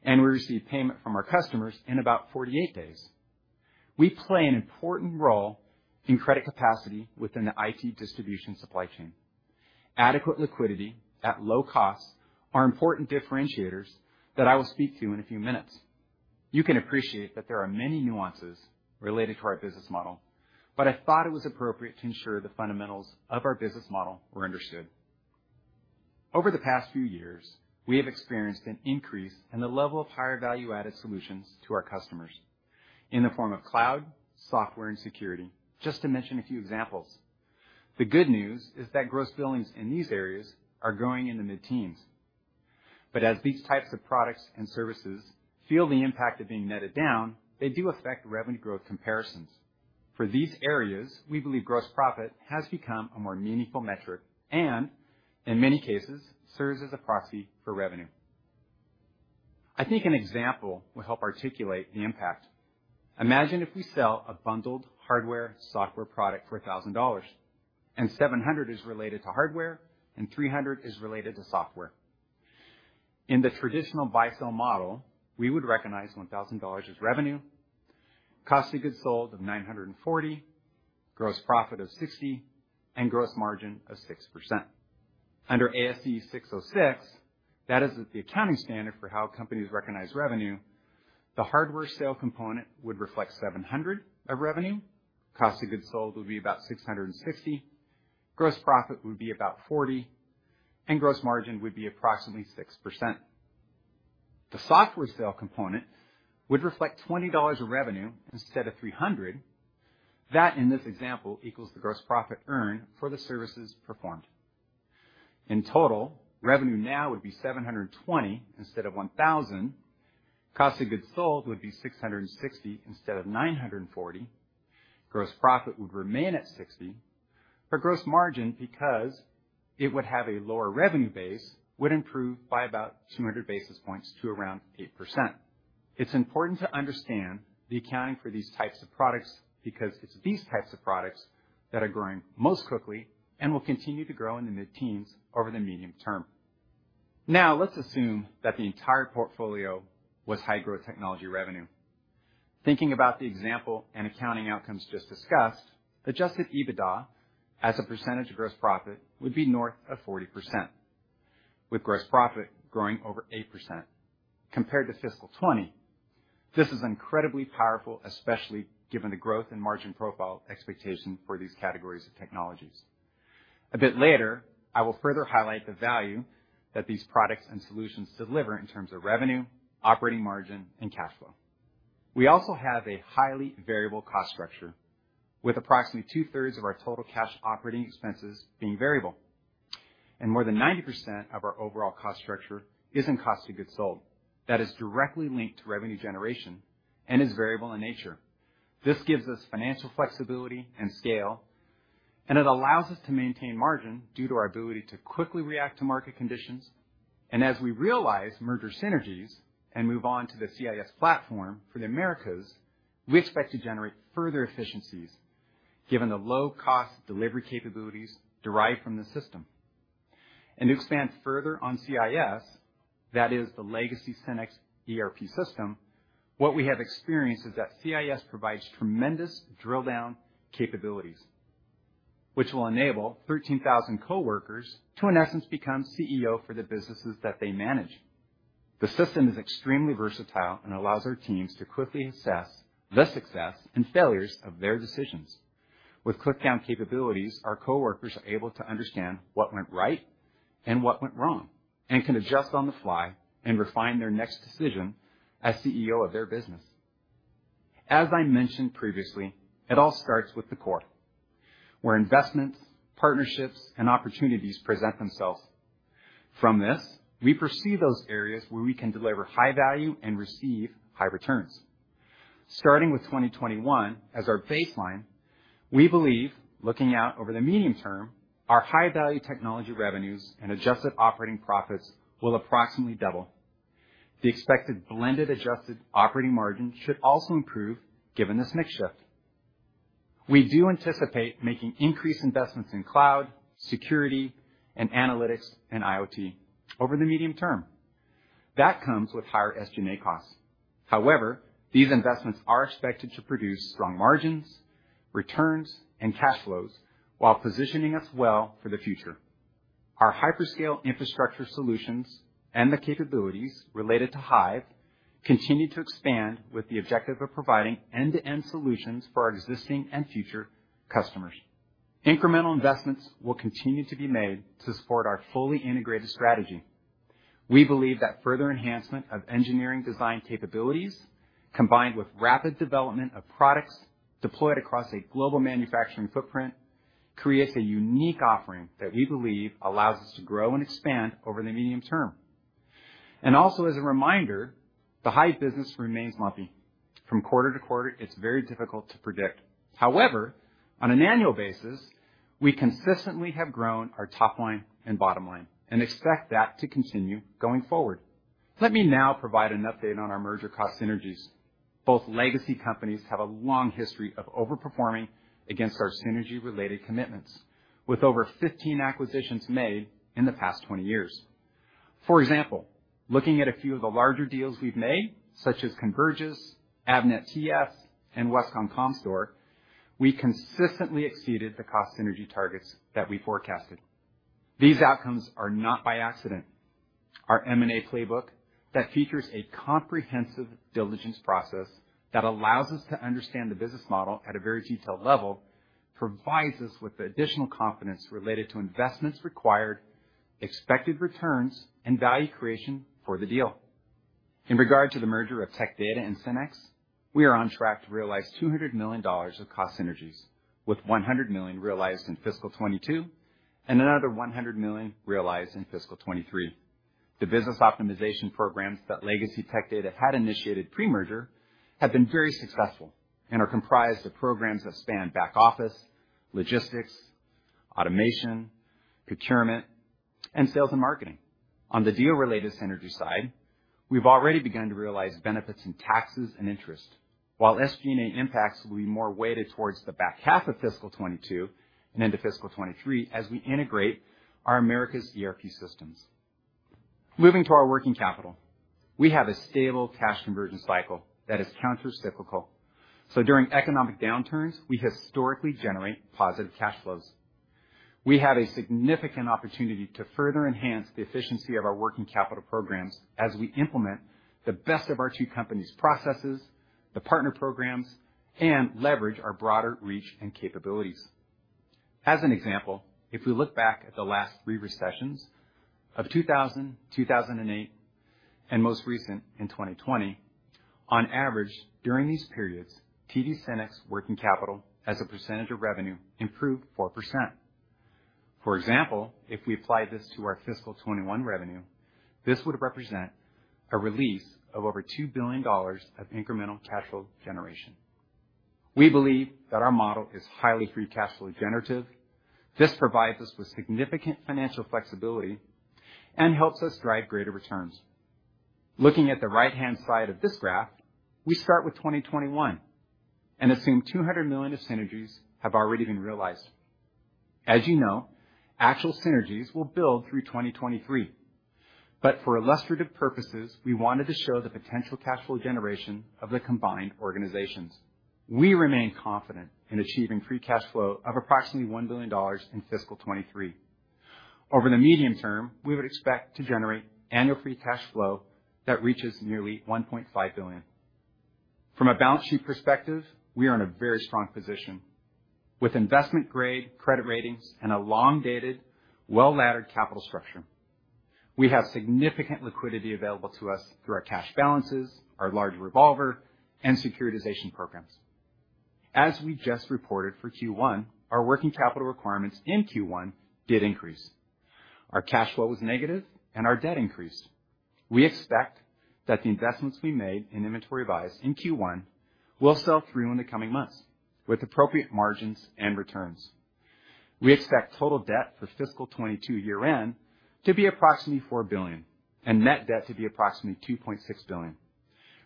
S20: and we receive payment from our customers in about 48 days. We play an important role in credit capacity within the IT distribution supply chain. Adequate liquidity at low costs are important differentiators that I will speak to in a few minutes. You can appreciate that there are many nuances related to our business model, but I thought it was appropriate to ensure the fundamentals of our business model were understood. Over the past few years, we have experienced an increase in the level of higher value-added solutions to our customers in the form of cloud, software, and security, just to mention a few examples. The good news is that gross billings in these areas are growing in the mid-teens. As these types of products and services feel the impact of being netted down, they do affect revenue growth comparisons. For these areas, we believe gross profit has become a more meaningful metric and, in many cases, serves as a proxy for revenue. I think an example will help articulate the impact. Imagine if we sell a bundled hardware, software product for $1,000, and $700 is related to hardware, and $300 is related to software. In the traditional buy/sell model, we would recognize $1,000 as revenue, cost of goods sold of $940, gross profit of $60, and gross margin of 6%. Under ASC 606, that is the accounting standard for how companies recognize revenue, the hardware sale component would reflect $700 of revenue. Cost of goods sold would be about $660. Gross profit would be about $40, and gross margin would be approximately 6%. The software sale component would reflect $20 of revenue instead of $300. That, in this example, equals the gross profit earned for the services performed. In total, revenue now would be $720 instead of $1,000. Cost of goods sold would be $660 instead of $940. Gross profit would remain at $60. Gross margin, because it would have a lower revenue base, would improve by about 200 basis points to around 8%. It's important to understand the accounting for these types of products because it's these types of products that are growing most quickly and will continue to grow in the mid-teens over the medium-term. Now, let's assume that the entire portfolio was high-growth technology revenue. Thinking about the example and accounting outcomes just discussed, adjusted EBITDA as a percentage of gross profit would be north of 40%, with gross profit growing over 8% compared to fiscal 2020. This is incredibly powerful, especially given the growth and margin profile expectation for these categories of technologies. A bit later, I will further highlight the value that these products and solutions deliver in terms of revenue, operating margin, and cash flow. We also have a highly-variable cost structure with approximately 2/3 of our total cash operating expenses being variable. More than 90% of our overall cost structure is in cost of goods sold that is directly linked to revenue generation and is variable in nature. This gives us financial flexibility and scale, and it allows us to maintain margin due to our ability to quickly react to market conditions. As we realize merger synergies and move on to the CIS platform for the Americas, we expect to generate further efficiencies given the low cost delivery capabilities derived from the system. To expand further on CIS, that is the legacy SYNNEX ERP system, what we have experienced is that CIS provides tremendous drill-down capabilities, which will enable 13,000 coworkers to, in essence, become CEO for the businesses that they manage. The system is extremely versatile and allows our teams to quickly assess the success and failures of their decisions. With drill-down capabilities, our coworkers are able to understand what went right and what went wrong, and can adjust on the fly and refine their next decision as CEO of their business. As I mentioned previously, it all starts with the core, where investments, partnerships, and opportunities present themselves. From this, we perceive those areas where we can deliver high value and receive high returns. Starting with 2021 as our baseline, we believe looking out over the medium term, our high-value technology revenues and adjusted operating profits will approximately double. The expected blended adjusted operating margin should also improve given this mix shift. We do anticipate making increased investments in cloud, security, and analytics and IoT over the medium term. That comes with higher SG&A costs. However, these investments are expected to produce strong margins, returns, and cash flows while positioning us well for the future. Our hyperscale infrastructure solutions and the capabilities related to Hyve continue to expand with the objective of providing end-to-end solutions for our existing and future customers. Incremental investments will continue to be made to support our fully integrated strategy. We believe that further enhancement of engineering design capabilities, combined with rapid development of products deployed across a global manufacturing footprint, creates a unique offering that we believe allows us to grow and expand over the medium-term. Also as a reminder, the Hyve business remains lumpy. From quarter-to-quarter, it's very difficult to predict. However, on an annual basis, we consistently have grown our top line and bottom line and expect that to continue going forward. Let me now provide an update on our merger cost synergies. Both legacy companies have a long history of over-performing against our synergy-related commitments, with over 15 acquisitions made in the past 20 years. For example, looking at a few of the larger deals we've made, such as Convergys, Avnet TS, and Westcon-Comstor, we consistently exceeded the cost synergy targets that we forecasted. These outcomes are not by accident. Our M&A playbook that features a comprehensive diligence process that allows us to understand the business model at a very-detailed level, provides us with the additional confidence related to investments required, expected returns, and value creation for the deal. In regard to the merger of Tech Data and SYNNEX, we are on track to realize $200 million of cost synergies, with $100 million realized in fiscal 2022, and another $100 million realized in fiscal 2023. The business optimization programs that legacy Tech Data had initiated pre-merger have been very successful and are comprised of programs that span back office, logistics, automation, procurement, and sales and marketing. On the deal-related synergy side, we've already begun to realize benefits in taxes and interest. While SG&A impacts will be more weighted towards the back half of fiscal 2022 and into fiscal 2023 as we integrate our Americas ERP systems. Moving to our working capital. We have a stable cash conversion cycle that is countercyclical. During economic downturns, we historically generate positive cash flows. We have a significant opportunity to further enhance the efficiency of our working capital programs as we implement the best of our two companies' processes, the partner programs, and leverage our broader reach and capabilities. As an example, if we look back at the last three recessions of 2000, 2008, and most recent in 2020, on average, during these periods, TD SYNNEX working capital as a percentage of revenue improved 4%. For example, if we apply this to our fiscal 2021 revenue, this would represent a release of over $2 billion of incremental cash flow generation. We believe that our model is highly free cash flow generative. This provides us with significant financial flexibility and helps us drive greater returns. Looking at the right-hand side of this graph, we start with 2021 and assume $200 million of synergies have already been realized. As you know, actual synergies will build through 2023. For illustrative purposes, we wanted to show the potential cash flow generation of the combined organizations. We remain confident in achieving free cash flow of approximately $1 billion in fiscal 2023. Over the medium-term, we would expect to generate annual free cash flow that reaches nearly $1.5 billion. From a balance sheet perspective, we are in a very strong position. With investment-grade credit ratings and a long-dated, well-laddered capital structure, we have significant liquidity available to us through our cash balances, our large revolver, and securitization programs. As we just reported for Q1, our working capital requirements in Q1 did increase. Our cash flow was negative and our debt increased. We expect that the investments we made in inventory buys in Q1 will sell through in the coming months with appropriate margins and returns. We expect total debt for fiscal 2022 year-end to be approximately $4 billion and net debt to be approximately $2.6 billion,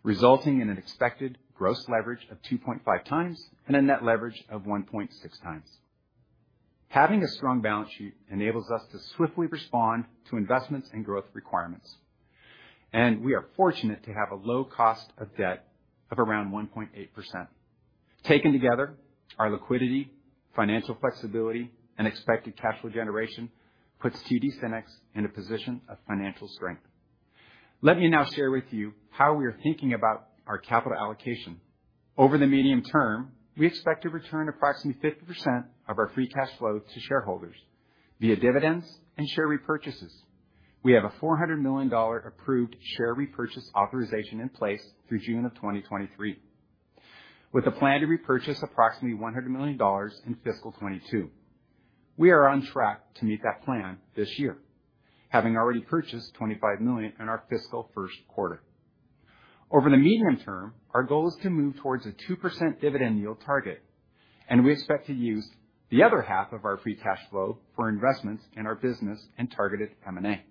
S20: resulting in an expected gross leverage of 2.5x and a net leverage of 1.6x. Having a strong balance sheet enables us to swiftly respond to investments and growth requirements, and we are fortunate to have a low cost of debt of around 1.8%. Taken together, our liquidity, financial flexibility, and expected cash flow generation puts TD SYNNEX in a position of financial strength. Let me now share with you how we are thinking about our capital allocation. Over the medium-term, we expect to return approximately 50% of our free cash flow to shareholders via dividends and share repurchases. We have a $400 million approved share repurchase authorization in place through June 2023, with a plan to repurchase approximately $100 million in fiscal 2022. We are on track to meet that plan this year, having already purchased $25 million in our fiscal first quarter. Over the medium term, our goal is to move towards a 2% dividend yield target, and we expect to use the other half of our free cash flow for investments in our business and targeted M&A.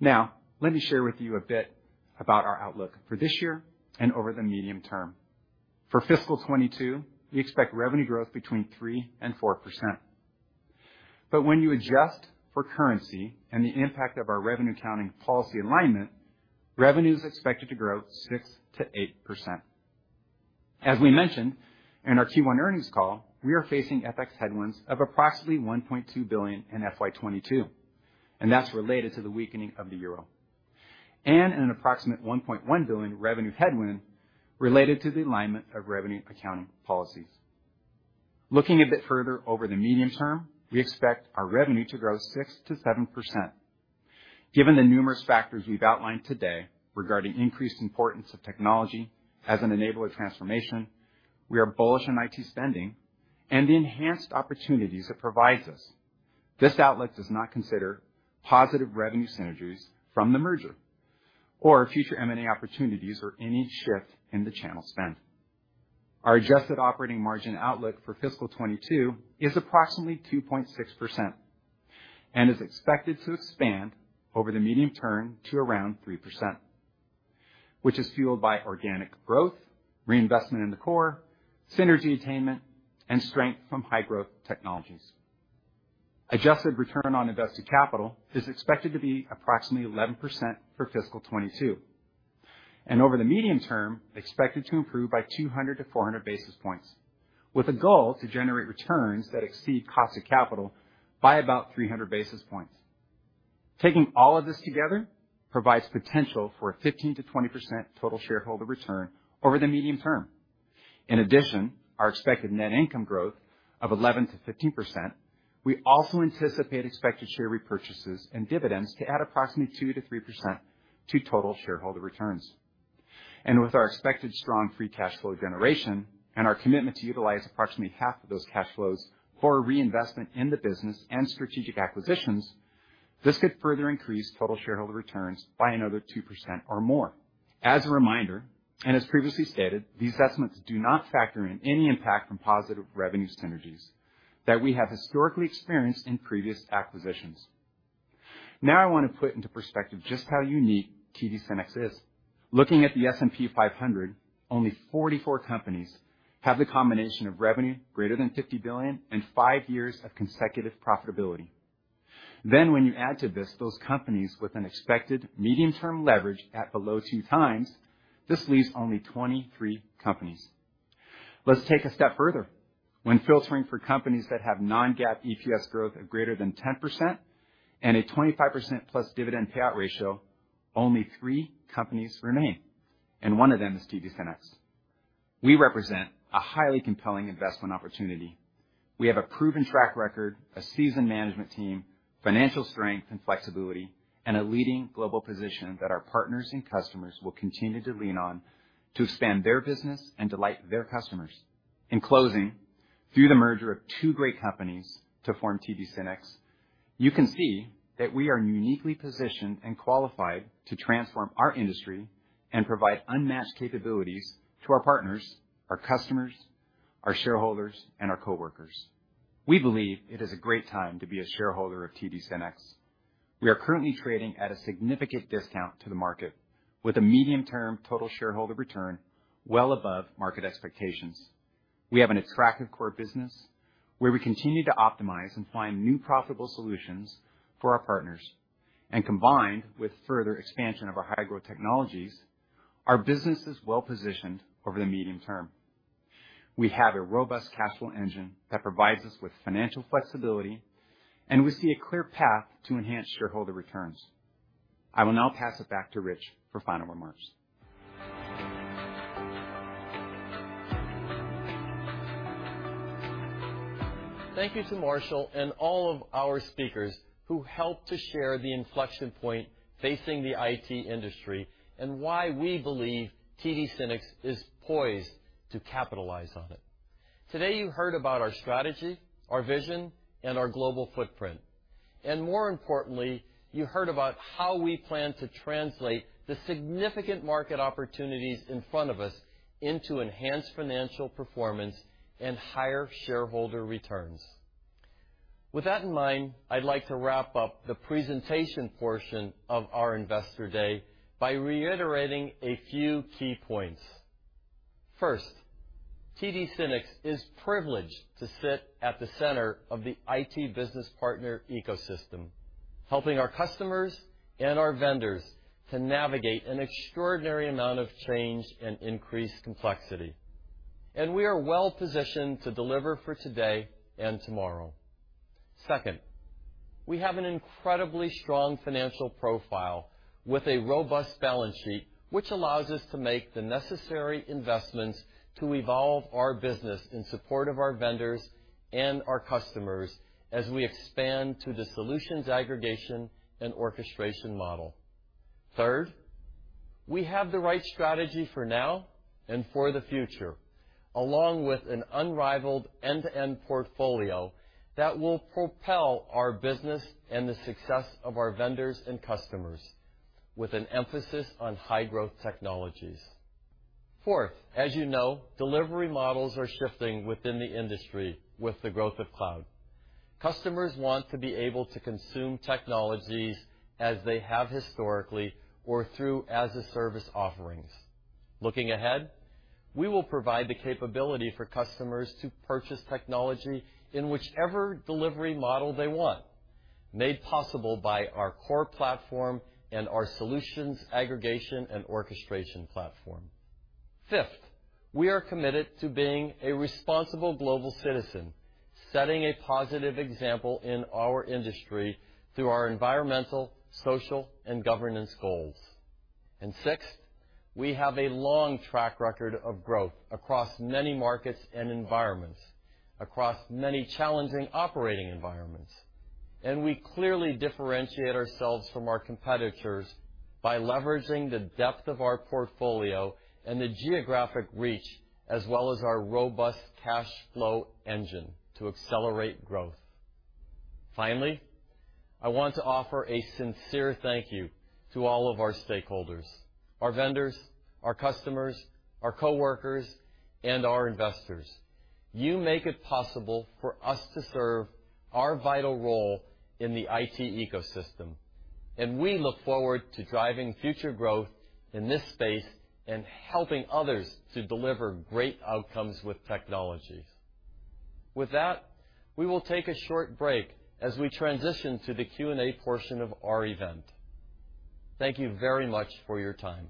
S20: Now, let me share with you a bit about our outlook for this year and over the medium term. For FY 2022, we expect revenue growth between 3%-4%. When you adjust for currency and the impact of our revenue accounting policy alignment, revenue is expected to grow 6%-8%. As we mentioned in our Q1 earnings call, we are facing FX headwinds of approximately $1.2 billion in FY 2022, and that's related to the weakening of the euro, and an approximate $1.1 billion revenue headwind related to the alignment of revenue accounting policies. Looking a bit further over the medium term, we expect our revenue to grow 6%-7%. Given the numerous factors we've outlined today regarding increased importance of technology as an enabler transformation, we are bullish on IT spending and the enhanced opportunities it provides us. This outlook does not consider positive revenue synergies from the merger or future M&A opportunities or any shift in the channel spend. Our adjusted operating margin outlook for fiscal 2022 is approximately 2.6% and is expected to expand over the medium term to around 3%, which is fueled by organic growth, reinvestment in the core, synergy attainment, and strength from high-growth technologies. Adjusted return on invested capital is expected to be approximately 11% for fiscal 2022, and over the medium term, expected to improve by 200-400 basis points with a goal to generate returns that exceed cost of capital by about 300 basis points. Taking all of this together provides potential for a 15%-20% total shareholder return over the medium term. In addition to our expected net income growth of 11%-15%, we also anticipate expected share repurchases and dividends to add approximately 2%-3% to total shareholder returns. With our expected strong free cash flow generation and our commitment to utilize approximately half of those cash flows for reinvestment in the business and strategic acquisitions, this could further increase total shareholder returns by another 2% or more. As a reminder, and as previously stated, these estimates do not factor in any impact from positive revenue synergies that we have historically experienced in previous acquisitions. Now, I want to put into perspective just how unique TD SYNNEX is. Looking at the S&P 500, only 44 companies have the combination of revenue greater than $50 billion and five years of consecutive profitability. When you add to this those companies with an expected medium-term leverage at below 2x, this leaves only 23 companies. Let's take a step further. When filtering for companies that have non-GAAP EPS growth of greater than 10% and a 25%+ dividend payout ratio, only three companies remain, and one of them is TD SYNNEX. We represent a highly-compelling investment opportunity. We have a proven track record, a seasoned management team, financial strength and flexibility, and a leading global position that our partners and customers will continue to lean on to expand their business and delight their customers. In closing, through the merger of two great companies to form TD SYNNEX, you can see that we are uniquely-positioned and qualified to transform our industry and provide unmatched capabilities to our partners, our customers, our shareholders, and our coworkers. We believe it is a great time to be a shareholder of TD SYNNEX. We are currently trading at a significant discount to the market with a medium-term total shareholder return well above market expectations. We have an attractive core business where we continue to optimize and find new profitable solutions for our partners, and combined with further expansion of our high growth technologies, our business is well-positioned over the medium term. We have a robust cash flow engine that provides us with financial flexibility, and we see a clear path to enhance shareholder returns. I will now pass it back to Rich for final remarks.
S3: Thank you to Marshall and all of our speakers who helped to share the inflection point facing the IT industry and why we believe TD SYNNEX is poised to capitalize on it. Today, you heard about our strategy, our vision, and our global footprint. More importantly, you heard about how we plan to translate the significant market opportunities in front of us into enhanced financial performance and higher shareholder returns. With that in mind, I'd like to wrap up the presentation portion of our Investor Day by reiterating a few key points. First, TD SYNNEX is privileged to sit at the center of the IT business partner ecosystem, helping our customers and our vendors to navigate an extraordinary amount of change and increased complexity. We are well-positioned to deliver for today and tomorrow. Second, we have an incredibly strong financial profile with a robust balance sheet, which allows us to make the necessary investments to evolve our business in support of our vendors and our customers as we expand to the solutions aggregation and orchestration model. Third, we have the right strategy for now and for the future, along with an unrivaled end-to-end portfolio that will propel our business and the success of our vendors and customers with an emphasis on high growth technologies. Fourth, as you know, delivery models are shifting within the industry with the growth of cloud. Customers want to be able to consume technologies as they have historically or through as-a-service offerings. Looking ahead, we will provide the capability for customers to purchase technology in whichever delivery model they want. Made possible by our core platform and our solutions aggregation and orchestration platform. Fifth, we are committed to being a responsible global citizen, setting a positive example in our industry through our environmental, social, and governance goals. Sixth, we have a long track record of growth across many markets and environments, across many challenging operating environments. We clearly differentiate ourselves from our competitors by leveraging the depth of our portfolio and the geographic reach, as well as our robust cash flow engine to accelerate growth. Finally, I want to offer a sincere thank you to all of our stakeholders, our vendors, our customers, our coworkers, and our investors. You make it possible for us to serve our vital role in the IT ecosystem, and we look forward to driving future growth in this space and helping others to deliver great outcomes with technologies. With that, we will take a short break as we transition to the Q&A portion of our event. Thank you very much for your time.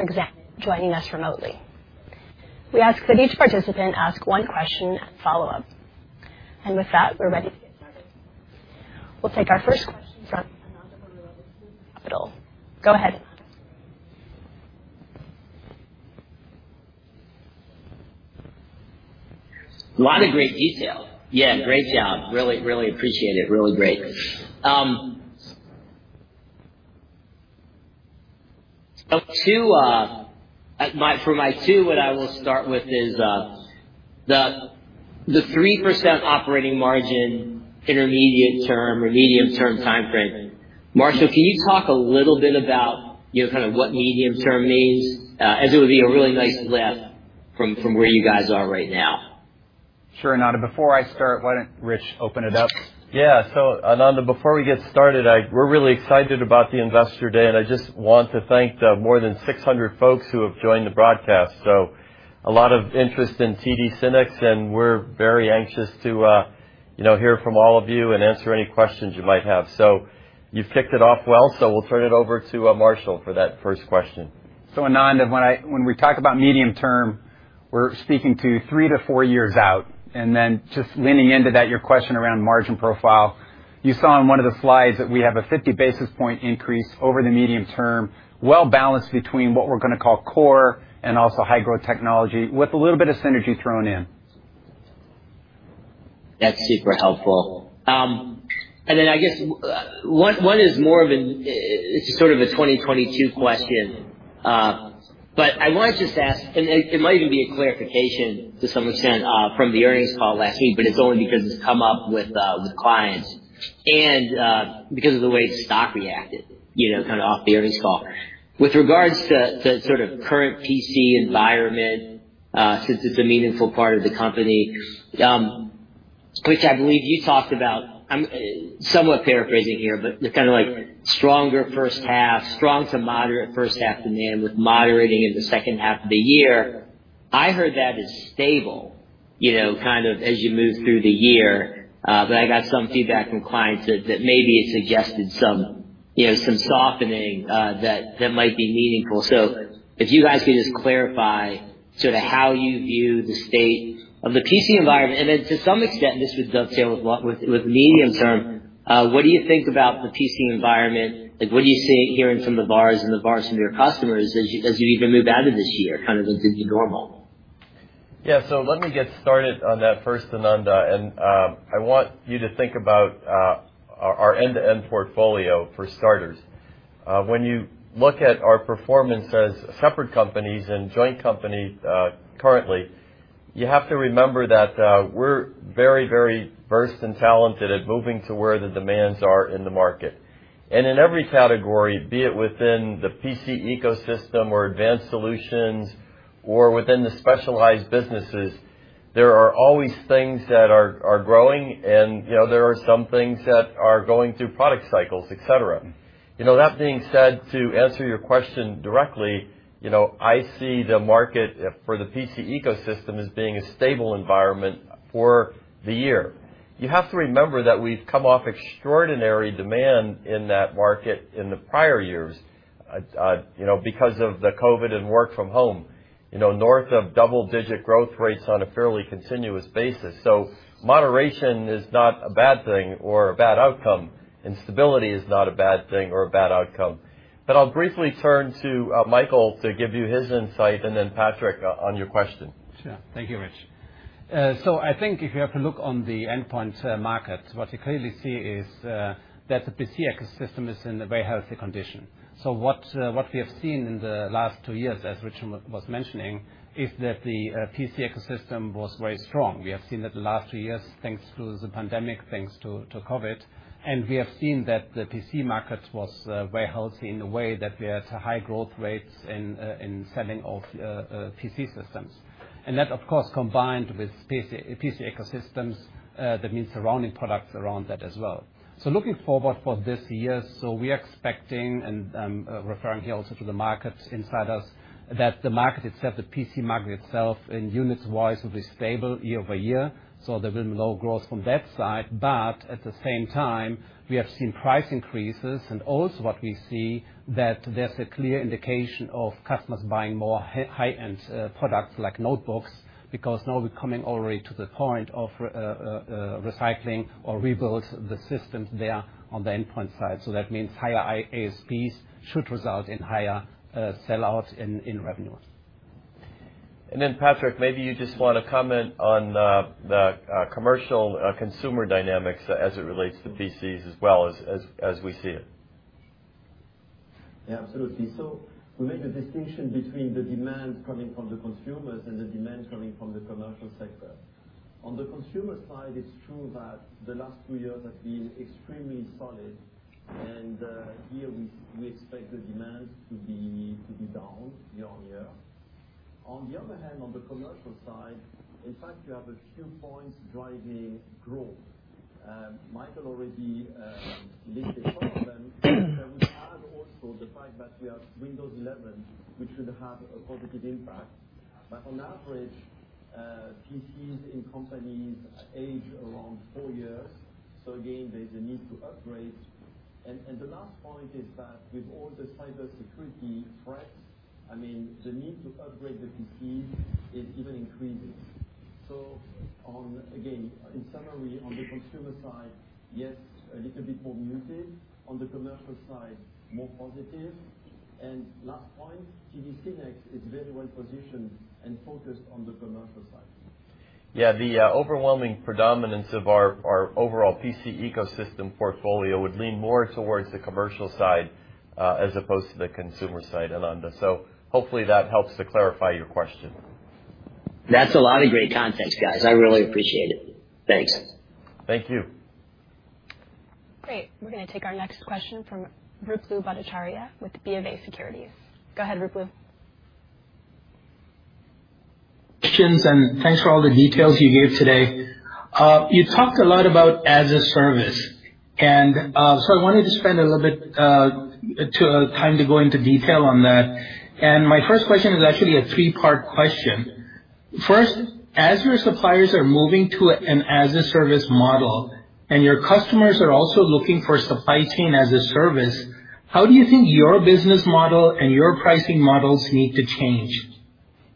S1: Hello. Thank you for joining us. Before we begin the Q&A session of our event, I'd like to remind everyone the presentation materials we share today are available on our investor relations website if you'd like to download them. In addition to the presenters here with me today, we also have Patrick Zammit joining us remotely. We ask that each participant ask one question and follow up. With that, we're ready to get started. We'll take our first question. Go ahead, Ananda.
S21: A lot of great detail. Yeah, great job. Really appreciate it. Really great. For my two, what I will start with is the 3% operating margin, intermediate term or medium-term timeframe. Marshall, can you talk a little bit about, you know, kind of what medium-term means? As it would be a really nice lift from where you guys are right now.
S20: Sure, Ananda. Before I start, why don't Rich open it up?
S3: Yeah. Ananda, before we get started, we're really excited about the Investor Day, and I just want to thank the more than 600 folks who have joined the broadcast. A lot of interest in TD SYNNEX, and we're very anxious to, you know, hear from all of you and answer any questions you might have. You've kicked it off well, so we'll turn it over to Marshall for that first question.
S20: Ananda, when we talk about medium-term, we're speaking to three to four years out. Then just leaning into that, your question around margin profile. You saw in one of the slides that we have a 50 basis point increase over the medium-term, well-balanced between what we're gonna call core and also high-growth technology with a little bit of synergy thrown in.
S21: That's super helpful. I guess one is more of an, it's just sort of a 2022 question. I wanted to just ask, it might even be a clarification to some extent from the earnings call last week, it's only because it's come up with clients and because of the way the stock reacted, you know, kinda off the earnings call. With regards to sort of current PC environment, since it's a meaningful part of the company, which I believe you talked about, I'm somewhat paraphrasing here, but the kinda like stronger first half, strong to moderate first half demand with moderating in the second half of the year. I heard that as stable, you know, kind of as you move through the year. I got some feedback from clients that maybe it suggested some, you know, softening that might be meaningful. If you guys could just clarify sorta how you view the state of the PC environment. To some extent, this would dovetail with medium-term what do you think about the PC environment. Like, what are you seeing, hearing from the VARs from your customers as you even move out of this year kind of into the normal?
S3: Yeah. Let me get started on that first, Ananda. I want you to think about our end-to-end portfolio for starters. When you look at our performance as separate companies and joint companies, currently, you have to remember that we're very, very versed and talented at moving to where the demands are in the market. In every category, be it within the PC ecosystem or Advanced Solutions or within the specialized businesses, there are always things that are growing and, you know, there are some things that are going through product cycles, etc. You know, that being said, to answer your question directly, you know, I see the market for the PC ecosystem as being a stable environment for the year. You have to remember that we've come off extraordinary demand in that market in the prior years, you know, because of the COVID and work from home, you know, north of double-digit growth rates on a fairly continuous basis. Moderation is not a bad thing or a bad outcome, and stability is not a bad thing or a bad outcome. I'll briefly turn to Michael to give you his insight and then Patrick on your question.
S12: Sure. Thank you, Rich. I think if you have a look on the endpoint market, what you clearly see is that the PC ecosystem is in a very healthy condition. What we have seen in the last two years, as Rich was mentioning, is that the PC ecosystem was very strong. We have seen that the last two years, thanks to the pandemic, thanks to COVID. We have seen that the PC market was very healthy in the way that we had high growth rates in selling of PC systems. That, of course, combined with PC ecosystems, that means surrounding products around that as well. Looking forward for this year, we're expecting, and I'm referring here also to the market insiders, that the market itself, the PC market itself, in units wise, will be stable year over year, there'll be low growth from that side. At the same time, we have seen price increases. Also what we see that there's a clear indication of customers buying more high-end products like notebooks because now we're coming already to the point of recycling or rebuild the systems there on the endpoint side. That means higher ASPs should result in higher sell-outs in revenues.
S3: Patrick, maybe you just wanna comment on the commercial consumer dynamics as it relates to PCs as well as we see it.
S13: Yeah, absolutely. We make a distinction between the demands coming from the consumers and the demands coming from the commercial sector. On the consumer side, it's true that the last two years have been extremely solid, and here we expect the demands to be down year-over-year. On the other hand, on the commercial side, in fact you have a few points driving growth. Michael already listed some of them. We have also the fact that we have Windows 11, which should have a positive impact. On average, PCs in companies age around four years. Again, there's a need to upgrade. The last point is that with all the cybersecurity threats, I mean, the need to upgrade the PC is even increasing. On again, in summary, on the consumer side, yes, a little bit more muted. On the commercial side, more positive. Last point, TD SYNNEX is very well-positioned and focused on the commercial side.
S3: Yeah. The overwhelming predominance of our overall PC ecosystem portfolio would lean more towards the commercial side, as opposed to the consumer side, Ananda. Hopefully that helps to clarify your question.
S21: That's a lot of great context, guys. I really appreciate it. Thanks.
S3: Thank you.
S1: Great. We're gonna take our next question from Ruplu Bhattacharya with BofA Securities. Go ahead, Ruplu.
S22: Questions, thanks for all the details you gave today. You talked a lot about as a service. I wanted to spend a little bit time to go into detail on that. My first question is actually a three-part question. First, as your suppliers are moving to an as a service model and your customers are also looking for supply chain as a service, how do you think your business model and your pricing models need to change?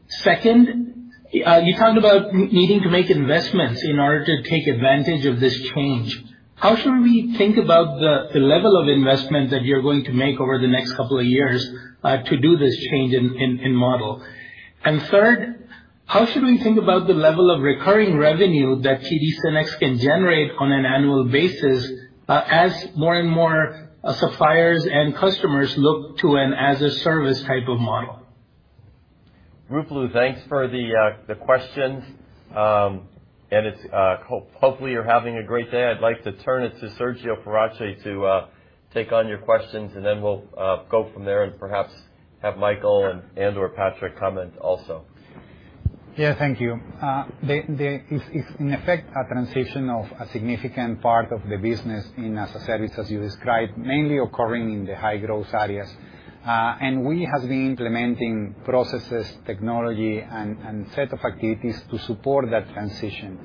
S22: Second, you talked about needing to make investments in order to take advantage of this change. How should we think about the level of investment that you're going to make over the next couple of years to do this change in model? Third, how should we think about the level of recurring revenue that TD SYNNEX can generate on an annual basis, as more and more suppliers and customers look to an as-a-service type of model?
S3: Ruplu, thanks for the questions. Hopefully you're having a great day. I'd like to turn it to Sergio Farache to take on your questions, and then we'll go from there and perhaps have Michael and/or Patrick comment also.
S10: Yeah. Thank you. It's in effect a transition of a significant part of the business as a service, as you described, mainly occurring in the high-growth areas. We have been implementing processes, technology, and a set of activities to support that transition.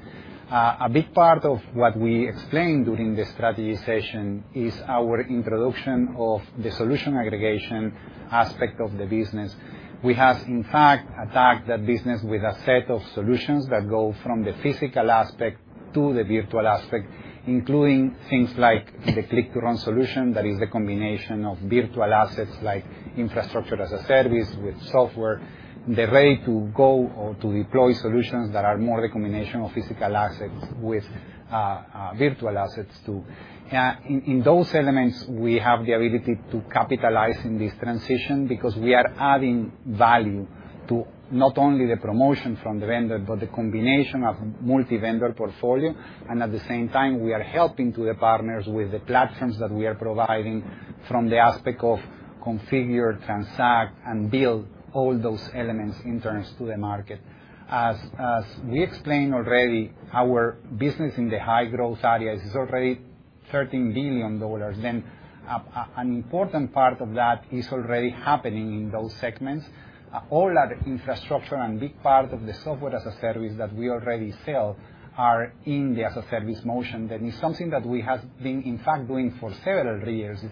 S10: A big part of what we explained during the strategy session is our introduction of the solution aggregation aspect of the business. We have in fact attacked that business with a set of solutions that go from the physical aspect to the virtual aspect, including things like the click to run solution that is a combination of virtual assets like infrastructure as a service with software, the way to go or to deploy solutions that are more a combination of physical assets with virtual assets too. In those elements, we have the ability to capitalize in this transition because we are adding value to not only the promotion from the vendor, but the combination of multi-vendor portfolio. At the same time, we are helping to the partners with the platforms that we are providing from the aspect of configure, transact, and build all those elements in terms to the market. As we explained already, our business in the high-growth areas is already $13 billion. An important part of that is already happening in those segments. All that infrastructure and big part of the software as a service that we already sell are in the as a service motion. That is something that we have been in fact doing for several years. It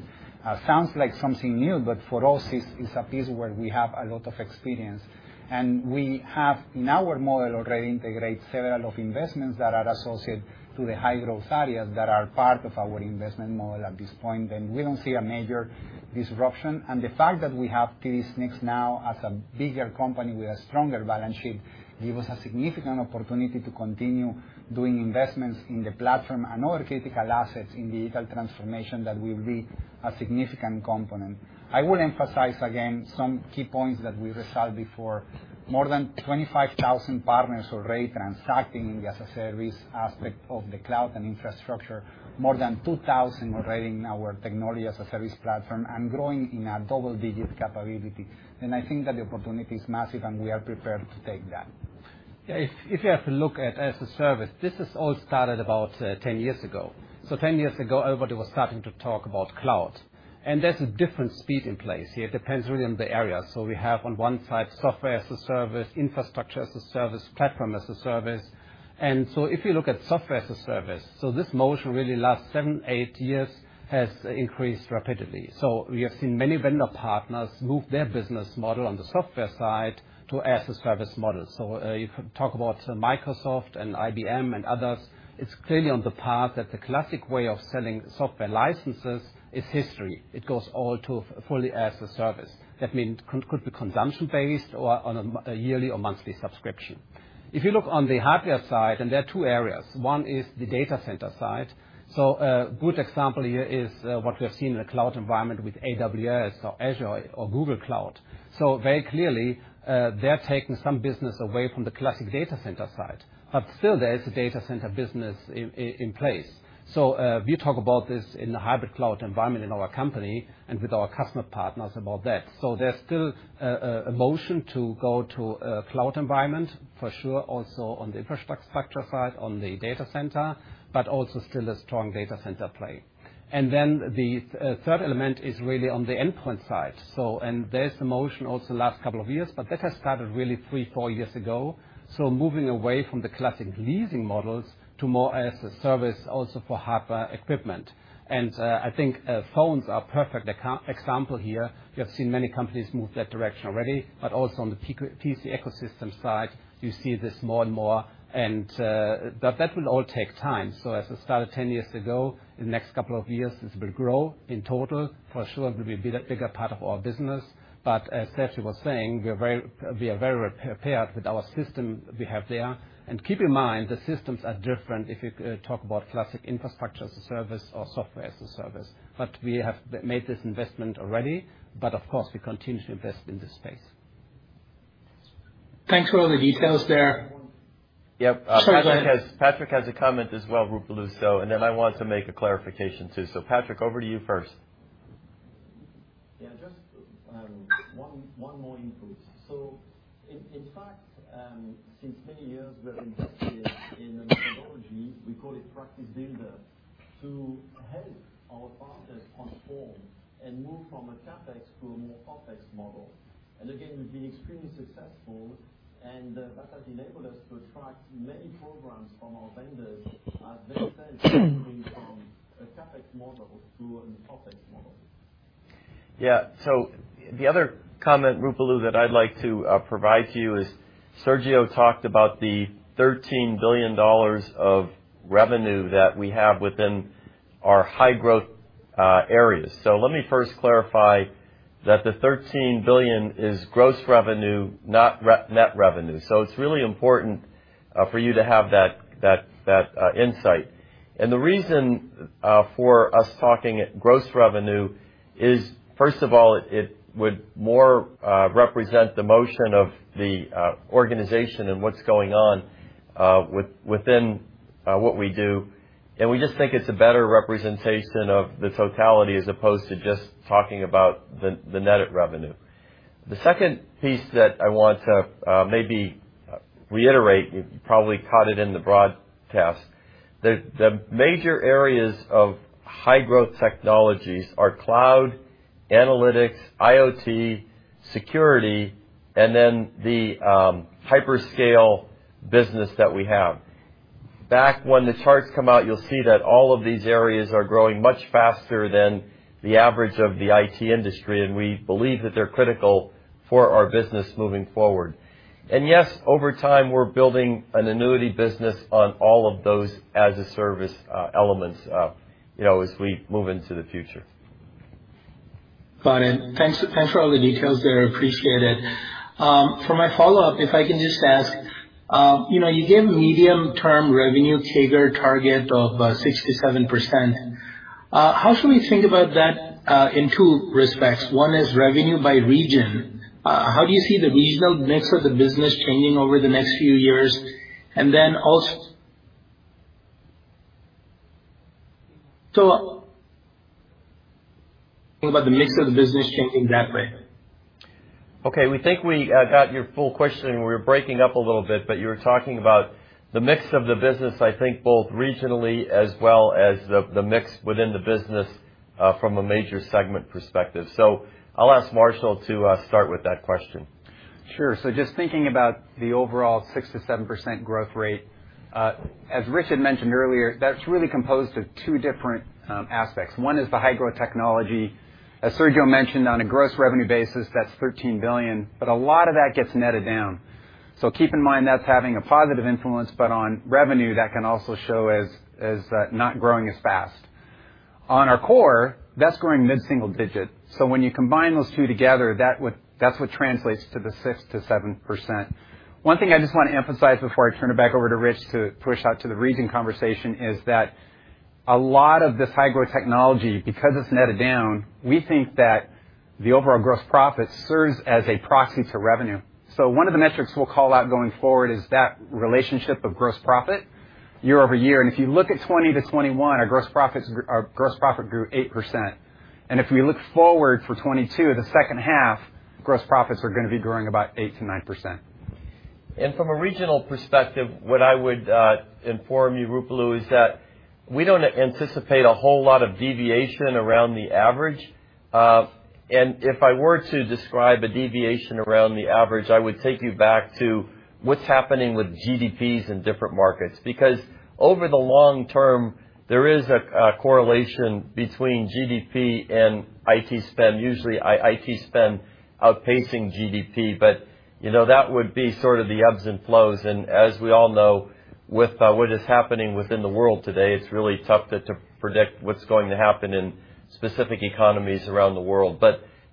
S10: sounds like something new, but for us it's a piece where we have a lot of experience, and we have in our model already integrate several of investments that are associated to the high-growth areas that are part of our investment model at this point. We don't see a major disruption. The fact that we have TD SYNNEX now as a bigger company with a stronger balance sheet give us a significant opportunity to continue doing investments in the platform and other critical assets in digital transformation that will be a significant component. I would emphasize again some key points that we resolved before. More than 25,000 partners are already transacting in the as a service aspect of the cloud and infrastructure. More than 2,000 already in our technology as a service platform and growing in a double-digit capability. I think that the opportunity is massive, and we are prepared to take that.
S12: Yeah, if you have to look at as a service, this has all started about 10 years ago. 10 years ago, everybody was starting to talk about cloud. There's a different speed in place here. It depends really on the area. We have on one side software as a service, infrastructure as a service, platform as a service. If you look at software as a service, this motion really last seven to eight years has increased rapidly. We have seen many vendor partners move their business model on the software side to as a service model. You can talk about Microsoft and IBM and others. It's clearly on the path that the classic way of selling software licenses is history. It goes all to fully as a service. That means could be consumption-based or on a yearly or monthly subscription. If you look on the hardware side, there are two areas. One is the data center side. A good example here is what we have seen in the cloud environment with AWS or Azure or Google Cloud. Very clearly, they're taking some business away from the classic data center side, but still there is a data center business in place. We talk about this in the hybrid cloud environment in our company and with our customer partners about that. There's still a motion to go to a cloud environment for sure, also on the infrastructure side, on the data center, but also still a strong data center play. Then the third element is really on the endpoint side. There's the motion also last couple of years, but that has started really three, four years ago. Moving away from the classic leasing models to more as a service also for hardware equipment. Phones are perfect example here. We have seen many companies move that direction already, but also on the PC ecosystem side, you see this more and more. That will all take time. As I started ten years ago, in the next couple of years, this will grow in total. For sure, it will be a bigger part of our business. As Sergio was saying, we are very prepared with our system we have there. Keep in mind, the systems are different if you talk about classic infrastructure as a service or software as a service. We have made this investment already, but of course, we continue to invest in this space.
S22: Thanks for all the details there.
S3: Yeah.
S22: Sorry, go ahead.
S3: Patrick has a comment as well, Ruplu. I want to make a clarification too. Patrick, over to you first.
S13: Yeah, just one more input. In fact, since many years, we have invested in a methodology we call Practice Builder to help our partners transform and move from a CapEx to a more OpEx model. Again, we've been extremely successful, and that has enabled us to attract many programs from our vendors as they start moving from a CapEx model to an OpEx model.
S3: Yeah. The other comment, Ruplu, that I'd like to provide to you is Sergio talked about the $13 billion of revenue that we have within our high-growth areas. Let me first clarify that the $13 billion is gross revenue, not net revenue. It's really important for you to have that insight. The reason for us talking at gross revenue is, first of all, it would more represent the momentum of the organization and what's going on within what we do. We just think it's a better representation of the totality as opposed to just talking about the net revenue. The second piece that I want to maybe reiterate, you probably caught it in the broadcast. The major areas of high-growth technologies are cloud, analytics, IoT, security, and then the hyperscale business that we have. Back when the charts come out, you'll see that all of these areas are growing much faster than the average of the IT industry, and we believe that they're critical for our business moving forward. Yes, over time, we're building an annuity business on all of those as a service elements, you know, as we move into the future.
S22: Got it. Thanks for all the details there. Appreciate it. For my follow-up, if I can just ask, you know, you gave medium-term revenue CAGR target of 6%-7%. How should we think about that in two respects? One is revenue by region. How do you see the regional mix of the business changing over the next few years? About the mix of the business changing that way.
S3: Okay. We think we got your full question. We're breaking up a little bit, but you're talking about the mix of the business, I think both regionally as well as the mix within the business from a major segment perspective. I'll ask Marshall to start with that question.
S20: Sure. Just thinking about the overall 6%-7% growth rate, as Rich had mentioned earlier, that's really composed of two different aspects. One is the high-growth technology. As Sergio mentioned, on a gross revenue basis, that's $13 billion, but a lot of that gets netted down. Keep in mind, that's having a positive influence, but on revenue, that can also show as not growing as fast. On our core, that's growing mid-single-digit. When you combine those two together, that's what translates to the 6%-7%. One thing I just want to emphasize before I turn it back over to Rich to push out to the region conversation is that a lot of this high-growth technology, because it's netted down, we think that the overall gross profit serves as a proxy to revenue. One of the metrics we'll call out going forward is that relationship of gross profit. Year-over-year, if you look at 2020 to 2021, our gross profits, our gross profit grew 8%. If we look forward for 2022, the second half, gross profits are gonna be growing about 8%-9%.
S3: From a regional perspective, what I would inform you, Ruplu, is that we don't anticipate a whole lot of deviation around the average. If I were to describe a deviation around the average, I would take you back to what's happening with GDPs in different markets because over the long term, there is a correlation between GDP and IT spend, usually IT spend outpacing GDP. You know, that would be sort of the ebbs and flows. As we all know, with what is happening within the world today, it's really tough to predict what's going to happen in specific economies around the world.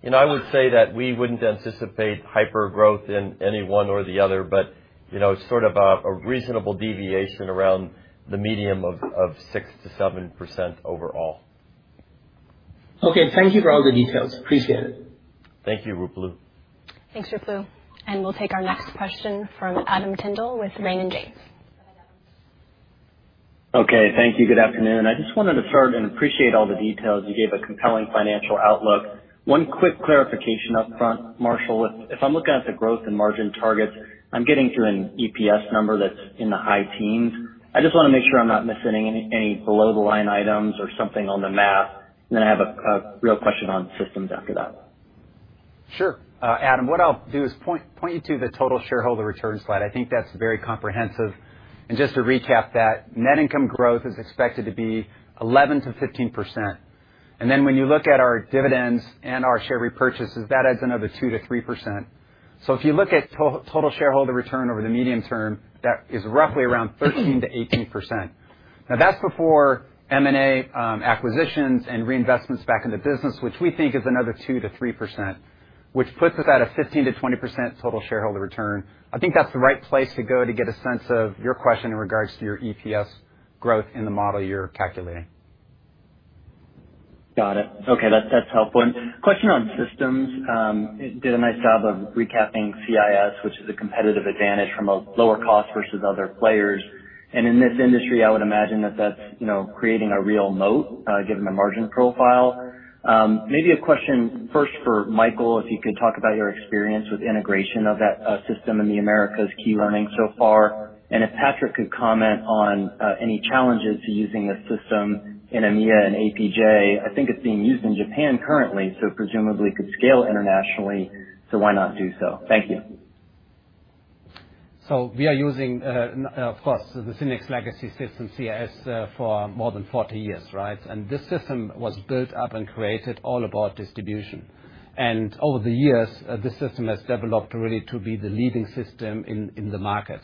S3: You know, I would say that we wouldn't anticipate hyper growth in any one or the other, but you know, sort of a reasonable deviation around the median of 6%-7% overall.
S22: Okay, thank you for all the details. Appreciate it.
S3: Thank you, Ruplu.
S1: Thanks, Ruplu. We'll take our next question from Adam Tindle with Raymond James. Go ahead, Adam.
S23: Okay, thank you. Good afternoon. I just wanted to start and appreciate all the details. You gave a compelling financial outlook. One quick clarification up front, Marshall. If I'm looking at the growth and margin targets, I'm getting to an EPS number that's in the high-teens. I just wanna make sure I'm not missing any below-the-line items or something on the math. Then I have a real question on systems after that.
S20: Sure. Adam, what I'll do is point you to the total shareholder return slide. I think that's very comprehensive. Just to recap that, net income growth is expected to be 11%-15%. Then when you look at our dividends and our share repurchases, that adds another 2%-3%. If you look at total shareholder return over the medium term, that is roughly around 13%-18%. Now, that's before M&A, acquisitions and reinvestments back in the business, which we think is another 2%-3%, which puts us at a 15%-20% total shareholder return. I think that's the right place to go to get a sense of your question in regards to your EPS growth in the model you're calculating.
S23: Got it. Okay, that's helpful. Question on systems. You did a nice job of recapping CIS, which is a competitive advantage from a lower cost versus other players. In this industry, I would imagine that that's, you know, creating a real moat, given the margin profile. Maybe a question first for Michael, if you could talk about your experience with integration of that system in the Americas, key learning so far. If Patrick could comment on any challenges to using the system in EMEA and APJ. I think it's being used in Japan currently, so presumably could scale internationally, so why not do so? Thank you.
S12: We are using, of course, the SYNNEX legacy system, CIS, for more than 40 years, right? This system was built up and created all about distribution. Over the years, this system has developed really to be the leading system in the market.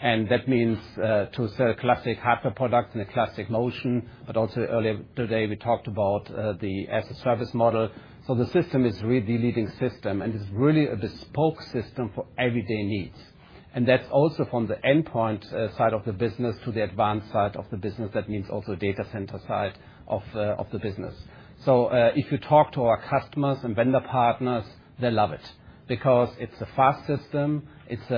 S12: That means to sell classic hardware products in a classic motion, but also earlier today, we talked about the as a service model. The system is really the leading system, and it's really a bespoke system for everyday needs. That's also from the endpoint side of the business to the advanced side of the business. That means also data center side of the business. If you talk to our customers and vendor partners, they love it because it's a fast system. It's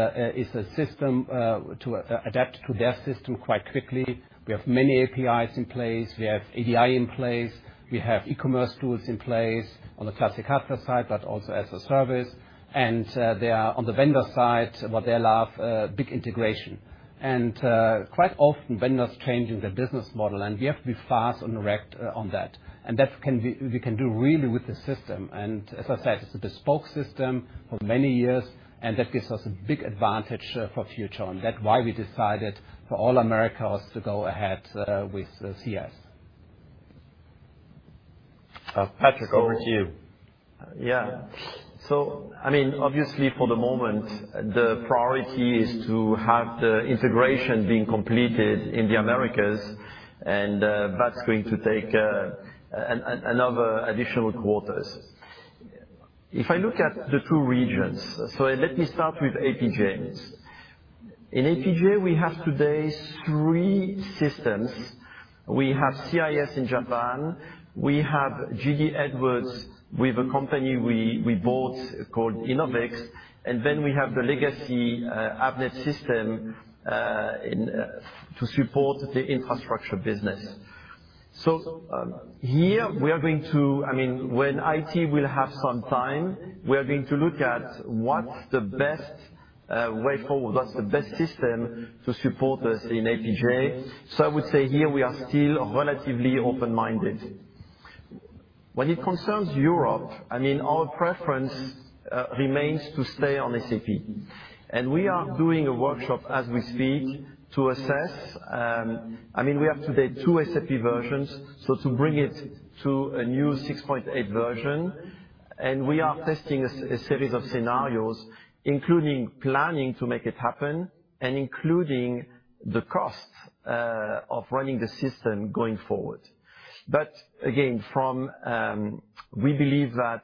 S12: a system to adapt to their system quite quickly. We have many APIs in place. We have EDI in place. We have e-commerce tools in place on the classic hardware side, but also as a service. They are on the vendor side, what they love, big integration. Quite often vendors changing their business model, and we have to be fast and react on that. We can do really with the system. As I said, it's a bespoke system for many years, and that gives us a big advantage for future. That's why we decided for all Americas to go ahead with CIS.
S3: Patrick, over to you.
S13: I mean, obviously for the moment, the priority is to have the integration being completed in the Americas, and that's going to take another additional quarters. If I look at the two regions, let me start with APJ. In APJ, we have today three systems. We have CIS in Japan. We have JD Edwards with a company we bought called Innovix, and then we have the legacy Avnet system in order to support the infrastructure business. I mean, when IT will have some time, we are going to look at what's the best way forward, what's the best system to support us in APJ. I would say here we are still relatively open-minded. When it concerns Europe, I mean, our preference remains to stay on SAP. We are doing a workshop as we speak to assess. I mean, we have today two SAP versions, so to bring it to a new 6.8 version. We are testing a series of scenarios, including planning to make it happen and including the cost of running the system going forward. We believe that,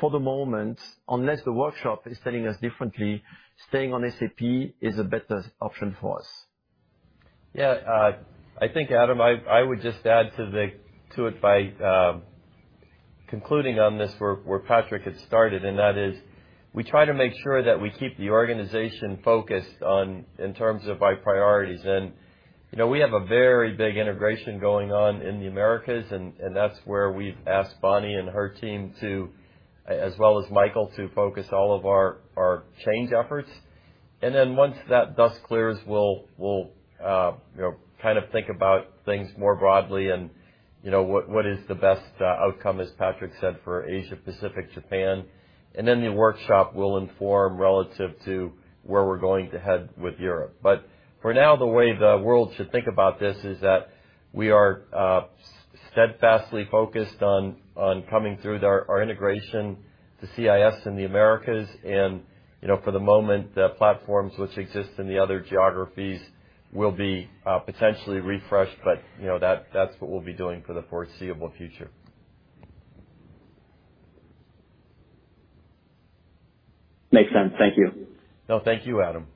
S13: for the moment, unless the workshop is telling us differently, staying on SAP is a better option for us.
S3: I think, Adam, I would just add to it by concluding on this where Patrick had started, and that is, we try to make sure that we keep the organization focused on, in terms of our priorities. You know, we have a very big integration going on in the Americas, and that's where we've asked Bonnie and her team, as well as Michael, to focus all of our change efforts. Then once that dust clears, we'll, you know, kind of think about things more broadly and, you know, what is the best outcome, as Patrick said, for Asia-Pacific, Japan. Then the workshop will inform relative to where we're going to head with Europe. For now, the way the world should think about this is that we are steadfastly focused on coming through with our integration to CIS in the Americas. You know, for the moment, the platforms which exist in the other geographies will be potentially refreshed, but you know, that's what we'll be doing for the foreseeable future.
S23: Makes sense. Thank you.
S3: No, thank you, Adam.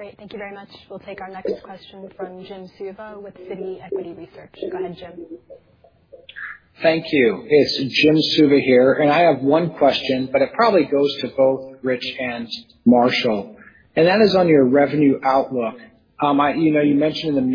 S1: Great. Thank you very much. We'll take our next question from Jim Suva with Citi Equity Research. Go ahead, Jim.
S24: Thank you. It's Jim Suva here. I have one question, but it probably goes to both Rich and Marshall, and that is on your revenue outlook. You know, you mentioned in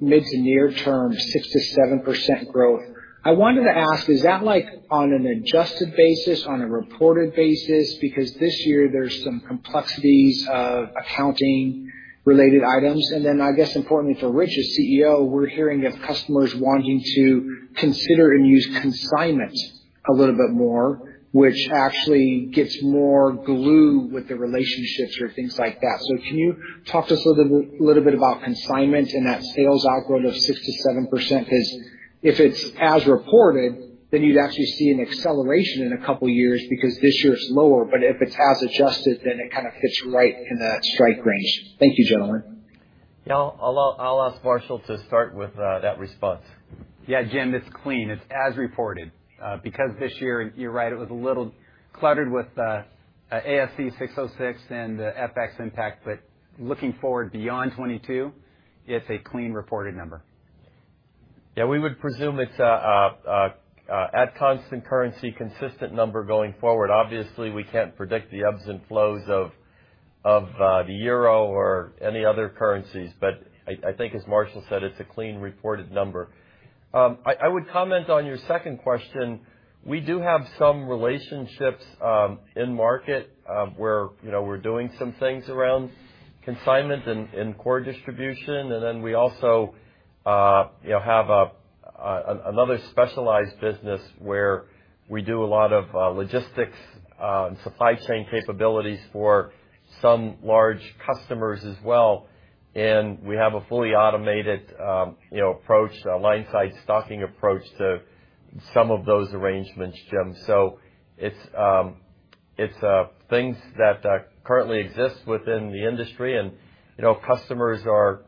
S24: the mid- to near-term, 6%-7% growth. I wanted to ask, is that, like, on an adjusted basis, on a reported basis? Because this year, there's some complexities of accounting-related items. Then, I guess importantly for Rich as CEO, we're hearing of customers wanting to consider and use consignment a little bit more, which actually gets more glue with the relationships or things like that. So can you talk to us a little bit about consignment and that sales outlook of 6%-7%? 'Cause if it's as reported, then you'd actually see an acceleration in a couple years because this year it's lower. If it's as adjusted, then it kind of fits right in that strike range. Thank you, gentlemen.
S3: Yeah. I'll ask Marshall to start with that response.
S20: Yeah, Jim, it's clean. It's as reported. Because this year, you're right, it was a little cluttered with ASC 606 and the FX impact. Looking forward beyond 2022, it's a clean reported number.
S3: Yeah, we would presume it's at constant currency, consistent number going forward. Obviously, we can't predict the ebbs and flows of the euro or any other currencies, but I think as Marshall said, it's a clean reported number. I would comment on your second question. We do have some relationships in market where you know we're doing some things around consignment and core distribution. We also you know have another specialized business where we do a lot of logistics and supply chain capabilities for some large customers as well. We have a fully automated you know approach, a line-site stocking approach to some of those arrangements, Jim. It's things that currently exist within the industry. You know, customers are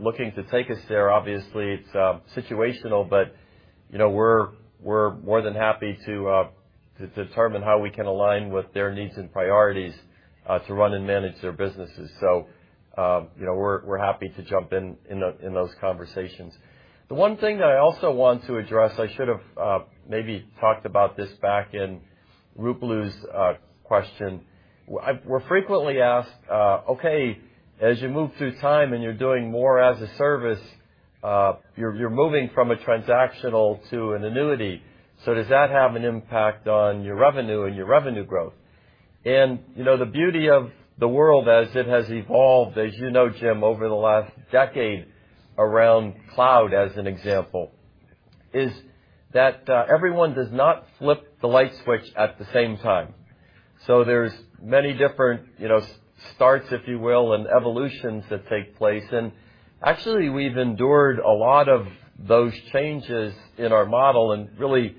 S3: looking to take us there. Obviously, it's situational, but you know, we're more than happy to determine how we can align with their needs and priorities to run and manage their businesses. You know, we're happy to jump in the those conversations. The one thing that I also want to address, I should have maybe talked about this back in Ruplu's question. We're frequently asked, okay, as you move through time and you're doing more as a service, you're moving from a transactional to an annuity. Does that have an impact on your revenue and your revenue growth? You know, the beauty of the world as it has evolved, as you know, Jim, over the last decade around cloud, as an example, is that everyone does not flip the light switch at the same time. There's many different, you know, starts, if you will, and evolutions that take place. Actually, we've endured a lot of those changes in our model, and really,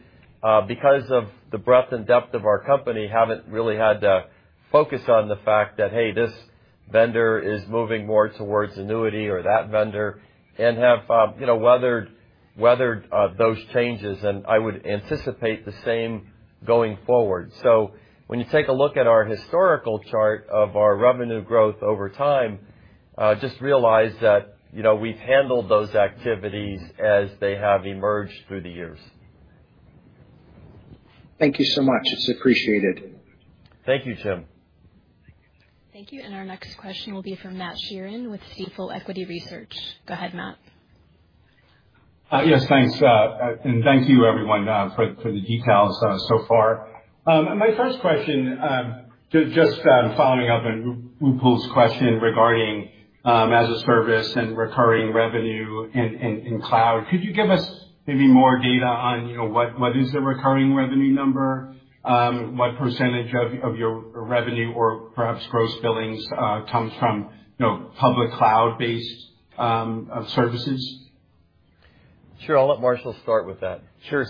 S3: because of the breadth and depth of our company, haven't really had to focus on the fact that, hey, this vendor is moving more towards annuity or that vendor and have, you know, weathered those changes. I would anticipate the same going forward. When you take a look at our historical chart of our revenue growth over time, just realize that, you know, we've handled those activities as they have emerged through the years.
S24: Thank you so much. It's appreciated.
S3: Thank you, Jim.
S1: Thank you. Our next question will be from Matt Sheerin with Stifel Equity Research. Go ahead, Matt.
S25: Yes, thanks. And thank you everyone for the details so far. My first question, just following up on Ruplu's question regarding as a service and recurring revenue in cloud. Could you give us maybe more data on, you know, what is the recurring revenue number? What percentage of your revenue or perhaps gross billings comes from, you know, public cloud-based services?
S3: Sure. I'll let Marshall start with that.
S20: Sure.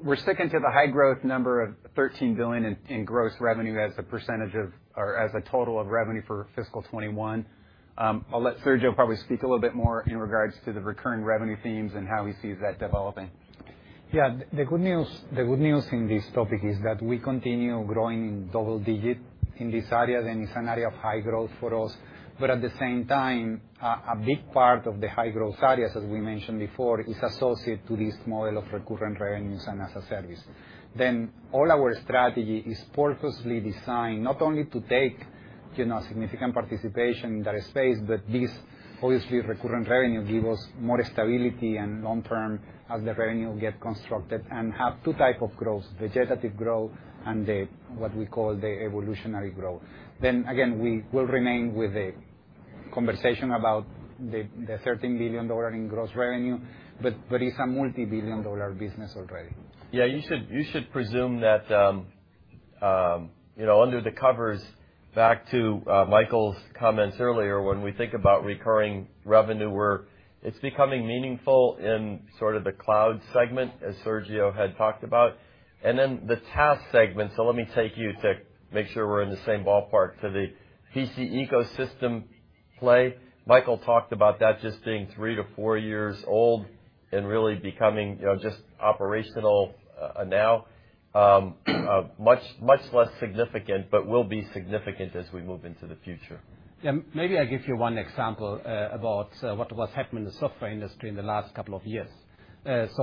S20: We're sticking to the high growth number of $13 billion in gross revenue as a percentage of, or as a total of revenue for fiscal 2021. I'll let Sergio probably speak a little bit more in regards to the recurring revenue themes and how he sees that developing.
S10: Yeah. The good news in this topic is that we continue growing double-digit in this area, and it's an area of high growth for us. But at the same time, a big part of the high growth areas, as we mentioned before, is associated to this model of recurrent revenues and as a service. All our strategy is purposely designed not only to take. You know, significant participation in that space, but this obviously recurrent revenue give us more stability and long-term as the revenue get constructed and have two type of growth, vegetative growth and the what we call the evolutionary growth. We will remain with the conversation about the thirteen billion dollar in gross revenue, but it's a multi-billion-dollar business already.
S3: Yeah, you should presume that, you know, under the covers, back to Michael's comments earlier, when we think about recurring revenue where it's becoming meaningful in sort of the cloud segment, as Sergio had talked about, and then the task segment. Let me take you to make sure we're in the same ballpark. The PC ecosystem play, Michael talked about that just being three to four years old and really becoming, you know, just operational now. Much less significant, but will be significant as we move into the future.
S10: Yeah, maybe I give you one example about what was happening in the software industry in the last couple of years. As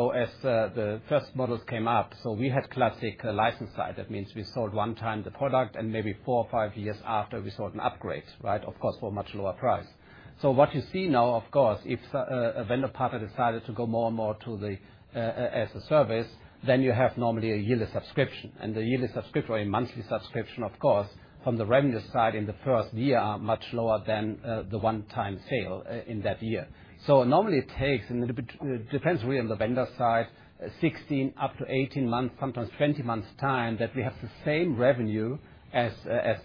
S10: the first models came up, we had classic license side. That means we sold one time the product, and maybe four or five years after we sold an upgrade, right? Of course, for a much lower price. What you see now, of course, if a vendor partner decided to go more and more to the as a service, then you have normally a yearly subscription. The yearly subscription or a monthly subscription, of course, from the revenue side in the first year, much lower than the one-time sale in that year. Normally it takes, and it depends really on the vendor side, 16 up to 18 months, sometimes 20 months time, that we have the same revenue as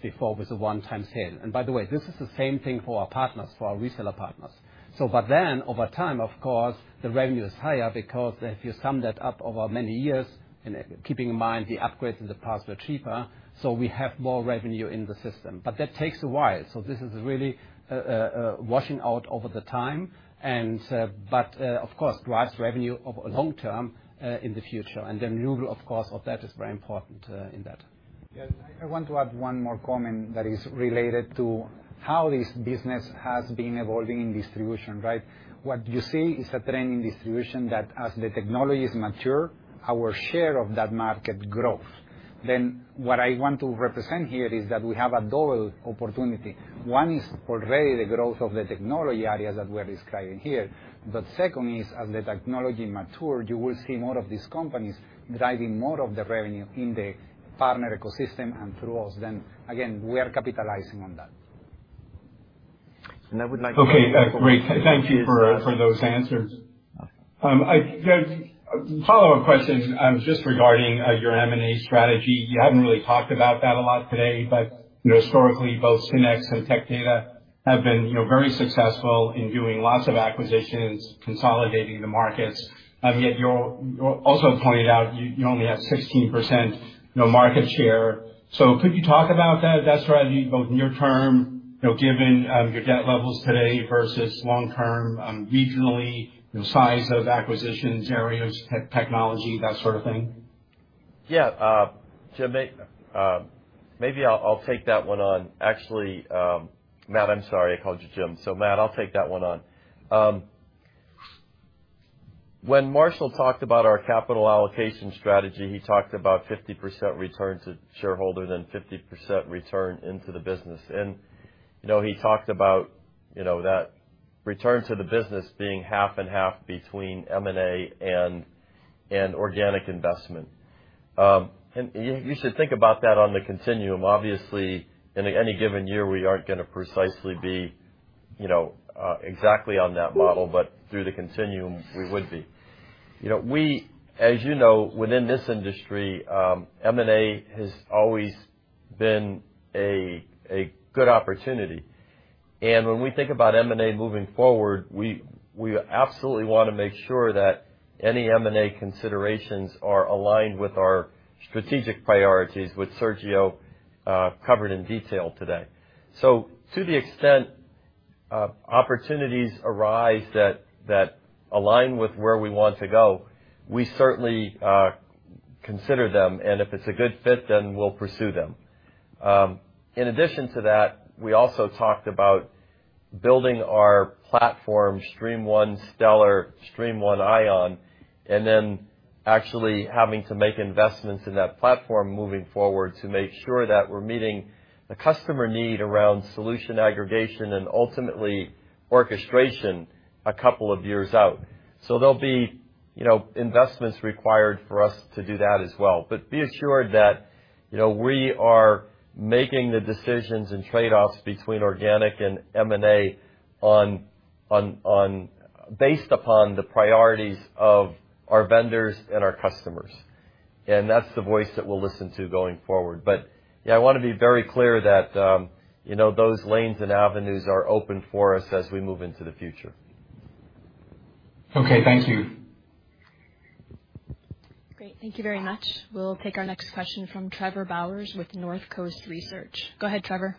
S10: before with a one-time sale. By the way, this is the same thing for our partners, for our reseller partners. Over time, of course, the revenue is higher because if you sum that up over many years, and keeping in mind the upgrades in the past were cheaper, so we have more revenue in the system. That takes a while. This is really washing out over the time. Of course, drives revenue over long term in the future. The renewal, of course, of that is very important in that. I want to add one more comment that is related to how this business has been evolving in distribution, right? What you see is a trend in distribution that as the technologies mature, our share of that market grows. What I want to represent here is that we have a double opportunity. One is for really the growth of the technology areas that we are describing here. Second is, as the technology matures, you will see more of these companies driving more of the revenue in the partner ecosystem and through us. Again, we are capitalizing on that.
S25: Okay. Great. Thank you for those answers. Just a follow-up question, just regarding your M&A strategy. You haven't really talked about that a lot today, but you know, historically, both SYNNEX and Tech Data have been you know, very successful in doing lots of acquisitions, consolidating the markets. Yet you also pointed out you only have 16% market share. So could you talk about that strategy, both near term, you know, given your debt levels today versus long term, regionally, you know, size of acquisitions, areas, technology, that sort of thing?
S3: Yeah. Jim, maybe I'll take that one on. Actually, Matt, I'm sorry. I called you Jim. Matt, I'll take that one on. When Marshall talked about our capital allocation strategy, he talked about 50% return to shareholders and 50% return into the business. You know, he talked about, you know, that return to the business being half and half between M&A and organic investment. You should think about that on the continuum. Obviously, in any given year, we aren't gonna precisely be, you know, exactly on that model, but through the continuum, we would be. You know, we, as you know, within this industry, M&A has always been a good opportunity. When we think about M&A moving forward, we absolutely wanna make sure that any M&A considerations are aligned with our strategic priorities, which Sergio covered in detail today. To the extent opportunities arise that align with where we want to go, we certainly consider them, and if it's a good fit, then we'll pursue them. In addition to that, we also talked about building our platform, StreamOne Stellr, StreamOne Ion, and then actually having to make investments in that platform moving forward to make sure that we're meeting the customer need around solution aggregation and ultimately orchestration a couple of years out. There'll be, you know, investments required for us to do that as well. Be assured that, you know, we are making the decisions and trade-offs between organic and M&A on based upon the priorities of our vendors and our customers. That's the voice that we'll listen to going forward. Yeah, I wanna be very clear that, you know, those lanes and avenues are open for us as we move into the future.
S25: Okay, thank you.
S1: Great. Thank you very much. We'll take our next question from Trevor Bowers with Northcoast Research. Go ahead, Trevor.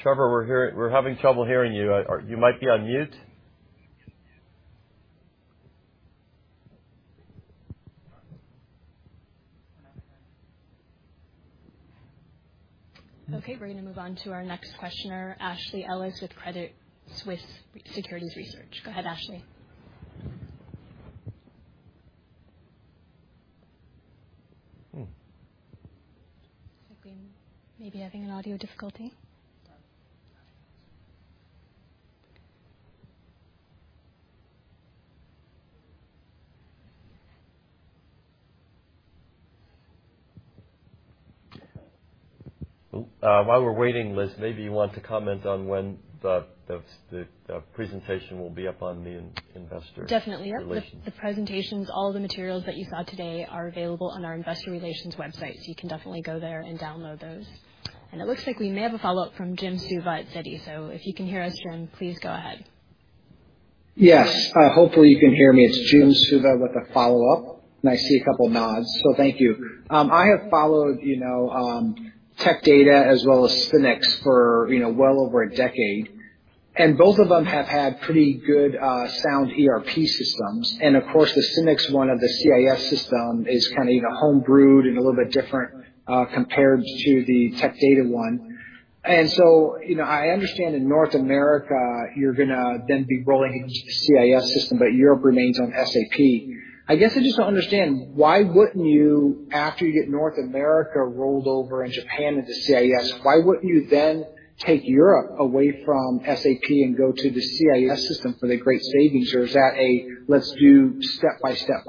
S3: Trevor, we're having trouble hearing you. You might be on mute.
S1: Okay. We're gonna move on to our next questioner, Ashley Ellis with Credit Suisse Securities Research. Go ahead, Ashley.
S3: Hmm.
S1: I think we may be having an audio difficulty.
S3: While we're waiting, Liz, maybe you want to comment on when the presentation will be up on the investor.
S1: Definitely. Yep. The presentations, all the materials that you saw today are available on our investor relations website, so you can definitely go there and download those. It looks like we may have a follow-up from Jim Suva at Citi. If you can hear us, Jim, please go ahead.
S24: Yes. Hopefully you can hear me. It's Jim Suva with a follow-up, and I see a couple nods, so thank you. I have followed, you know, Tech Data as well as SYNNEX for, you know, well over a decade, and both of them have had pretty good sound ERP systems. Of course, the SYNNEX one of the CIS system is kinda, you know, home-brewed and a little bit different compared to the Tech Data one. You know, I understand in North America you're gonna then be rolling the CIS system, but Europe remains on SAP. I guess I just don't understand, why wouldn't you, after you get North America rolled over and Japan into CIS, why wouldn't you then take Europe away from SAP and go to the CIS system for the great savings? Is that, let's do step by step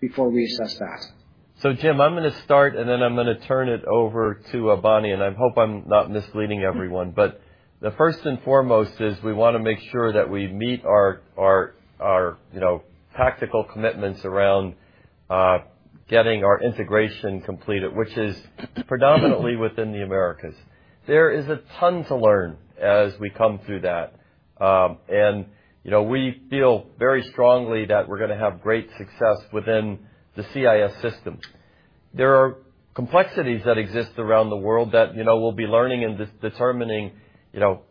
S24: before we assess that?
S3: Jim, I'm gonna start, and then I'm gonna turn it over to Bonnie. I hope I'm not misleading everyone. The first and foremost is we wanna make sure that we meet our, you know, tactical commitments around getting our integration completed, which is predominantly within the Americas. There is a ton to learn as we come through that. You know, we feel very strongly that we're gonna have great success within the CIS system. There are complexities that exist around the world that, you know, we'll be learning and determining, you know,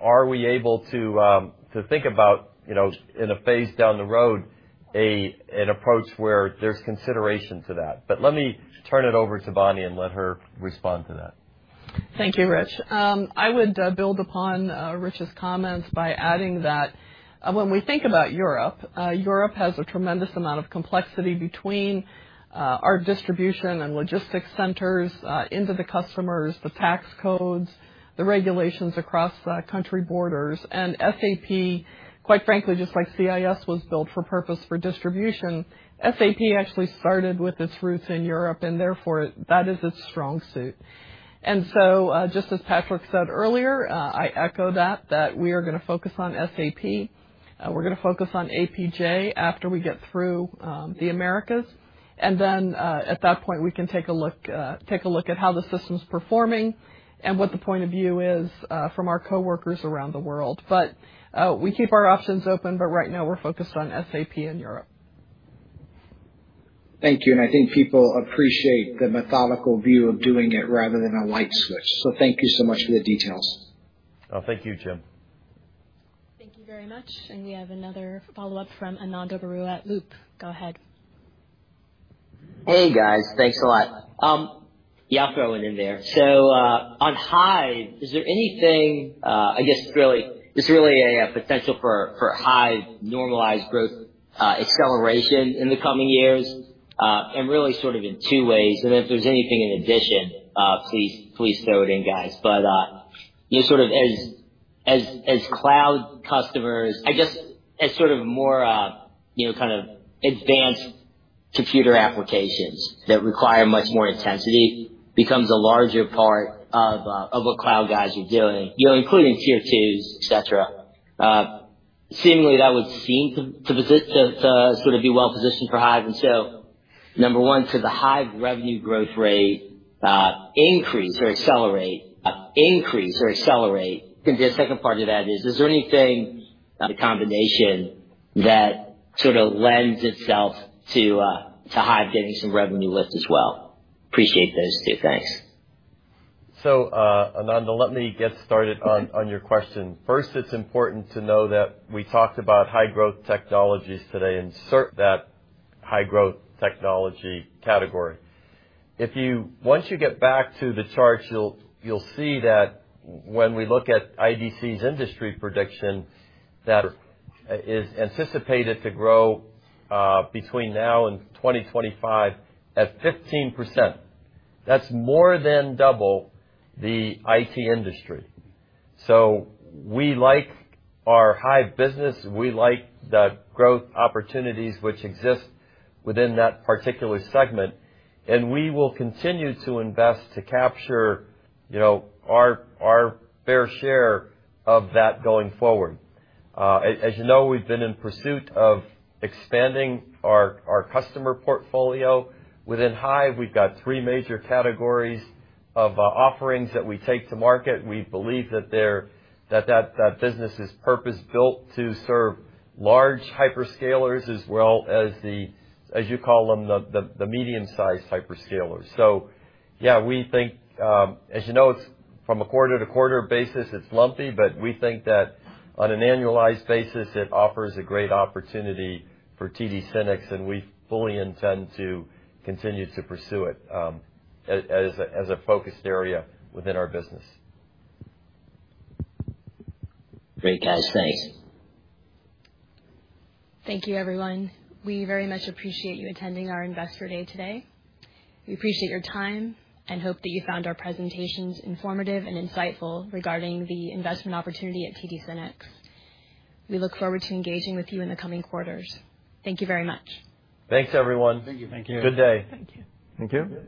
S3: are we able to to think about, you know, in a phase down the road, an approach where there's consideration to that. Let me turn it over to Bonnie and let her respond to that.
S14: Thank you, Rich. I would build upon Rich's comments by adding that when we think about Europe has a tremendous amount of complexity between our distribution and logistics centers into the customers, the tax codes, the regulations across country borders. SAP, quite frankly, just like CIS was built for purpose for distribution, SAP actually started with its roots in Europe, and therefore that is its strong suit. Just as Patrick said earlier, I echo that we are gonna focus on SAP. We're gonna focus on APJ after we get through the Americas. At that point, we can take a look at how the system's performing and what the point of view is from our coworkers around the world. We keep our options open, but right now we're focused on SAP in Europe.
S24: Thank you. I think people appreciate the methodical view of doing it rather than a light switch. Thank you so much for the details.
S3: Oh, thank you, Jim.
S1: Thank you very much. We have another follow-up from Ananda Baruah at Loop. Go ahead.
S21: Hey, guys. Thanks a lot. Yeah, I'll throw it in there. On Hyve, is there anything, I guess really, a potential for Hyve normalized growth acceleration in the coming years? Really sort of in two ways, and if there's anything in addition, please throw it in, guys. You sort of as cloud customers, I guess as sort of more, you know, kind of advanced computer applications that require much more intensity becomes a larger part of what cloud guys are doing, you know, including tier twos, etc. Seemingly that would seem to be well-positioned for Hyve. Number one, could the Hyve revenue growth rate increase or accelerate? The second part of that is there anything the combination that sort of lends itself to Hyve getting some revenue lift as well? Appreciate those two. Thanks.
S3: Ananda, let me get started on. To your question. First, it's important to know that we talked about high-growth technologies today and certain high-growth technology category. Once you get back to the charts, you'll see that when we look at IDC's industry prediction, that is anticipated to grow between now and 2025 at 15%. That's more than double the IT industry. We like our Hyve business. We like the growth opportunities which exist within that particular segment, and we will continue to invest to capture, you know, our fair share of that going forward. As you know, we've been in pursuit of expanding our customer portfolio. Within Hyve, we've got three major categories of offerings that we take to market. We believe that that business is purpose-built to serve large hyperscalers as well as the, as you call them, the medium-sized hyperscalers. Yeah, we think, as you know, it's from a quarter-to-quarter basis, it's lumpy, but we think that on an annualized basis, it offers a great opportunity for TD SYNNEX, and we fully intend to continue to pursue it, as a focused area within our business.
S21: Great, guys. Thanks.
S1: Thank you, everyone. We very much appreciate you attending our Investor Day today. We appreciate your time and hope that you found our presentations informative and insightful regarding the investment opportunity at TD SYNNEX. We look forward to engaging with you in the coming quarters. Thank you very much.
S3: Thanks, everyone. Good day. Thank you.